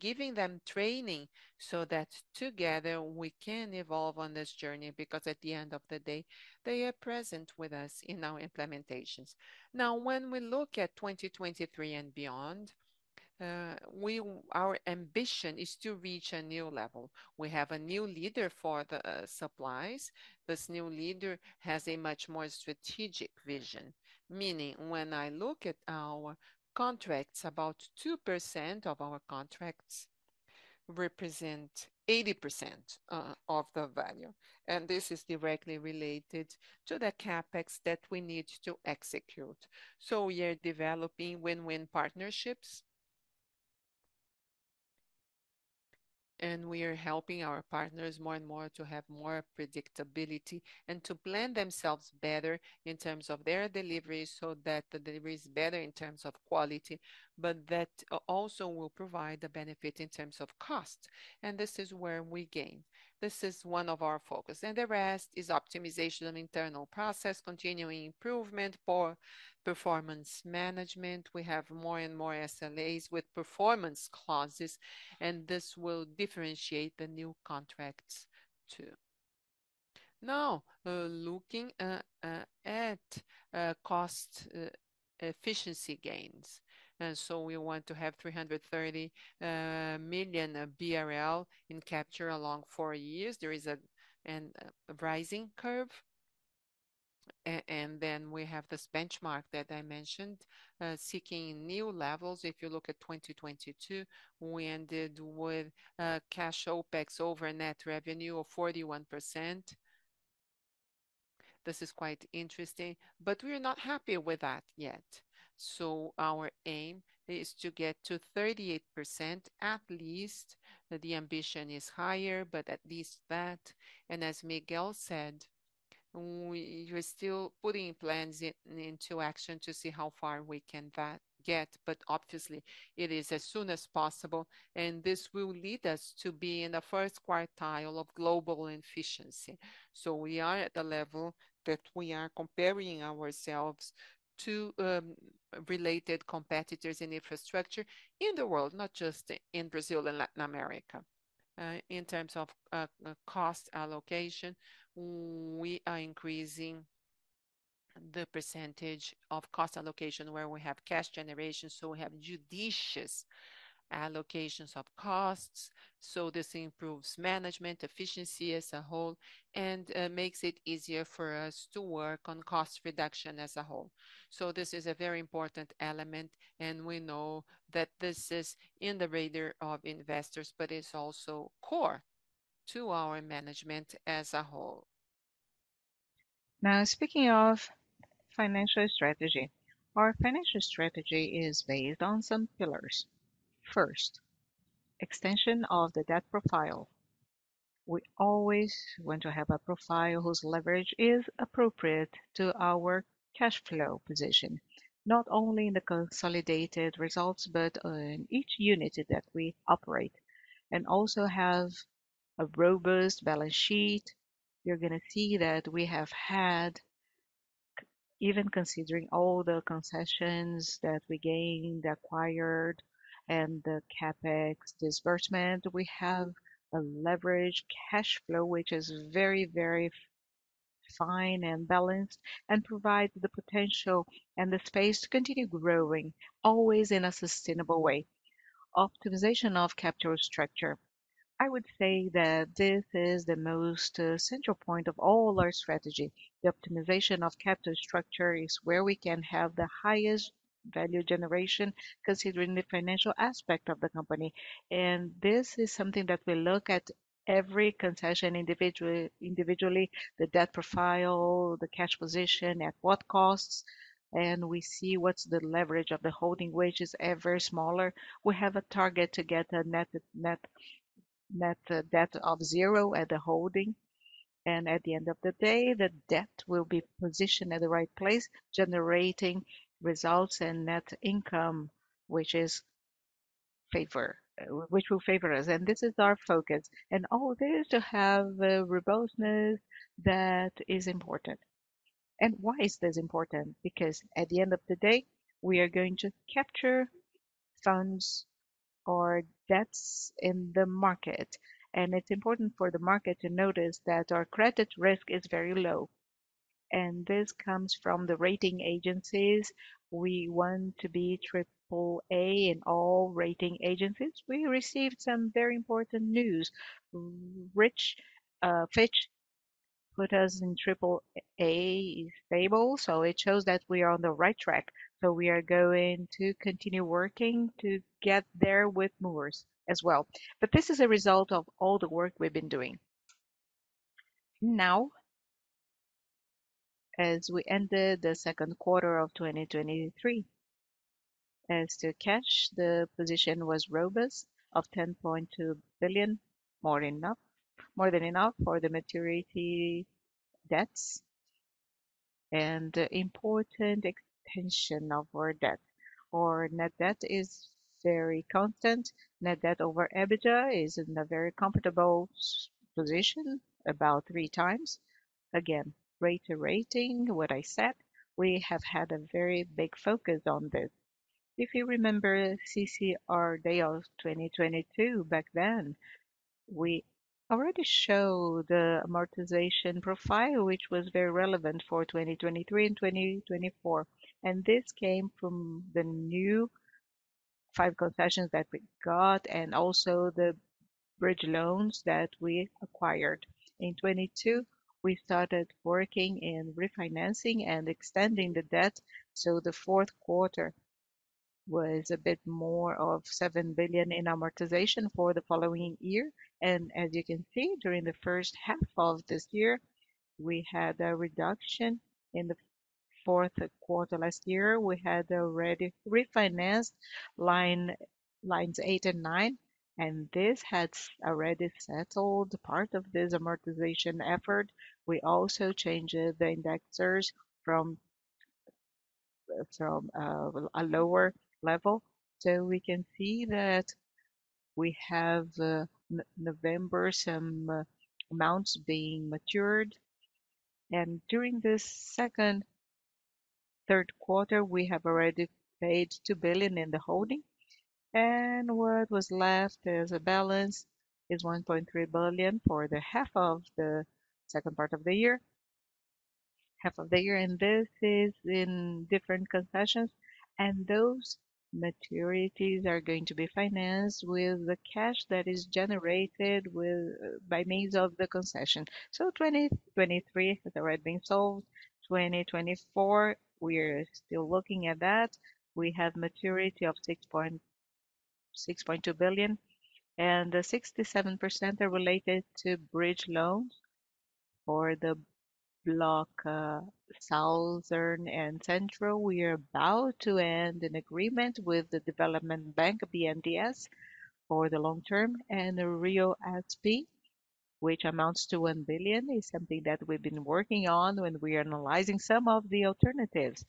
giving them training so that together we can evolve on this journey, because at the end of the day, they are present with us in our implementations. Now, when we look at 2023 and beyond, our ambition is to reach a new level. We have a new leader for the supplies. This new leader has a much more strategic vision, meaning when I look at our contracts, about 2% of our contracts represent 80% of the value, and this is directly related to the CapEx that we need to execute. So we are developing win-win partnerships. And we are helping our partners more and more to have more predictability and to plan themselves better in terms of their delivery, so that the delivery is better in terms of quality, but that also will provide the benefit in terms of cost. And this is where we gain. This is one of our focus, and the rest is optimization of internal process, continuing improvement for performance management. We have more and more SLAs with performance clauses, and this will differentiate the new contracts too. Now, looking at cost efficiency gains. So we want to have 330 million BRL in capture along four years. There is a rising curve. And then we have this benchmark that I mentioned, seeking new levels. If you look at 2022, we ended with cash OpEx over net revenue of 41%. This is quite interesting, but we are not happy with that yet. So our aim is to get to 38% at least. The ambition is higher, but at least that. And as Miguel said, we're still putting plans into action to see how far we can that get, but obviously it is as soon as possible, and this will lead us to be in the first quartile of global efficiency. So we are at the level that we are comparing ourselves to related competitors in infrastructure in the world, not just in Brazil and Latin America. In terms of cost allocation, we are increasing the percentage of cost allocation where we have cash generation, so we have judicious allocations of costs. So this improves management efficiency as a whole and, makes it easier for us to work on cost reduction as a whole. So this is a very important element, and we know that this is in the radar of investors, but it's also core to our management as a whole. Now, speaking of financial strategy, our financial strategy is based on some pillars. First, extension of the debt profile. We always want to have a profile whose leverage is appropriate to our cash flow position, not only in the consolidated results, but, in each unit that we operate, and also have a robust balance sheet. You're gonna see that we have had... Even considering all the concessions that we gained, acquired, and the CapEx disbursement, we have a leverage cash flow, which is very, very fine and balanced, and provides the potential and the space to continue growing, always in a sustainable way. Optimization of capital structure. I would say that this is the most, central point of all our strategy. The optimization of capital structure is where we can have the highest value generation, considering the financial aspect of the company, and this is something that we look at every concession individually, individually, the debt profile, the cash position, at what costs, and we see what's the leverage of the holding, which is ever smaller. We have a target to get a net, net, net debt of zero at the holding, and at the end of the day, the debt will be positioned at the right place, generating results and net income, which will favor us. This is our focus, and all this to have a robustness that is important. Why is this important? Because at the end of the day, we are going to capture funds or debts in the market, and it's important for the market to notice that our credit risk is very low, and this comes from the rating agencies. We want to be triple A in all rating agencies. We received some very important news. Recently, Fitch put us in triple A stable, so it shows that we are on the right track. We are going to continue working to get there with Moody's as well. But this is a result of all the work we've been doing. Now-... as we ended the second quarter of 2023. As to cash, the position was robust, of 10.2 billion, more than enough for the maturity debts and important extension of our debt. Our net debt is very constant. Net debt over EBITDA is in a very comfortable position, about 3x. Again, reiterating what I said, we have had a very big focus on this. If you remember CCR Day of 2022, back then, we already showed the amortization profile, which was very relevant for 2023 and 2024, and this came from the new 5 concessions that we got and also the bridge loans that we acquired. In 2022, we started working in refinancing and extending the debt, so the fourth quarter was a bit more of 7 billion in amortization for the following year. As you can see, during the first half of this year, we had a reduction. In the fourth quarter last year, we had already refinanced lines 8 and 9, and this has already settled part of this amortization effort. We also changed the indexers from a lower level. So we can see that we have November, some amounts being matured. And during this second, third quarter, we have already paid 2 billion in the holding, and what was left as a balance is 1.3 billion for the half of the second part of the year, half of the year, and this is in different concessions. And those maturities are going to be financed with the cash that is generated with by means of the concession. So 2023 has already been solved. 2024, we are still looking at that. We have maturity of 6.2 billion, and 67% are related to bridge loans for the block, southern and central. We are about to end an agreement with the Development Bank, BNDES, for the long term, and the RioSP, which amounts to 1 billion, is something that we've been working on when we are analyzing some of the alternatives.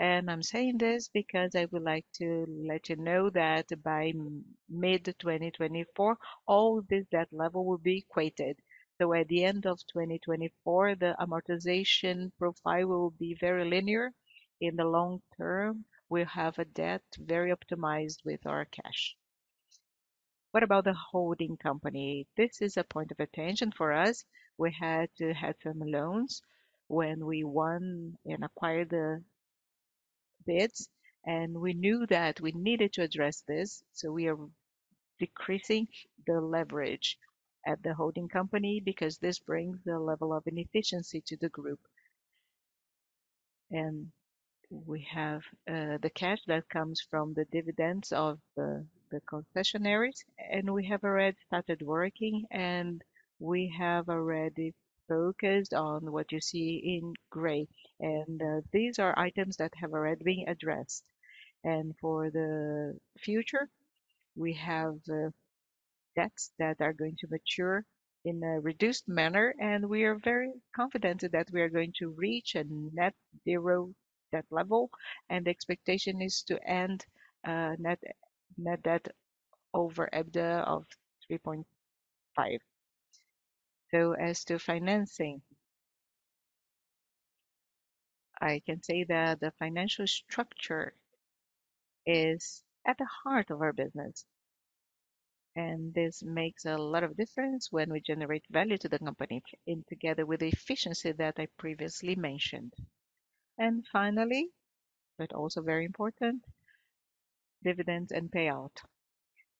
I'm saying this because I would like to let you know that by mid-2024, all this debt level will be equated. So at the end of 2024, the amortization profile will be very linear. In the long term, we'll have a debt very optimized with our cash. What about the holding company? This is a point of attention for us. We had to have some loans when we won and acquired the bids, and we knew that we needed to address this, so we are decreasing the leverage at the holding company because this brings a level of inefficiency to the group. We have the cash that comes from the dividends of the, the concessionaires, and we have already started working, and we have already focused on what you see in gray. These are items that have already been addressed. For the future, we have the debts that are going to mature in a reduced manner, and we are very confident that we are going to reach a net zero debt level, and the expectation is to end net, net debt over EBITDA of 3.5. So as to financing, I can say that the financial structure is at the heart of our business, and this makes a lot of difference when we generate value to the company in together with the efficiency that I previously mentioned. And finally, but also very important, dividends and payout.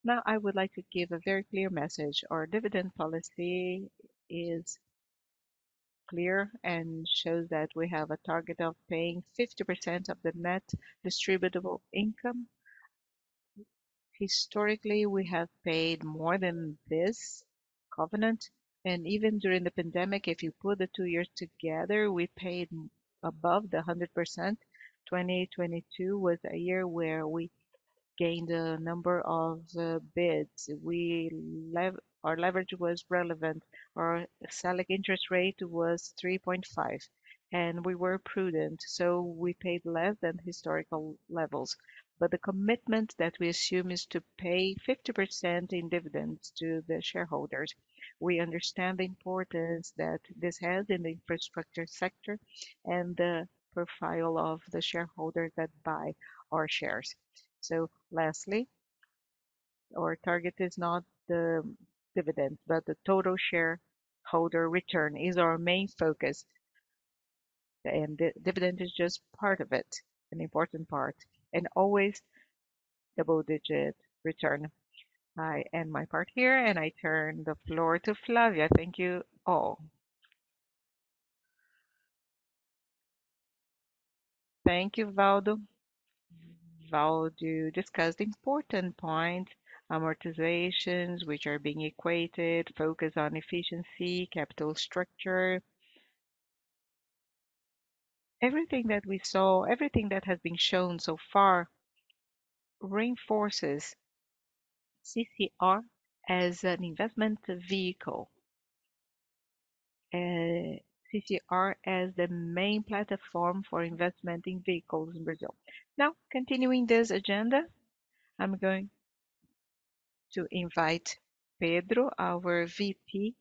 Now, I would like to give a very clear message. Our dividend policy is clear and shows that we have a target of paying 50% of the net distributable income. Historically, we have paid more than this covenant, and even during the pandemic, if you put the two years together, we paid above the 100%. 2022 was a year where we gained a number of bids. Our leverage was relevant. Our selling interest rate was 3.5, and we were prudent, so we paid less than historical levels. But the commitment that we assume is to pay 50% in dividends to the shareholders. We understand the importance that this has in the infrastructure sector and the profile of the shareholders that buy our shares. So lastly, our target is not the dividend, but the total shareholder return is our main focus, and the dividend is just part of it, an important part, and always double-digit return. I end my part here, and I turn the floor to Flávia. Thank you all. Thank you, Valdo. Valdo discussed important points, amortizations, which are being equated, focus on efficiency, capital structure. Everything that we saw, everything that has been shown so far reinforces CCR as an investment vehicle, CCR as the main platform for investment in vehicles in Brazil. Now, continuing this agenda, I'm going to invite Pedro, our VP,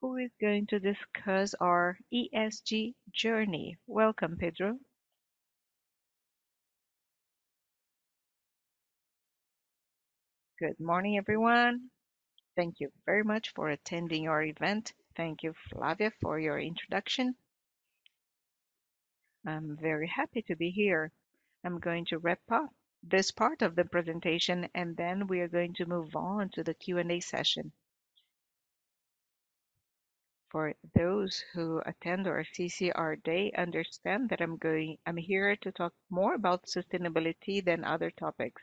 who is going to discuss our ESG journey. Welcome, Pedro. Good morning, everyone. Thank you very much for attending our event. Thank you, Flávia, for your introduction. I'm very happy to be here. I'm going to wrap up this part of the presentation, and then we are going to move on to the Q&A session. For those who attend our CCR day, understand that I'm going- I'm here to talk more about sustainability than other topics.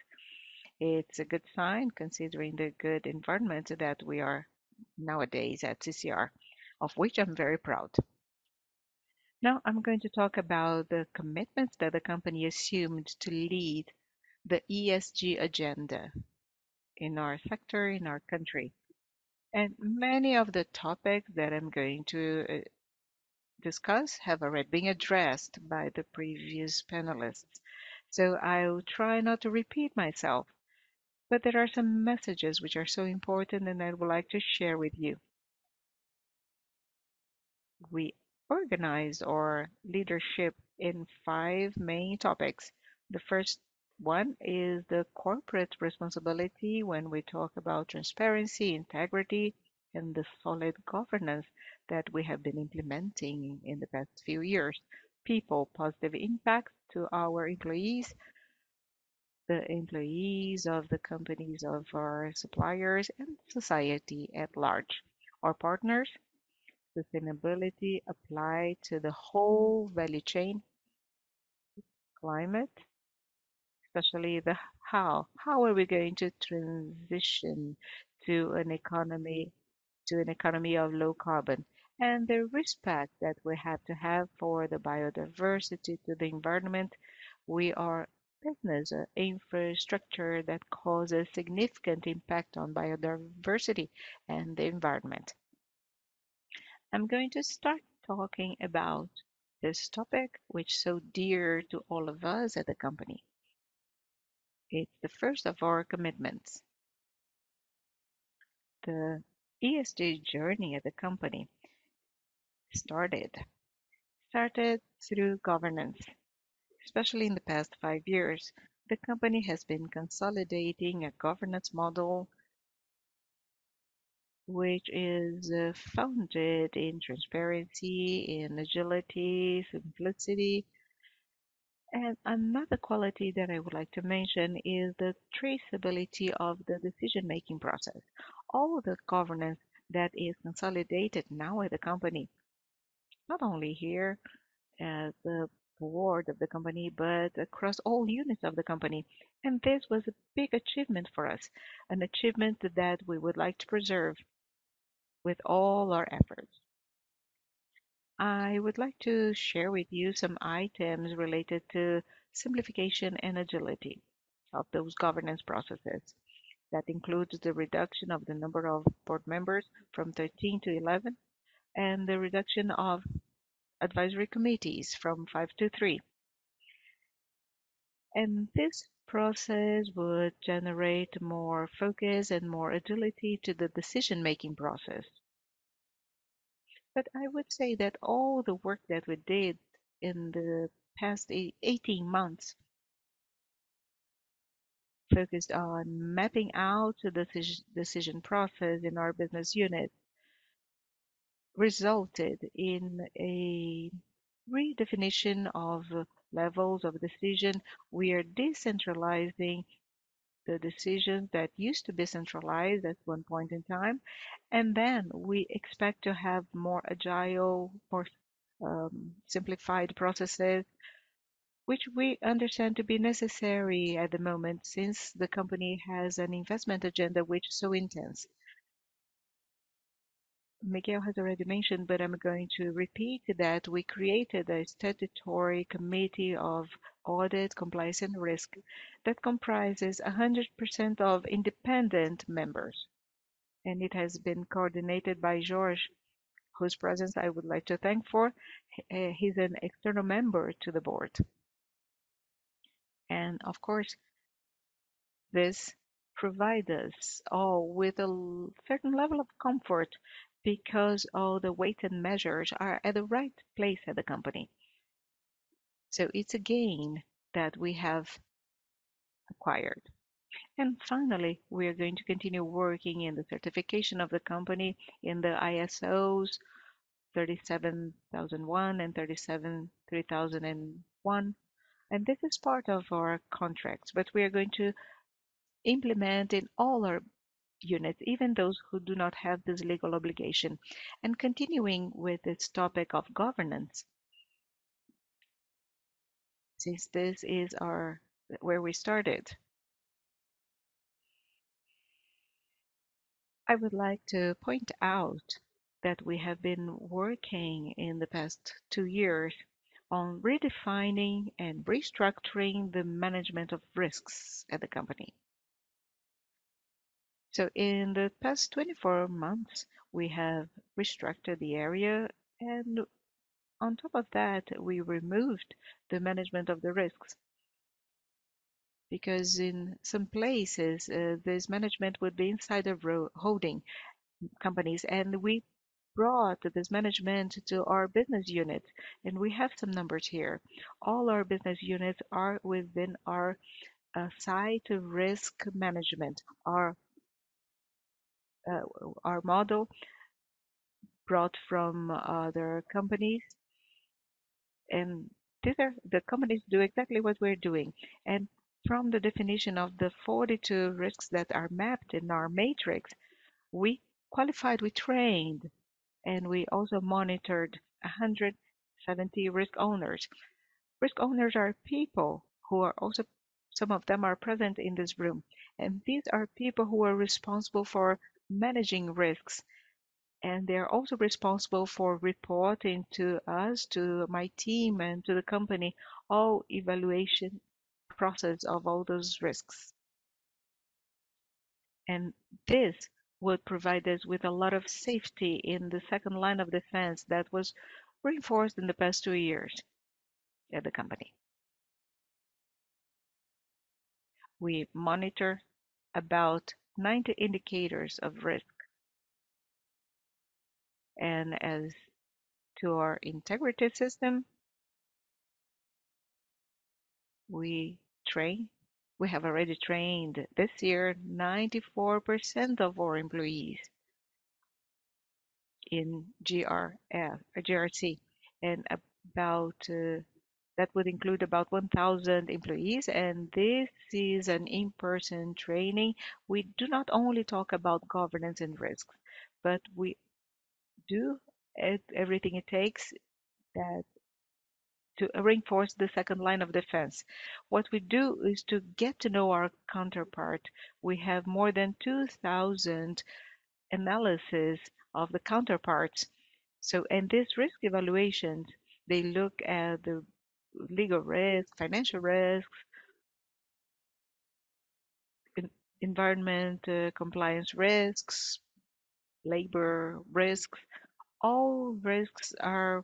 It's a good sign, considering the good environment that we are nowadays at CCR, of which I'm very proud. Now, I'm going to talk about the commitments that the company assumed to lead the ESG agenda in our sector, in our country. Many of the topics that I'm going to discuss have already been addressed by the previous panelists, so I'll try not to repeat myself. But there are some messages which are so important, and I would like to share with you. We organize our leadership in five main topics. The first one is the corporate responsibility, when we talk about transparency, integrity, and the solid governance that we have been implementing in the past few years. People, positive impact to our employees, the employees of the companies, of our suppliers, and society at large. Our partners, sustainability apply to the whole value chain. Climate, especially the how, how are we going to transition to an economy, to an economy of low carbon? And the respect that we have to have for the biodiversity, to the environment. We are a business, an infrastructure that causes significant impact on biodiversity and the environment. I'm going to start talking about this topic, which is so dear to all of us at the company. It's the first of our commitments. The ESG journey of the company started through governance. Especially in the past 5 years, the company has been consolidating a governance model which is founded in transparency, in agility, simplicity. And another quality that I would like to mention is the traceability of the decision-making process. All the governance that is consolidated now at the company, not only here at the board of the company, but across all units of the company, and this was a big achievement for us, an achievement that we would like to preserve with all our efforts. I would like to share with you some items related to simplification and agility of those governance processes. That includes the reduction of the number of board members from 13 to 11, and the reduction of advisory committees from 5 to 3. This process would generate more focus and more agility to the decision-making process. I would say that all the work that we did in the past 18 months focused on mapping out the decision process in our business unit resulted in a redefinition of levels of decision. We are decentralizing the decision that used to be centralized at one point in time, and then we expect to have more agile, more simplified processes, which we understand to be necessary at the moment, since the company has an investment agenda which is so intense. Miguel has already mentioned, but I'm going to repeat, that we created a statutory committee of audit, compliance, and risk that comprises 100% of independent members, and it has been coordinated by Jorge, whose presence I would like to thank for. He's an external member to the board. Of course, this provide us all with a certain level of comfort because all the weight and measures are at the right place at the company. It's a gain that we have acquired. Finally, we are going to continue working in the certification of the company in the ISO 37001 and 37301, and this is part of our contracts. But we are going to implement in all our units, even those who do not have this legal obligation. Continuing with this topic of governance, since this is where we started, I would like to point out that we have been working in the past two years on redefining and restructuring the management of risks at the company. So in the past 24 months, we have restructured the area, and on top of that, we removed the management of the risks. Because in some places, this management would be inside of holding companies, and we brought this management to our business unit, and we have some numbers here. All our business units are within our site risk management. Our model, brought from other companies, and these are the companies do exactly what we're doing. And from the definition of the 42 risks that are mapped in our matrix, we qualified, we trained, and we also monitored 170 risk owners. Risk owners are people who are also some of them are present in this room, and these are people who are responsible for managing risks, and they're also responsible for reporting to us, to my team, and to the company, all evaluation process of all those risks. This will provide us with a lot of safety in the second line of defense that was reinforced in the past two years at the company. We monitor about 90 indicators of risk. As to our integrated system, we train. We have already trained, this year, 94% of our employees in GRC, and about. That would include about 1,000 employees, and this is an in-person training. We do not only talk about governance and risk, but we do everything it takes to reinforce the second line of defense. What we do is to get to know our counterpart. We have more than 2,000 analyses of the counterparts. So in this risk evaluation, they look at the legal risks, financial risks, environment, compliance risks, labor risks. All risks are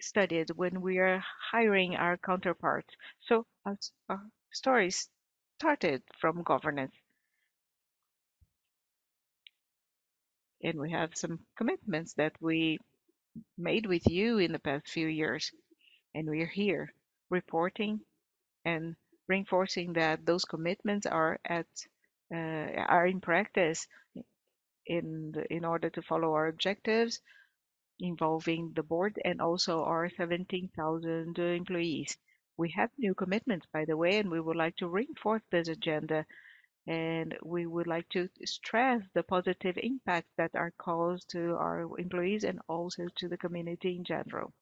studied when we are hiring our counterparts. So our story started from governance, and we have some commitments that we made with you in the past few years, and we are here reporting and reinforcing that those commitments are in practice in order to follow our objectives involving the board and also our 17,000 employees. We have new commitments, by the way, and we would like to reinforce this agenda, and we would like to stress the positive impact that are caused to our employees and also to the community in general.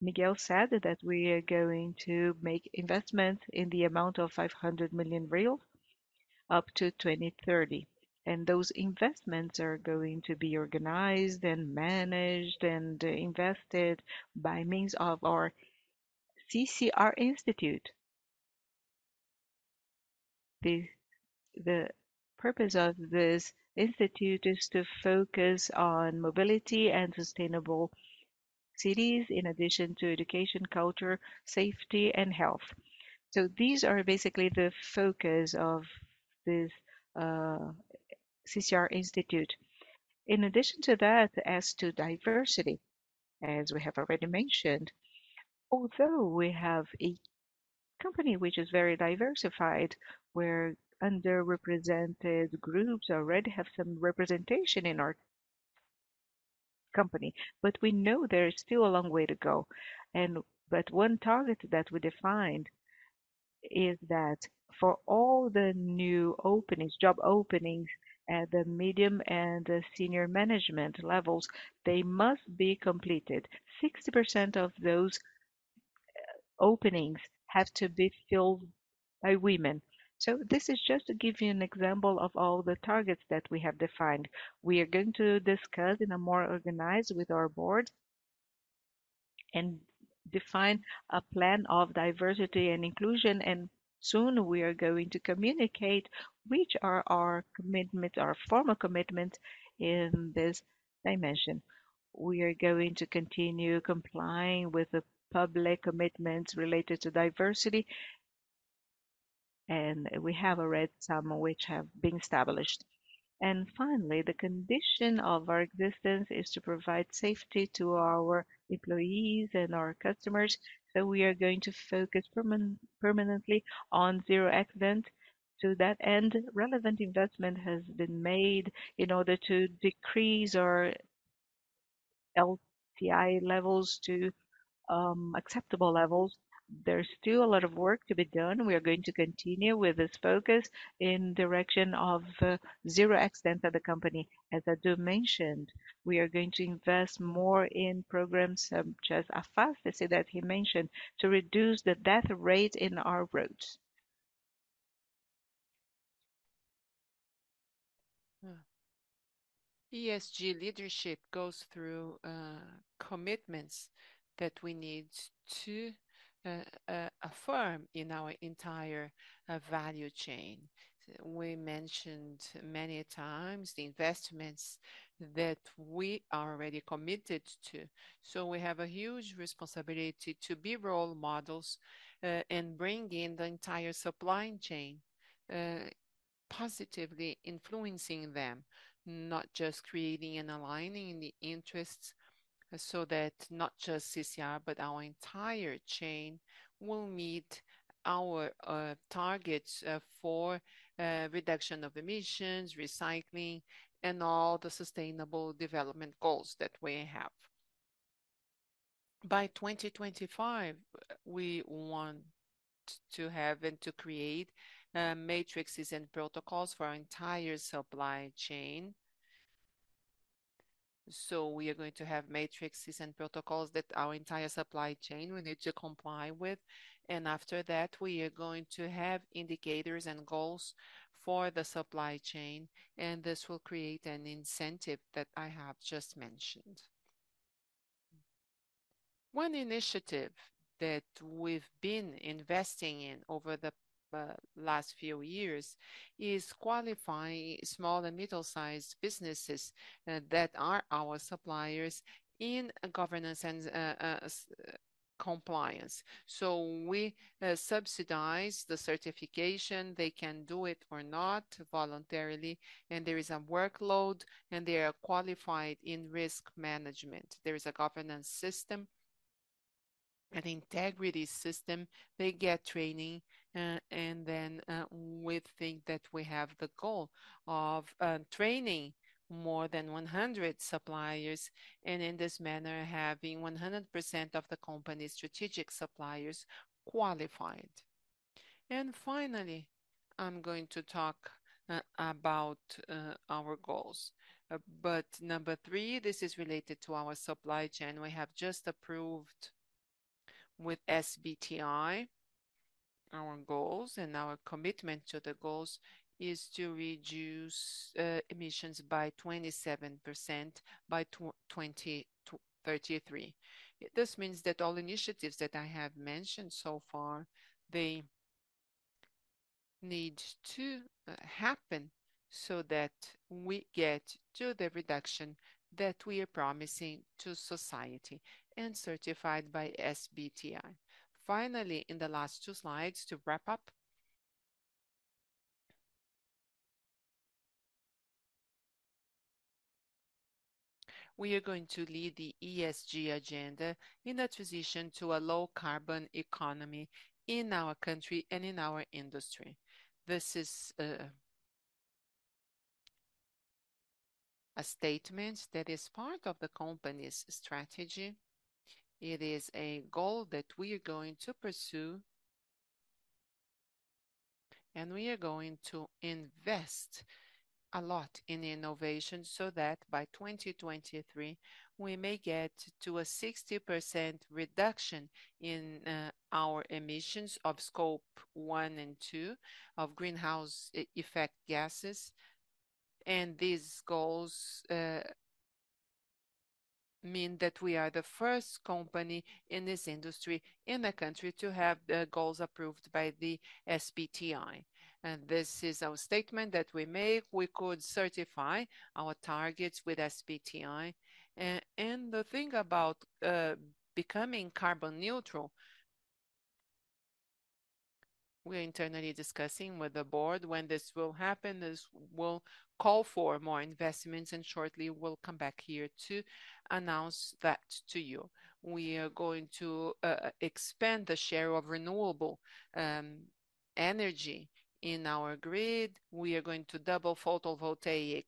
Miguel said that we are going to make investments in the amount of 500 million reais, up to 2030, and those investments are going to be organized, and managed, and invested by means of our CCR Institute. The purpose of this institute is to focus on mobility and sustainable cities, in addition to education, culture, safety, and health. So these are basically the focus of this CCR Institute. In addition to that, as to diversity, as we have already mentioned, although we have a company which is very diversified, where underrepresented groups already have some representation in our company, but we know there is still a long way to go. But one target that we defined is that for all the new openings, job openings, at the medium and the senior management levels, they must be completed. 60% of those openings have to be filled by women. So this is just to give you an example of all the targets that we have defined. We are going to discuss in a more organized with our board and define a plan of diversity and inclusion, and soon we are going to communicate which are our commitment, our formal commitment, in this dimension. We are going to continue complying with the public commitments related to diversity, and we have already some which have been established. And finally, the condition of our existence is to provide safety to our employees and our customers, so we are going to focus permanently on zero accident. To that end, relevant investment has been made in order to decrease our-... LTI levels to acceptable levels. There's still a lot of work to be done. We are going to continue with this focus in direction of zero accidents at the company. As Eduardo mentioned, we are going to invest more in programs such as Afaste-se, that he mentioned, to reduce the death rate in our roads. ESG leadership goes through commitments that we need to affirm in our entire value chain. We mentioned many a times the investments that we are already committed to, so we have a huge responsibility to be role models and bring in the entire supply chain positively influencing them, not just creating and aligning the interests, so that not just CCR, but our entire chain will meet our targets for reduction of emissions, recycling, and all the sustainable development goals that we have. By 2025, we want to have and to create matrices and protocols for our entire supply chain. So we are going to have matrices and protocols that our entire supply chain will need to comply with, and after that, we are going to have indicators and goals for the supply chain, and this will create an incentive that I have just mentioned. One initiative that we've been investing in over the last few years is qualifying small and middle-sized businesses that are our suppliers in governance and compliance. So we subsidize the certification. They can do it or not, voluntarily, and there is a workload, and they are qualified in risk management. There is a governance system, an integrity system. They get training, and then we think that we have the goal of training more than 100 suppliers, and in this manner, having 100% of the company's strategic suppliers qualified. Finally, I'm going to talk about our goals. Number 3, this is related to our supply chain. We have just approved with SBTi our goals, and our commitment to the goals is to reduce emissions by 27% by 2023-2033. This means that all initiatives that I have mentioned so far, they need to happen so that we get to the reduction that we are promising to society and certified by SBTi. Finally, in the last two slides, to wrap up... We are going to lead the ESG agenda in the transition to a low-carbon economy in our country and in our industry. This is a statement that is part of the company's strategy. It is a goal that we are going to pursue, and we are going to invest a lot in innovation, so that by 2023, we may get to a 60% reduction in our emissions of Scope 1 and 2 of greenhouse effect gases. These goals mean that we are the first company in this industry, in the country, to have the goals approved by the SBTi. This is our statement that we make. We could certify our targets with SBTi. The thing about becoming carbon neutral, we're internally discussing with the board when this will happen. This will call for more investments, and shortly, we'll come back here to announce that to you. We are going to expand the share of renewable energy in our grid. We are going to double photovoltaic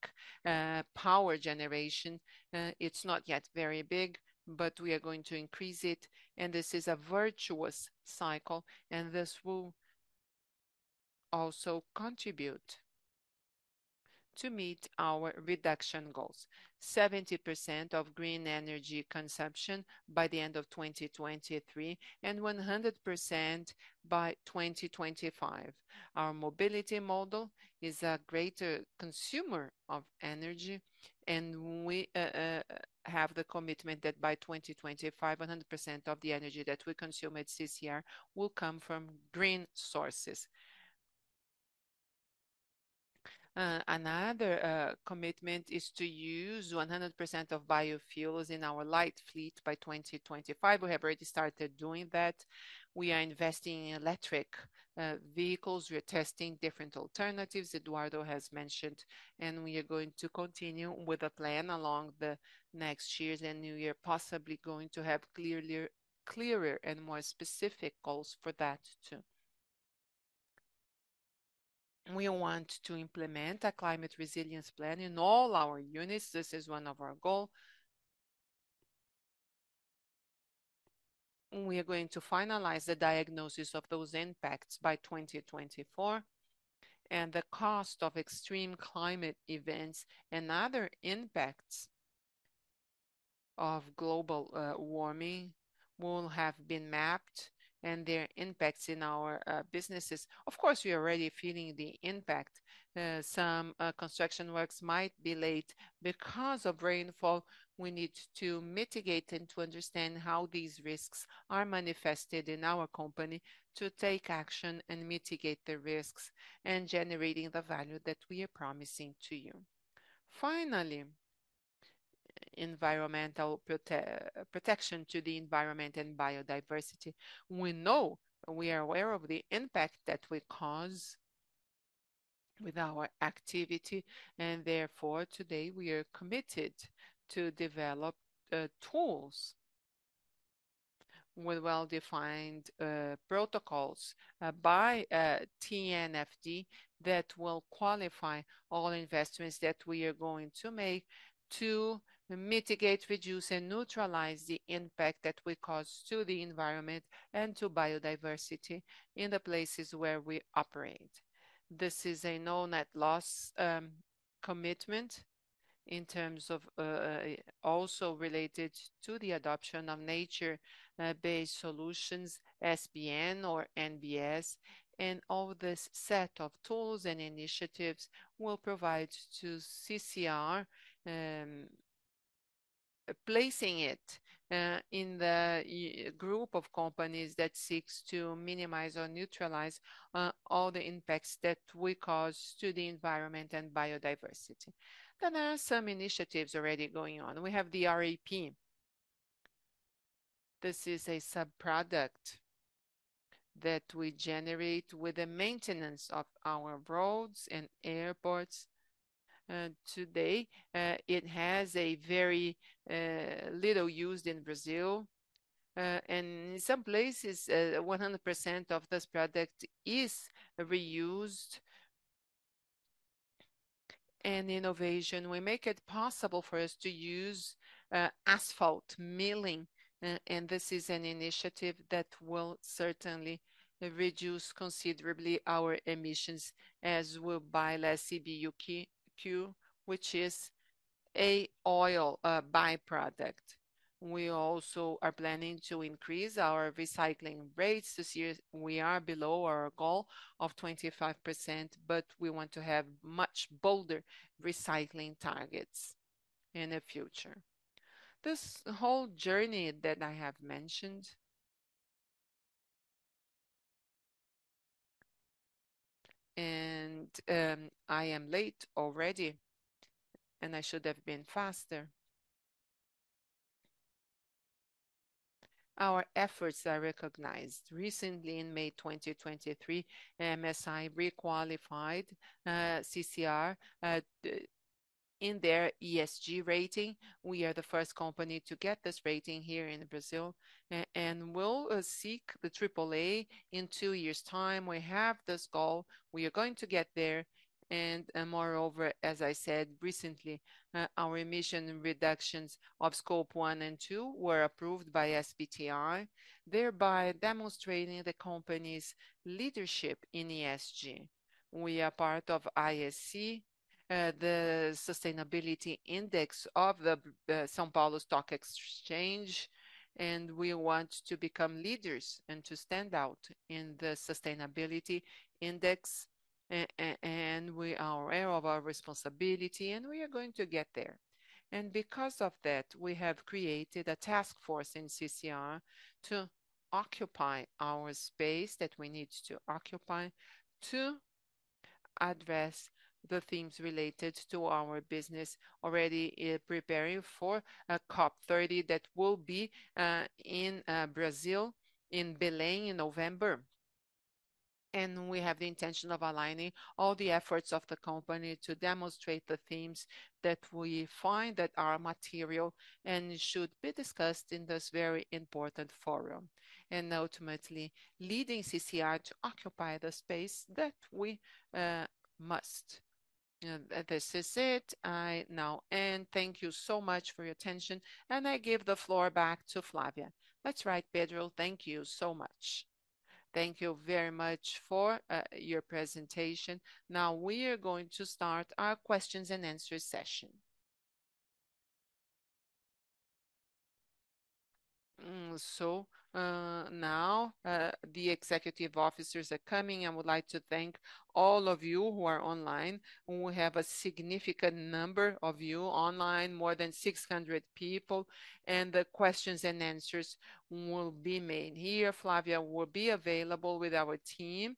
power generation. It's not yet very big, but we are going to increase it, and this is a virtuous cycle, and this will also contribute to meet our reduction goals. 70% of green energy consumption by the end of 2023, and 100% by 2025. Our mobility model is a greater consumer of energy, and we have the commitment that by 2025, 100% of the energy that we consume at CCR will come from green sources. Another commitment is to use 100% of biofuels in our light fleet by 2025. We have already started doing that. We are investing in electric vehicles. We are testing different alternatives, Eduardo has mentioned, and we are going to continue with a plan along the next years, and we are possibly going to have clearly clearer and more specific goals for that, too. We want to implement a climate resilience plan in all our units. This is one of our goal. We are going to finalize the diagnosis of those impacts by 2024, and the cost of extreme climate events and other impacts of global warming will have been mapped, and their impacts in our businesses. Of course, we are already feeling the impact. Some construction works might be late because of rainfall. We need to mitigate and to understand how these risks are manifested in our company, to take action and mitigate the risks, and generating the value that we are promising to you. Finally, environmental protection to the environment and biodiversity. We know, we are aware of the impact that we cause with our activity, and therefore, today, we are committed to develop tools with well-defined protocols by TNFD that will qualify all investments that we are going to make to mitigate, reduce, and neutralize the impact that we cause to the environment and to biodiversity in the places where we operate. This is a no net loss commitment in terms of also related to the adoption of nature based solutions, NBS. And all this set of tools and initiatives will provide to CCR, placing it in the group of companies that seeks to minimize or neutralize all the impacts that we cause to the environment and biodiversity. Then there are some initiatives already going on. We have the RAP. This is a subproduct that we generate with the maintenance of our roads and airports. Today, it has very little use in Brazil, and in some places, 100% of this product is reused. And innovation, we make it possible for us to use asphalt milling, and this is an initiative that will certainly reduce considerably our emissions, as we'll buy less CBUQ, which is an oil byproduct. We also are planning to increase our recycling rates this year. We are below our goal of 25%, but we want to have much bolder recycling targets in the future. This whole journey that I have mentioned... And, I am late already, and I should have been faster. Our efforts are recognized. Recently, in May 2023, MSCI requalified CCR in their ESG rating. We are the first company to get this rating here in Brazil, and we'll seek the triple A in 2 years' time. We have this goal. We are going to get there, and, and moreover, as I said recently, our emission reductions of Scope 1 and 2 were approved by SBTi, thereby demonstrating the company's leadership in ESG. We are part of ISE, the sustainability index of the São Paulo Stock Exchange, and we want to become leaders and to stand out in the sustainability index. And we are aware of our responsibility, and we are going to get there. Because of that, we have created a task force in CCR to occupy our space that we need to occupy, to address the themes related to our business, already preparing for COP 30, that will be in Brazil, in Belém, in November. We have the intention of aligning all the efforts of the company to demonstrate the themes that we find that are material and should be discussed in this very important forum, and ultimately, leading CCR to occupy the space that we must. This is it. I now end. Thank you so much for your attention, and I give the floor back to Flávia. That's right, Pedro. Thank you so much. Thank you very much for your presentation. Now, we are going to start our questions and answer session. Mm, so now, the executive officers are coming. I would like to thank all of you who are online. We have a significant number of you online, more than 600 people, and the questions and answers will be made here. Flávia will be available with our team.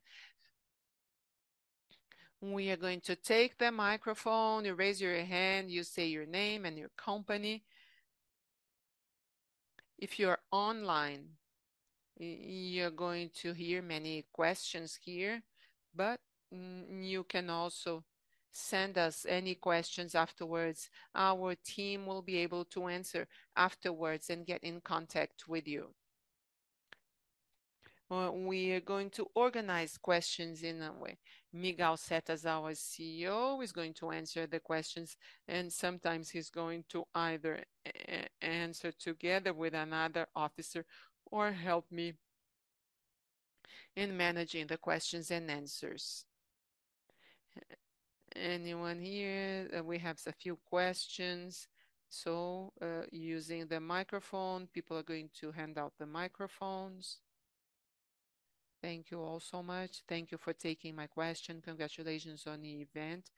We are going to take the microphone. You raise your hand, you say your name and your company. If you are online, you're going to hear many questions here, but you can also send us any questions afterwards. Our team will be able to answer afterwards and get in contact with you.… Well, we are going to organize questions in a way. Miguel Setas, our CEO, is going to answer the questions, and sometimes he's going to either answer together with another officer or help me in managing the questions and answers. Anyone here? We have a few questions, so, using the microphone, people are going to hand out the microphones. Thank you all so much. Thank you for taking my question. Congratulations on the event.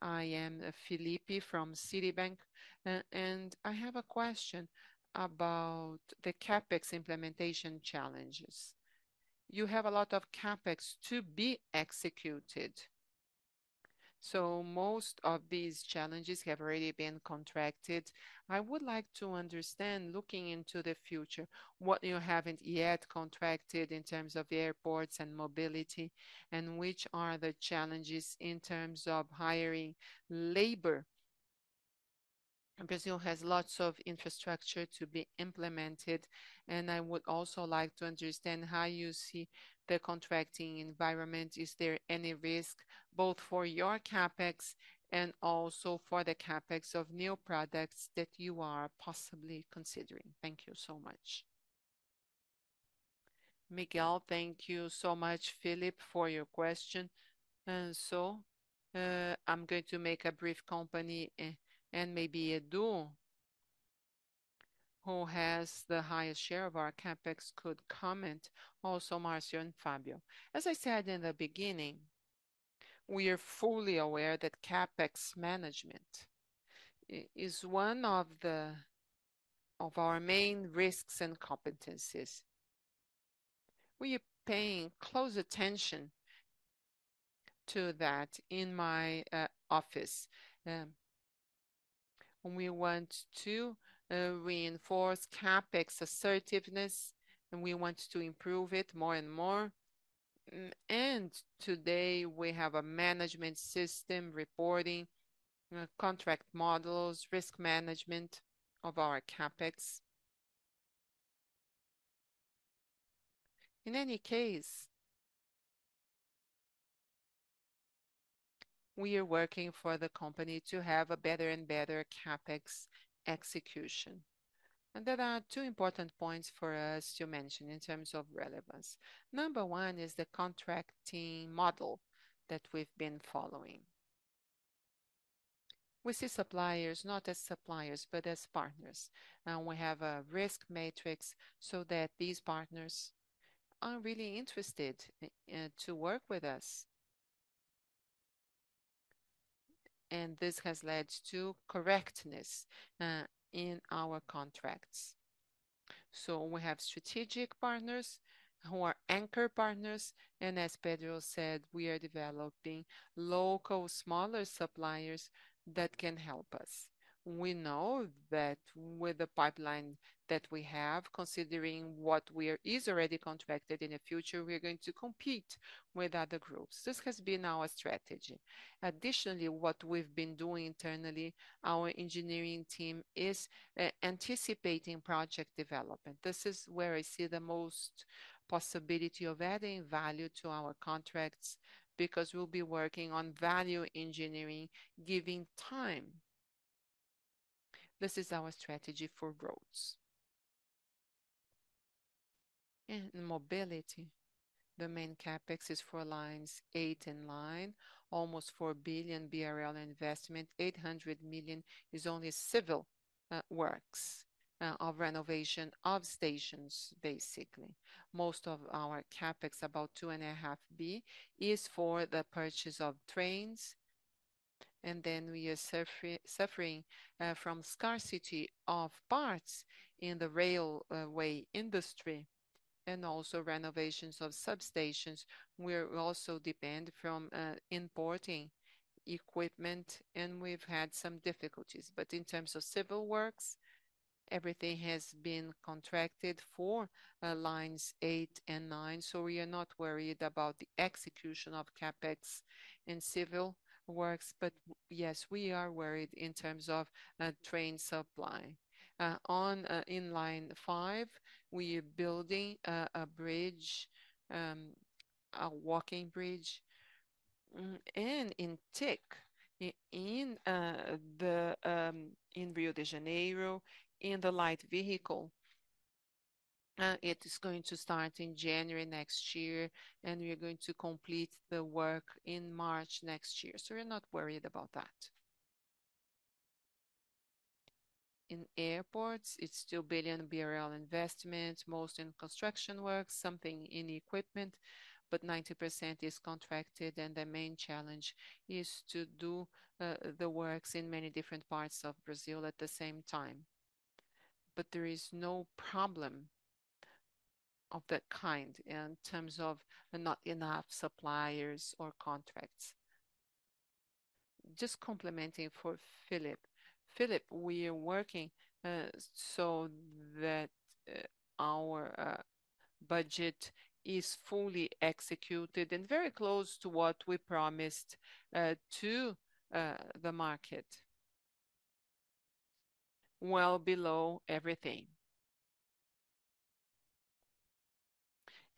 I am Felipe from Citibank, and I have a question about the CapEx implementation challenges. You have a lot of CapEx to be executed, so most of these challenges have already been contracted. I would like to understand, looking into the future, what you haven't yet contracted in terms of airports and mobility, and which are the challenges in terms of hiring labor? And Brazil has lots of infrastructure to be implemented, and I would also like to understand how you see the contracting environment. Is there any risk, both for your CapEx and also for the CapEx of new products that you are possibly considering? Thank you so much. Miguel, thank you so much, Felipe, for your question. So, I'm going to make a brief company, and maybe Edu, who has the highest share of our CapEx, could comment. Also Marcio and Fabio. As I said in the beginning, we are fully aware that CapEx management is one of the of our main risks and competencies. We are paying close attention to that in my office. We want to reinforce CapEx assertiveness, and we want to improve it more and more. Today, we have a management system reporting contract models, risk management of our CapEx. In any case, we are working for the company to have a better and better CapEx execution. There are two important points for us to mention in terms of relevance. Number 1 is the contracting model that we've been following. We see suppliers not as suppliers, but as partners, and we have a risk matrix so that these partners are really interested to work with us. This has led to correctness in our contracts. We have strategic partners who are anchor partners, and as Pedro said, we are developing local, smaller suppliers that can help us. We know that with the pipeline that we have, considering what we are is already contracted, in the future, we are going to compete with other groups. This has been our strategy. Additionally, what we've been doing internally, our engineering team is anticipating project development. This is where I see the most possibility of adding value to our contracts, because we'll be working on value engineering, giving time. This is our strategy for roads. In mobility, the main CapEx is for lines 8 and 9, almost 4 billion BRL investment. 800 million is only civil works of renovation of stations, basically. Most of our CapEx, about 2.5 billion BRL, is for the purchase of trains, and then we are suffering from scarcity of parts in the railway industry, and also renovations of substations, where we also depend from importing equipment, and we've had some difficulties. But in terms of civil works, everything has been contracted for lines 8 and 9, so we are not worried about the execution of CapEx in civil works. But yes, we are worried in terms of train supply. In line 5, we are building a bridge, a walking bridge. And in TIC, in the... In Rio de Janeiro, in the light vehicle, it is going to start in January next year, and we are going to complete the work in March next year. So we're not worried about that. In airports, it's 2 billion BRL investment, most in construction work, something in equipment, but 90% is contracted, and the main challenge is to do the works in many different parts of Brazil at the same time. But there is no problem of that kind in terms of not enough suppliers or contracts. Just complementing for Felipe. Felipe, we are working so that our budget is fully executed and very close to what we promised to the market.... well below everything.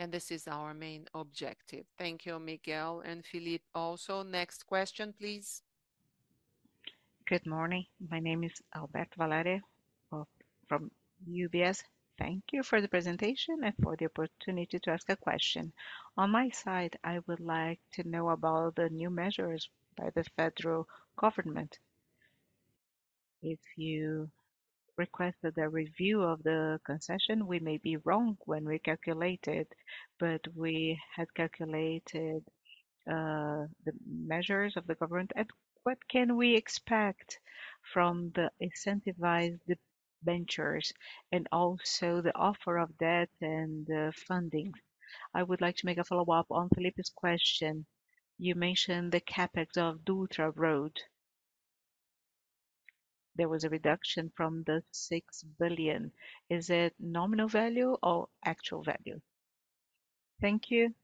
This is our main objective. Thank you, Miguel and Felipe also. Next question, please. G Good morning. My name is Alberto Valerio of, from UBS. Thank you for the presentation and for the opportunity to ask a question. On my side, I would like to know about the new measures by the federal government. If you requested a review of the concession, we may be wrong when we calculate it, but we had calculated the measures of the government. What can we expect from the incentivized debentures, and also the offer of that and the funding? I would like to make a follow-up on Felipe's question. You mentioned the CapEx of Dutra Road. There was a reduction from the 6 billion. Is it nominal value or actual value? Thank you.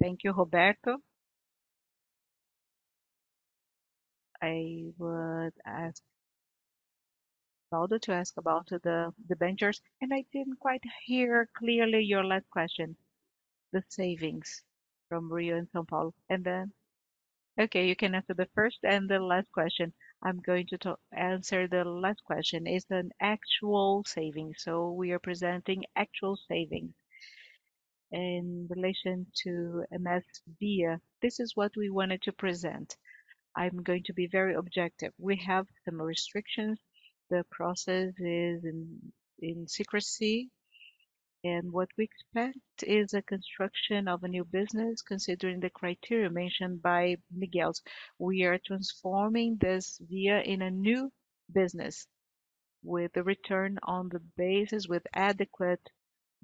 Thank you, Roberto. I would ask Waldo to ask about the debentures, and I didn't quite hear clearly your last question. The savings from Rio and São Paulo. And then? Okay, you can answer the first and the last question. I'm going to answer the last question. It's an actual saving, so we are presenting actual saving. In relation to MS Via, this is what we wanted to present. I'm going to be very objective. We have some restrictions. The process is in secrecy, and what we expect is a construction of a new business, considering the criteria mentioned by Miguel's. We are transforming this Via in a new business, with a return on the basis, with adequate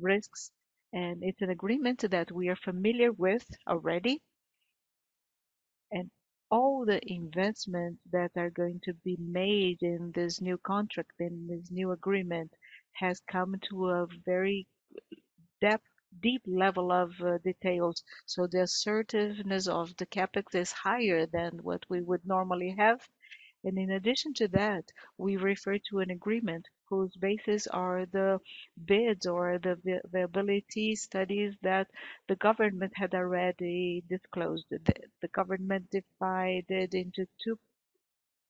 risks, and it's an agreement that we are familiar with already. All the investments that are going to be made in this new contract, in this new agreement, has come to a very deep level of details. The assertiveness of the CapEx is higher than what we would normally have. In addition to that, we refer to an agreement whose basis are the bids or the ability studies that the government had already disclosed. The government divided into two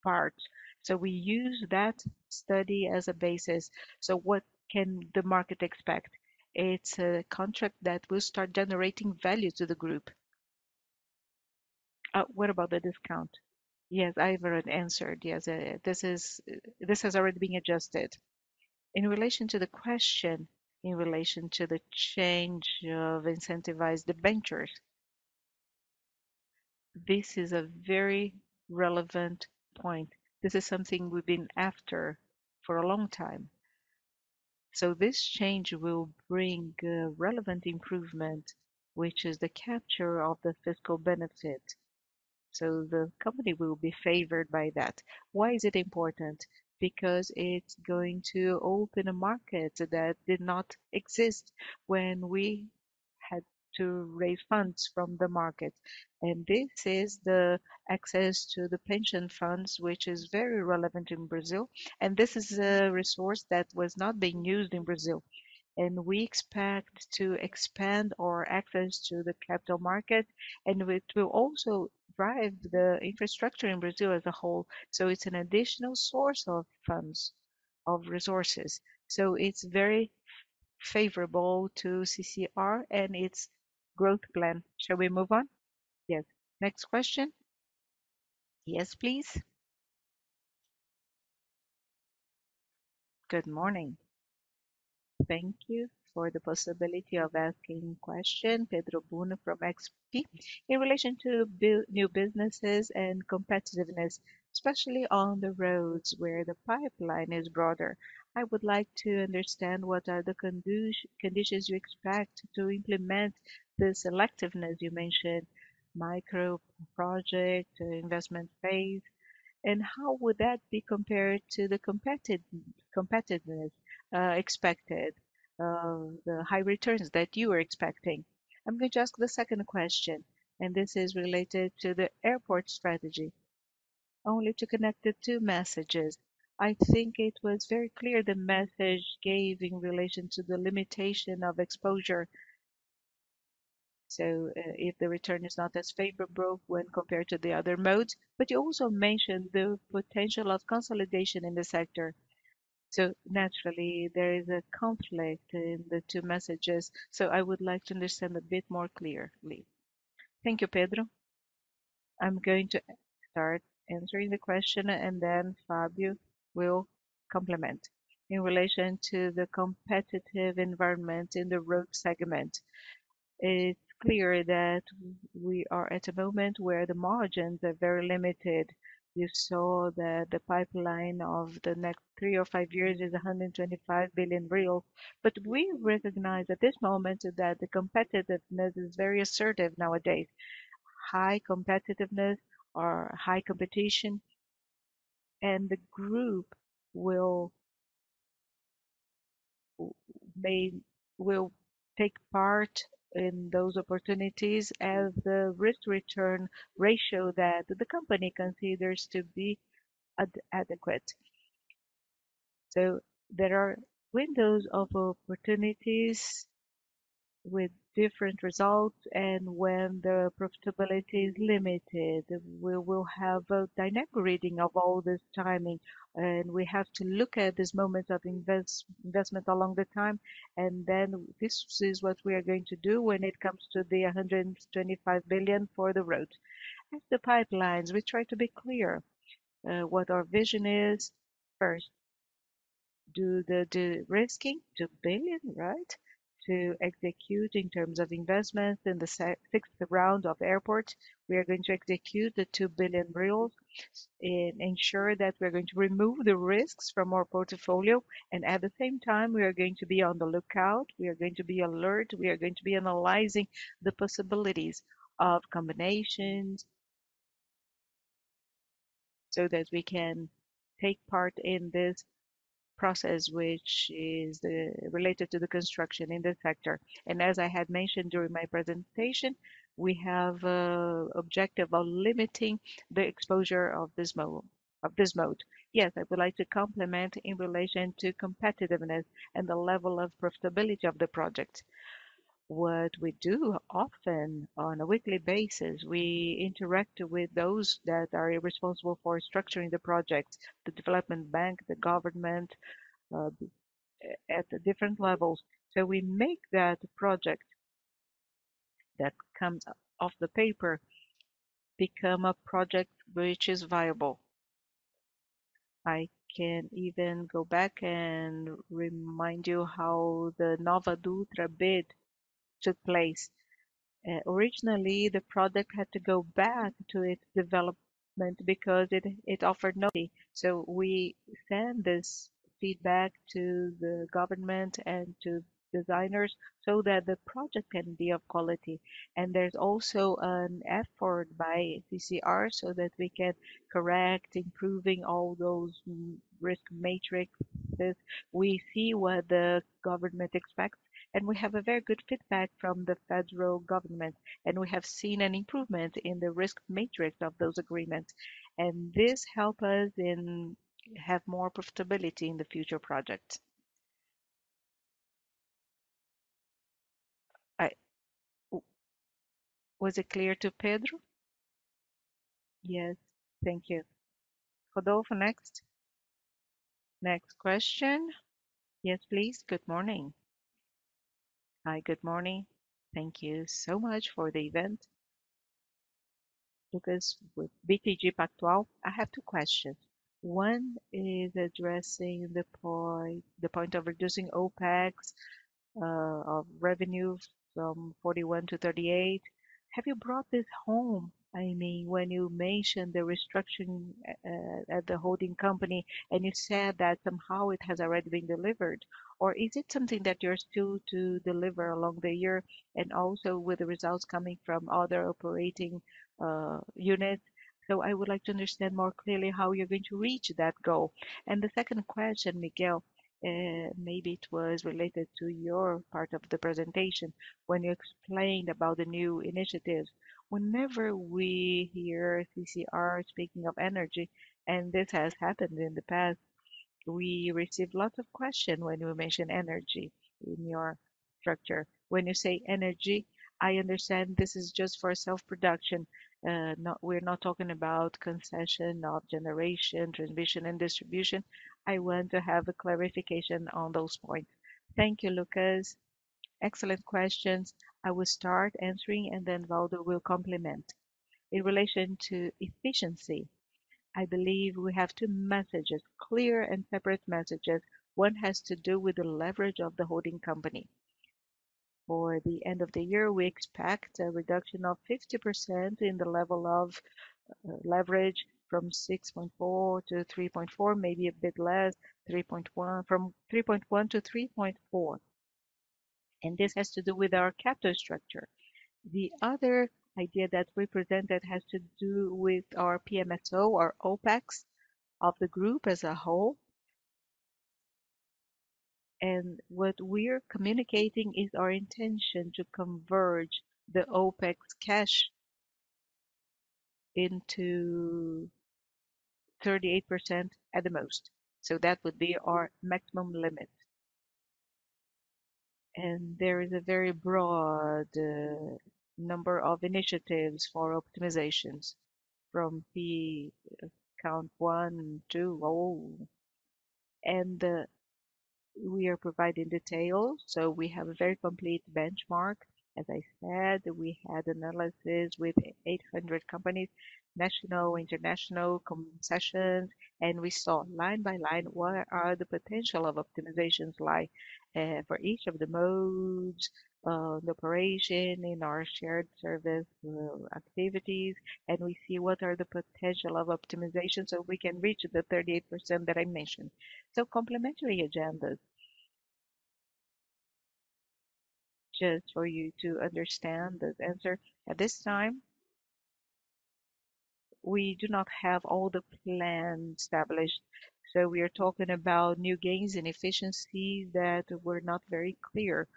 parts, so we use that study as a basis. What can the market expect? It's a contract that will start generating value to the group. What about the discount? Yes, I've already answered. Yes, this has already been adjusted. In relation to the question, in relation to the change of incentivized debentures, this is a very relevant point. This is something we've been after for a long time. So this change will bring, relevant improvement, which is the capture of the fiscal benefit, so the company will be favored by that. Why is it important? Because it's going to open a market that did not exist when we had to raise funds from the market. And this is the access to the pension funds, which is very relevant in Brazil, and this is a resource that was not being used in Brazil. And we expect to expand our access to the capital market, and it will also drive the infrastructure in Brazil as a whole. So it's an additional source of funds, of resources, so it's very favorable to CCR and its growth plan. Shall we move on? Yes. Next question. Yes, please. Good morning. Thank you for the possibility of asking question. Pedro Bruno from XP. In relation to new businesses and competitiveness, especially on the roads where the pipeline is broader, I would like to understand what are the conditions you expect to implement the selectiveness you mentioned, micro project, investment phase, and how would that be compared to the competitiveness expected, the high returns that you were expecting? I'm going to ask the second question, and this is related to the airport strategy. Only to connect the two messages, I think it was very clear, the message gave in relation to the limitation of exposure. So, if the return is not as favorable when compared to the other modes, but you also mentioned the potential of consolidation in the sector. So naturally, there is a conflict in the two messages, so I would like to understand a bit more clearly. Thank you, Pedro. I'm going to start answering the question, and then Fabio will complement. In relation to the competitive environment in the road segment, it's clear that we are at a moment where the margins are very limited. You saw that the pipeline of the next three or five years is 125 billion real. But we recognize at this moment that the competitiveness is very assertive nowadays. High competitiveness or high competition, and the group they will take part in those opportunities as the risk-return ratio that the company considers to be adequate. So there are windows of opportunities with different results, and when the profitability is limited, we will have a dynamic reading of all the timing, and we have to look at this moment of investment along the time. This is what we are going to do when it comes to the 125 billion for the road. As the pipelines, we try to be clear what our vision is. First, do the de-risking, 2 billion, right? To execute in terms of investment and the CapEx for the round of airports. We are going to execute the 2 billion and ensure that we're going to remove the risks from our portfolio, and at the same time, we are going to be on the lookout, we are going to be alert, we are going to be analyzing the possibilities of combinations so that we can take part in this process, which is related to the construction in the sector. And as I had mentioned during my presentation, we have a objective of limiting the exposure of this mode, of this mode. Yes, I would like to comment in relation to competitiveness and the level of profitability of the project. What we do often, on a weekly basis, we interact with those that are responsible for structuring the projects, the development bank, the government, at the different levels. So we make that project that comes off the paper become a project which is viable. I can even go back and remind you how the Nova Dutra bid took place. Originally, the project had to go back to its development because it, it offered nothing. So we send this feedback to the government and to designers so that the project can be of quality. And there's also an effort by CCR so that we can correct, improving all those risk matrices. We see what the government expects, and we have a very good feedback from the federal government, and we have seen an improvement in the risk matrix of those agreements, and this helps us to have more profitability in the future projects. Was it clear to Pedro? Yes, thank you. Rodolfo, next. Next question. Yes, please. Good morning. Hi, good morning. Thank you so much for the event. Lucas with BTG Pactual. I have two questions. One is addressing the point of reducing OpEx of revenues from 41%-38%. Have you brought this home? I mean, when you mentioned the restructuring at the holding company, and you said that somehow it has already been delivered, or is it something that you're still to deliver along the year and also with the results coming from other operating units? So I would like to understand more clearly how you're going to reach that goal. And the second question, Miguel, maybe it was related to your part of the presentation when you explained about the new initiatives. Whenever we hear CCR speaking of energy, and this has happened in the past, we receive lots of questions when you mention energy in your structure. When you say energy, I understand this is just for self-production, not, we're not talking about concession, not generation, transmission, and distribution. I want to have a clarification on those points. Thank you, Lucas. Excellent questions. I will start answering, and then Valdo will complement. In relation to efficiency, I believe we have two messages, clear and separate messages. One has to do with the leverage of the holding company. For the end of the year, we expect a reduction of 50% in the level of leverage from 6.4 to 3.4, maybe a bit less, 3.1. From 3.1 to 3.4, and this has to do with our capital structure. The other idea that we present that has to do with our PMSO, our OpEx of the group as a whole. What we are communicating is our intention to converge the OpEx cash into 38% at the most, so that would be our maximum limit. There is a very broad number of initiatives for optimizations from the count one, two, oh, and we are providing details, so we have a very complete benchmark. As I said, we had analysis with 800 companies, national, international, concession, and we saw line by line what are the potential of optimizations like, for each of the modes, the operation in our shared service, activities, and we see what are the potential of optimization, so we can reach the 38% that I mentioned. So complementary agendas. Just for you to understand the answer at this time.... We do not have all the plans established, so we are talking about new gains in efficiency that were not very clear,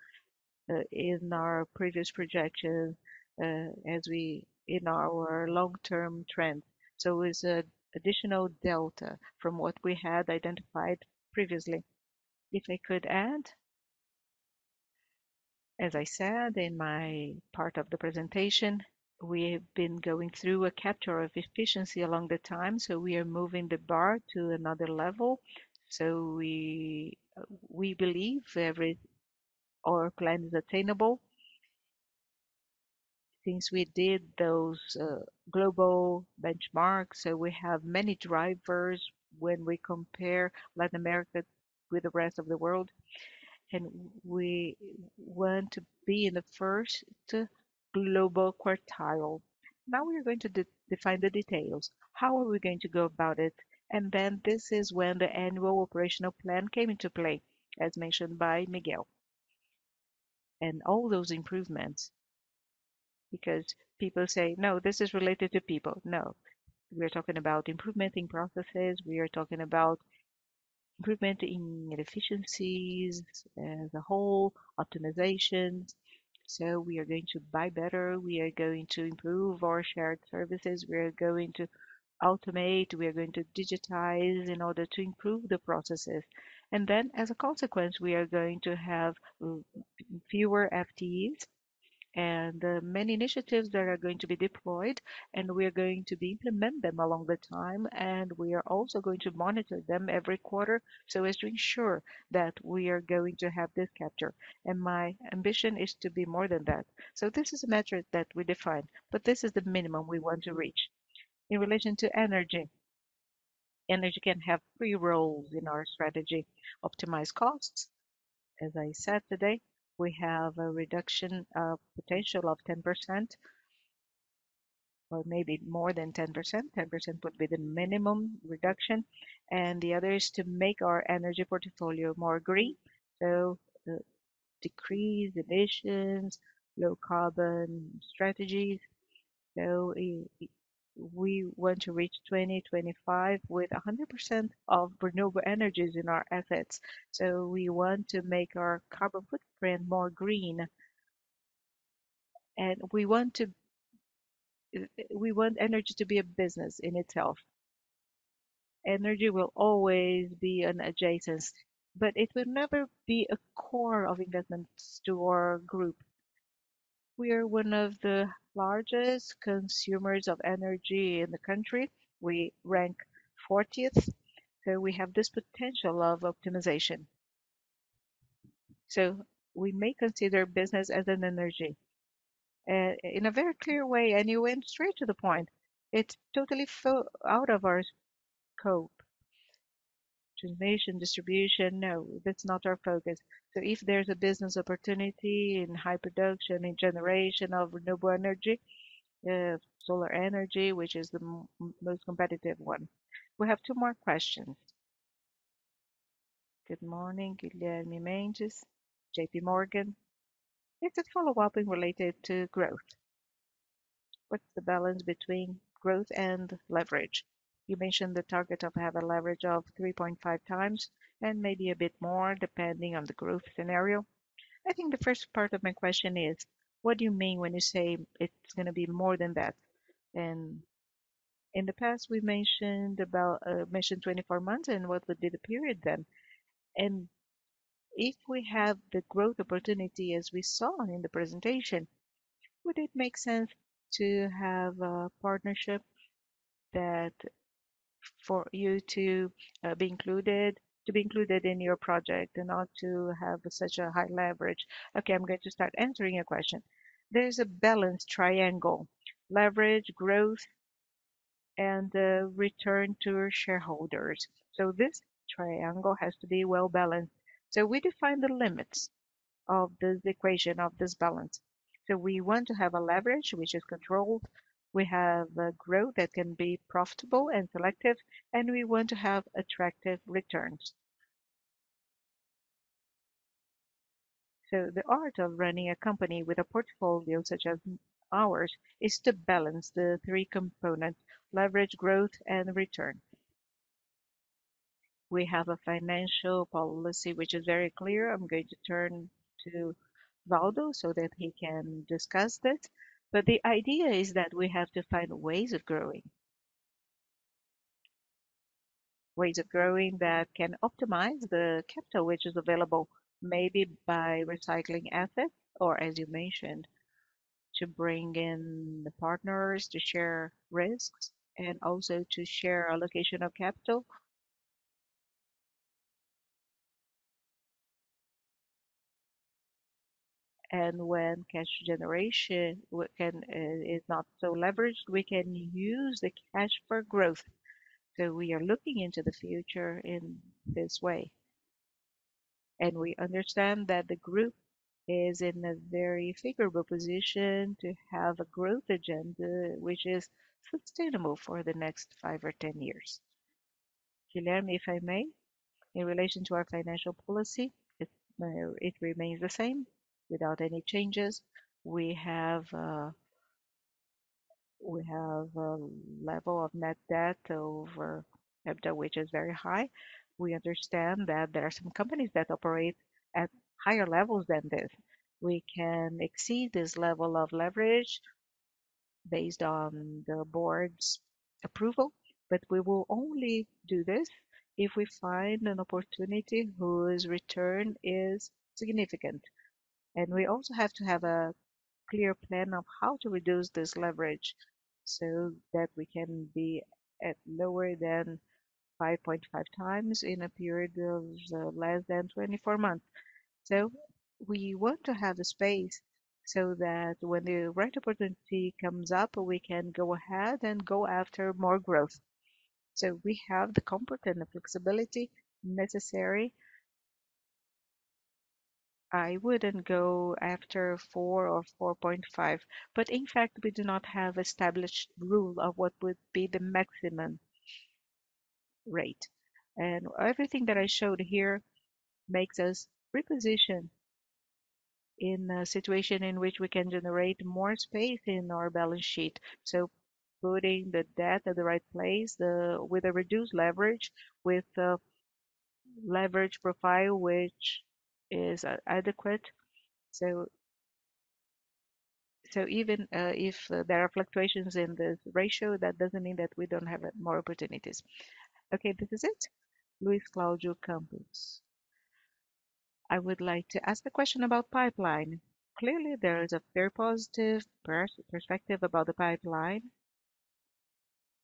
in our previous projection, as we- in our long-term trend. So it's an additional delta from what we had identified previously. If I could add, as I said in my part of the presentation, we have been going through a capture of efficiency along the time, so we are moving the bar to another level. We believe our plan is attainable since we did those global benchmarks. So we have many drivers when we compare Latin America with the rest of the world, and we want to be in the first global quartile. Now we are going to define the details. How are we going to go about it? Then this is when the annual operational plan came into play, as mentioned by Miguel. All those improvements, because people say, "No, this is related to people." No, we are talking about improvement in processes. We are talking about improvement in efficiencies, the whole optimization. So we are going to buy better, we are going to improve our shared services, we are going to automate, we are going to digitize in order to improve the processes. Then, as a consequence, we are going to have fewer FTEs and many initiatives that are going to be deployed, and we are going to be implement them along the time, and we are also going to monitor them every quarter so as to ensure that we are going to have this capture. My ambition is to be more than that. So this is a metric that we defined, but this is the minimum we want to reach. In relation to energy, energy can have three roles in our strategy: optimize costs, as I said today, we have a reduction of potential of 10%, or maybe more than 10%. 10% would be the minimum reduction. The other is to make our energy portfolio more green, so decrease emissions, low carbon strategies. We want to reach 2025 with 100% of renewable energies in our assets. We want to make our carbon footprint more green, and we want to... We want energy to be a business in itself. Energy will always be an adjacent, but it will never be a core of investments to our group. We are one of the largest consumers of energy in the country. We rank 40th, so we have this potential of optimization. We may consider business as an energy in a very clear way, and you went straight to the point. It's totally full out of our scope. Generation, distribution, no, that's not our focus. So if there's a business opportunity in high production, in generation of renewable energy, solar energy, which is the most competitive one. We have two more questions. Good morning, Guilherme Mendes, JP Morgan. It's a follow-up and related to growth. What's the balance between growth and leverage? You mentioned the target of have a leverage of 3.5x, and maybe a bit more, depending on the growth scenario. I think the first part of my question is, what do you mean when you say it's gonna be more than that? And in the past, we mentioned about, mentioned 24 months, and what would be the period then? If we have the growth opportunity, as we saw in the presentation, would it make sense to have a partnership that for you to be included in your project and not to have such a high leverage? Okay, I'm going to start answering your question. There is a balanced triangle: leverage, growth, and return to shareholders. This triangle has to be well-balanced. We define the limits of this equation, of this balance. We want to have a leverage, which is controlled. We have a growth that can be profitable and selective, and we want to have attractive returns. The art of running a company with a portfolio such as ours is to balance the three components: leverage, growth, and return. We have a financial policy, which is very clear. I'm going to turn to Valdo so that he can discuss that. But the idea is that we have to find ways of growing. Ways of growing that can optimize the capital, which is available, maybe by recycling assets, or as you mentioned, to bring in the partners to share risks and also to share allocation of capital. And when cash generation is not so leveraged, we can use the cash for growth. So we are looking into the future in this way, and we understand that the group is in a very favorable position to have a growth agenda which is sustainable for the next five or 10 years. Guilherme, if I may, in relation to our financial policy, it remains the same without any changes. We have a level of net debt over EBITDA, which is very high. We understand that there are some companies that operate at higher levels than this. We can exceed this level of leverage based on the board's approval, but we will only do this if we find an opportunity whose return is significant. We also have to have a clear plan of how to reduce this leverage, so that we can be at lower than 5.5x in a period of less than 24 months. We want to have the space, so that when the right opportunity comes up, we can go ahead and go after more growth. We have the comfort and the flexibility necessary. I wouldn't go after 4x or 4.5x, but in fact, we do not have established rule of what would be the maximum rate. Everything that I showed here makes us reposition in a situation in which we can generate more space in our balance sheet. Putting the debt at the right place, with a reduced leverage, with a leverage profile, which is adequate. Even if there are fluctuations in the ratio, that doesn't mean that we don't have more opportunities. Okay, this is it. Luiz Claudio Campos: "I would like to ask a question about pipeline. Clearly, there is a very positive perspective about the pipeline,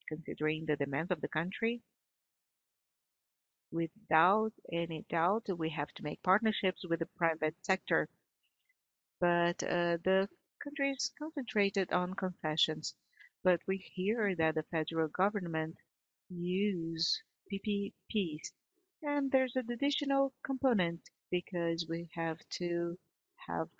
considering the demands of the country. Without any doubt, we have to make partnerships with the private sector. But the country is concentrated on concessions. But we hear that the federal government use PPPs, and there's an additional component because we have to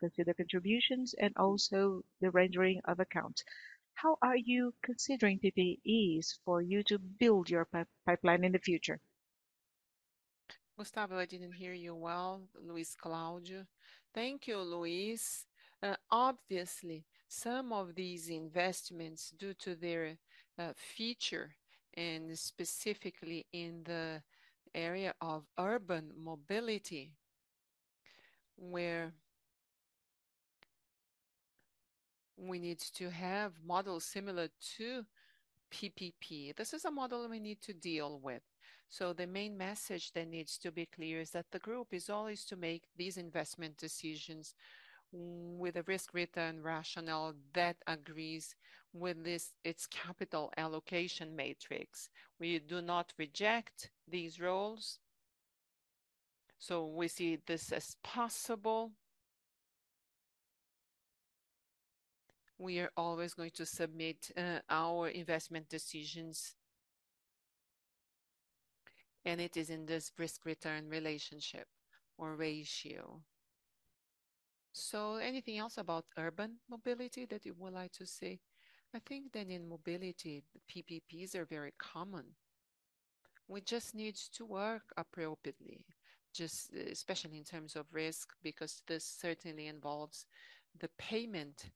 consider contributions and also the rendering of accounts. How are you considering PPPs for you to build your pipeline in the future? Gustavo, I didn't hear you well. Luiz Claudio. Thank you, Luiz. Obviously, some of these investments, due to their feature, and specifically in the area of urban mobility, where we need to have models similar to PPP. This is a model we need to deal with. So the main message that needs to be clear is that the group is always to make these investment decisions with a risk/return rationale that agrees with this, its capital allocation matrix. We do not reject these roles, so we see this as possible. We are always going to submit our investment decisions, and it is in this risk-return relationship or ratio. So anything else about urban mobility that you would like to say? I think that in mobility, PPPs are very common. We just need to work appropriately, just, especially in terms of risk, because this certainly involves the payment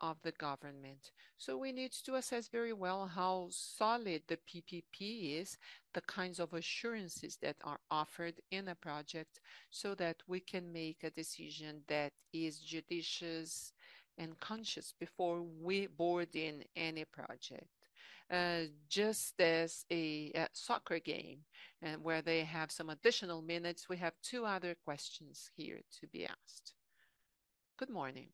of the government. So we need to assess very well how solid the PPP is, the kinds of assurances that are offered in a project, so that we can make a decision that is judicious and conscious before we board in any project. Just as a soccer game, and where they have some additional minutes, we have two other questions here to be asked. Good morning.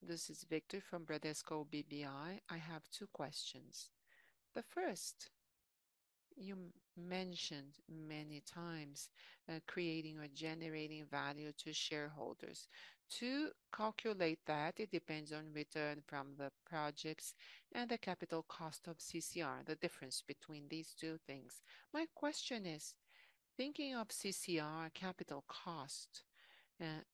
This is Victor from Bradesco BBI. I have two questions. The first, you mentioned many times, creating or generating value to shareholders. To calculate that, it depends on return from the projects and the capital cost of CCR, the difference between these two things. My question is, thinking of CCR capital cost,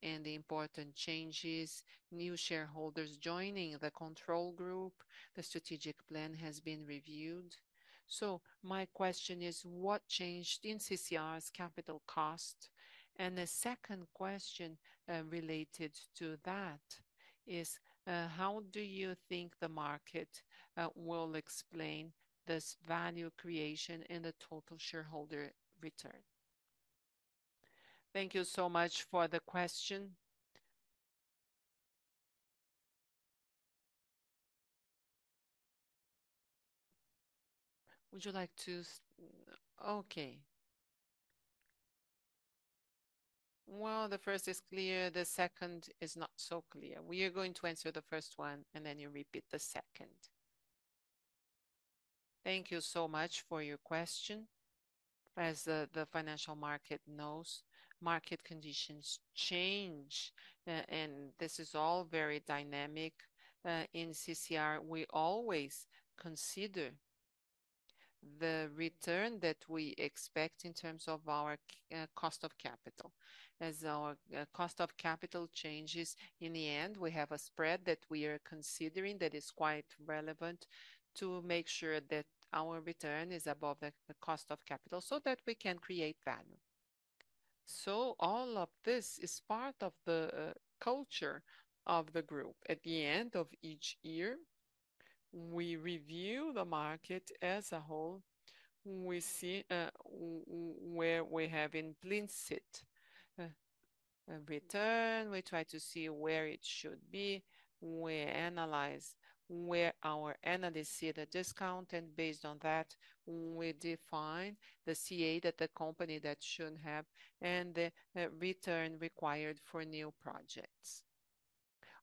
and the important changes, new shareholders joining the control group, the strategic plan has been reviewed. So my question is: What changed in CCR's capital cost? And the second question, related to that is: How do you think the market will explain this value creation and the total shareholder return? Thank you so much for the question. Would you like to... Okay. Well, the first is clear; the second is not so clear. We are going to answer the first one, and then you repeat the second. Thank you so much for your question. As the financial market knows, market conditions change, and this is all very dynamic. In CCR, we always consider the return that we expect in terms of our cost of capital. As our cost of capital changes, in the end, we have a spread that we are considering that is quite relevant to make sure that our return is above the cost of capital, so that we can create value. So all of this is part of the culture of the group. At the end of each year, we review the market as a whole. We see where we have implicit return. We try to see where it should be. We analyze where our analysts see the discount, and based on that, we define the CA that the company should have, and the return required for new projects.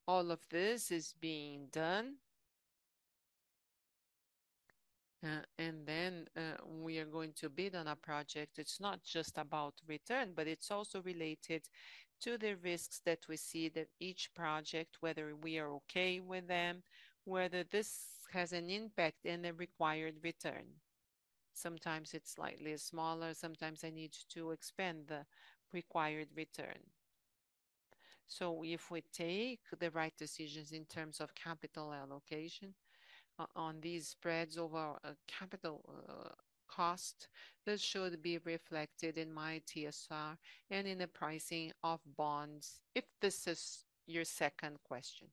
All of this is being done, and then we are going to bid on a project. It's not just about return, but it's also related to the risks that we see that each project, whether we are okay with them, whether this has an impact in the required return. Sometimes it's slightly smaller, sometimes I need to expand the required return. So if we take the right decisions in terms of capital allocation on these spreads over a capital cost, this should be reflected in my TSR and in the pricing of bonds, if this is your second question.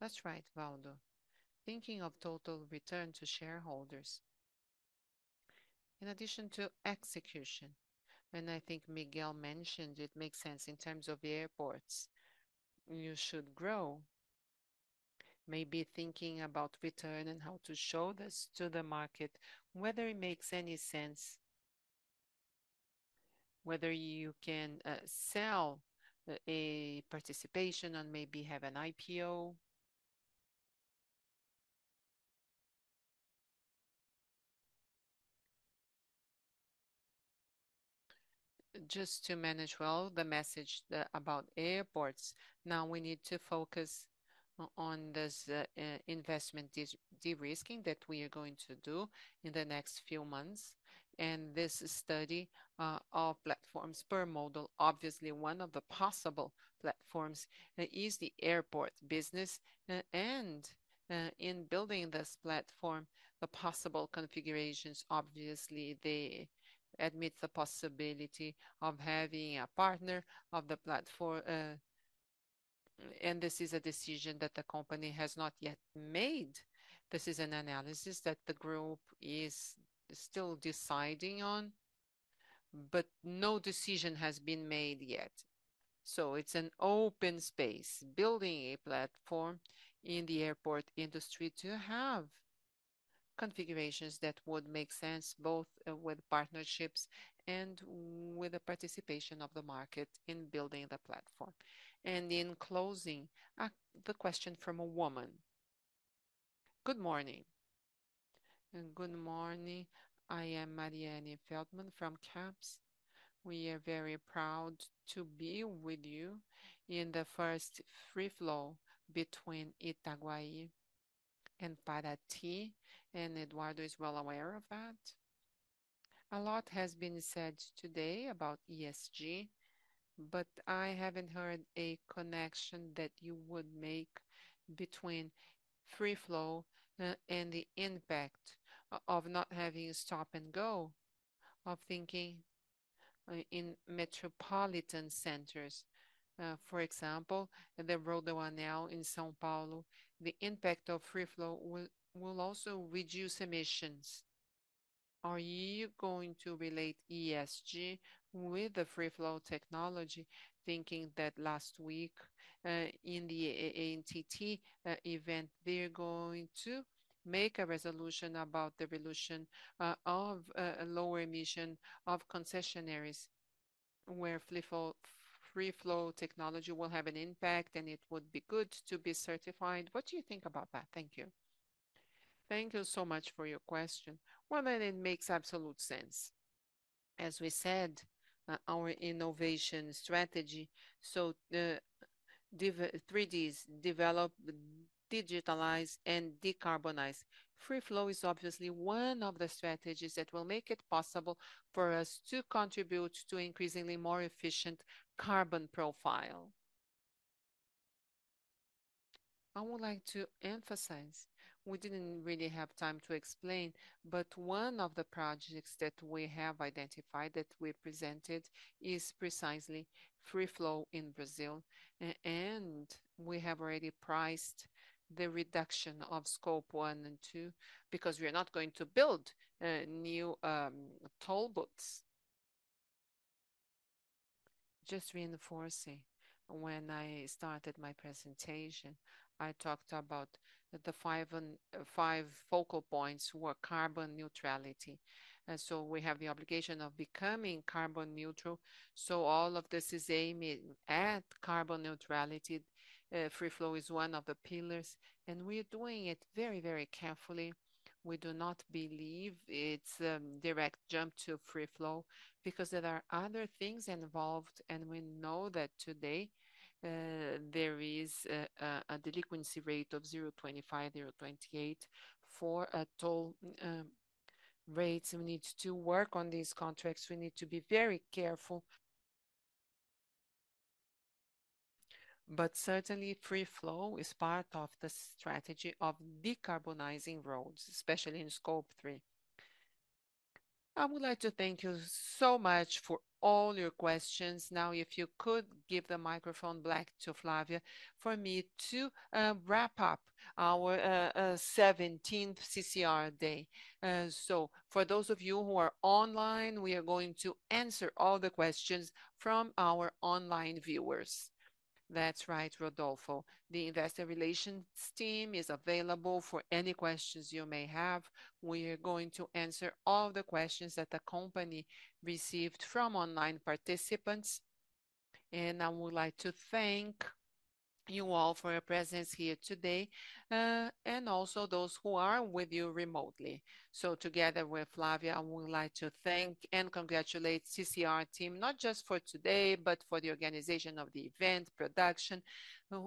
That's right, Waldo. Thinking of total return to shareholders. In addition to execution, and I think Miguel mentioned, it makes sense in terms of airports, you should grow. Maybe thinking about return and how to show this to the market, whether it makes any sense, whether you can sell a participation and maybe have an IPO. Just to manage well the message about airports, now we need to focus on this, investment de-risking that we are going to do in the next few months, and this study, of platforms per model. Obviously, one of the possible platforms, is the airport business. And, in building this platform, the possible configurations, obviously, they admit the possibility of having a partner of the platform. And this is a decision that the company has not yet made. This is an analysis that the group is still deciding on, but no decision has been made yet. So it's an open space, building a platform in the airport industry to have configurations that would make sense, both, with partnerships and with the participation of the market in building the platform. And in closing, the question from a woman. Good morning. Good morning. I am Mariana Feldman from Kapsch. We are very proud to be with you in the first Free Flow between Itaguaí and Paraty, and Eduardo is well aware of that. A lot has been said today about ESG, but I haven't heard a connection that you would make between Free Flow and the impact of not having a stop-and-go, of thinking in metropolitan centers. For example, the Rodovia Anel in São Paulo, the impact of Free Flow will also reduce emissions. Are you going to relate ESG with the Free Flow technology, thinking that last week in the ANTT event, they're going to make a resolution about the revolution of lower emission of concessionaires, where Free Flow technology will have an impact, and it would be good to be certified? What do you think about that? Thank you. Thank you so much for your question. Well, then it makes absolute sense. As we said, our innovation strategy, so the three Ds: develop, digitalize, and decarbonize. Free Flow is obviously one of the strategies that will make it possible for us to contribute to increasingly more efficient carbon profile. I would like to emphasize, we didn't really have time to explain, but one of the projects that we have identified, that we presented, is precisely Free Flow in Brazil. And we have already priced the reduction of Scope 1 and 2, because we are not going to build new toll booths. Just reinforcing, when I started my presentation, I talked about the five focal points were carbon neutrality, and so we have the obligation of becoming carbon neutral. So all of this is aiming at carbon neutrality. Free Flow is one of the pillars, and we're doing it very, very carefully. We do not believe it's a direct jump to Free Flow because there are other things involved, and we know that today, there is a delinquency rate of 0.5-0.8 for toll rates. We need to work on these contracts. We need to be very careful, but certainly, free flow is part of the strategy of decarbonizing roads, especially in Scope 3. I would like to thank you so much for all your questions. Now, if you could give the microphone back to Flávia for me to wrap up our seventeenth CCR day. So for those of you who are online, we are going to answer all the questions from our online viewers. That's right, Rodolfo. The investor relations team is available for any questions you may have. We are going to answer all the questions that the company received from online participants, and I would like to thank you all for your presence here today, and also those who are with you remotely. Together with Flávia, I would like to thank and congratulate CCR team, not just for today, but for the organization of the event, production,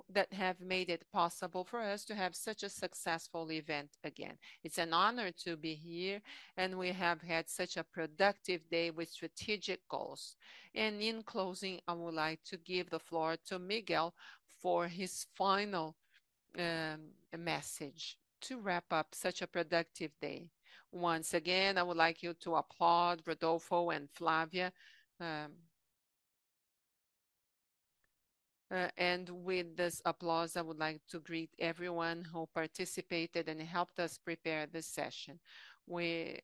that have made it possible for us to have such a successful event again. It's an honor to be here, and we have had such a productive day with strategic goals. In closing, I would like to give the floor to Miguel for his final message to wrap up such a productive day. Once again, I would like you to applaud Rodolfo and Flávia. And with this applause, I would like to greet everyone who participated and helped us prepare this session. We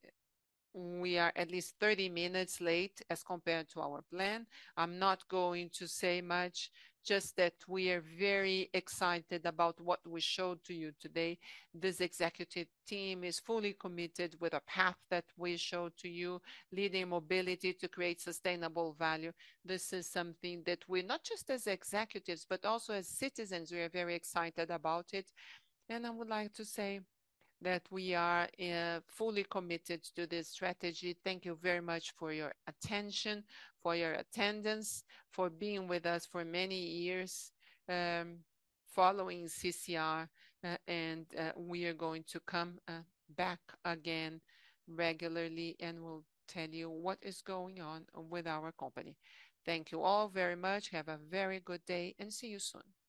are at least 30 minutes late as compared to our plan. I'm not going to say much, just that we are very excited about what we showed to you today. This executive team is fully committed with a path that we showed to you, leading mobility to create sustainable value. This is something that we... not just as executives, but also as citizens, we are very excited about it. And I would like to say that we are fully committed to this strategy. Thank you very much for your attention, for your attendance, for being with us for many years, following CCR, and we are going to come back again regularly, and we'll tell you what is going on with our company. Thank you all very much. Have a very good day, and see you soon.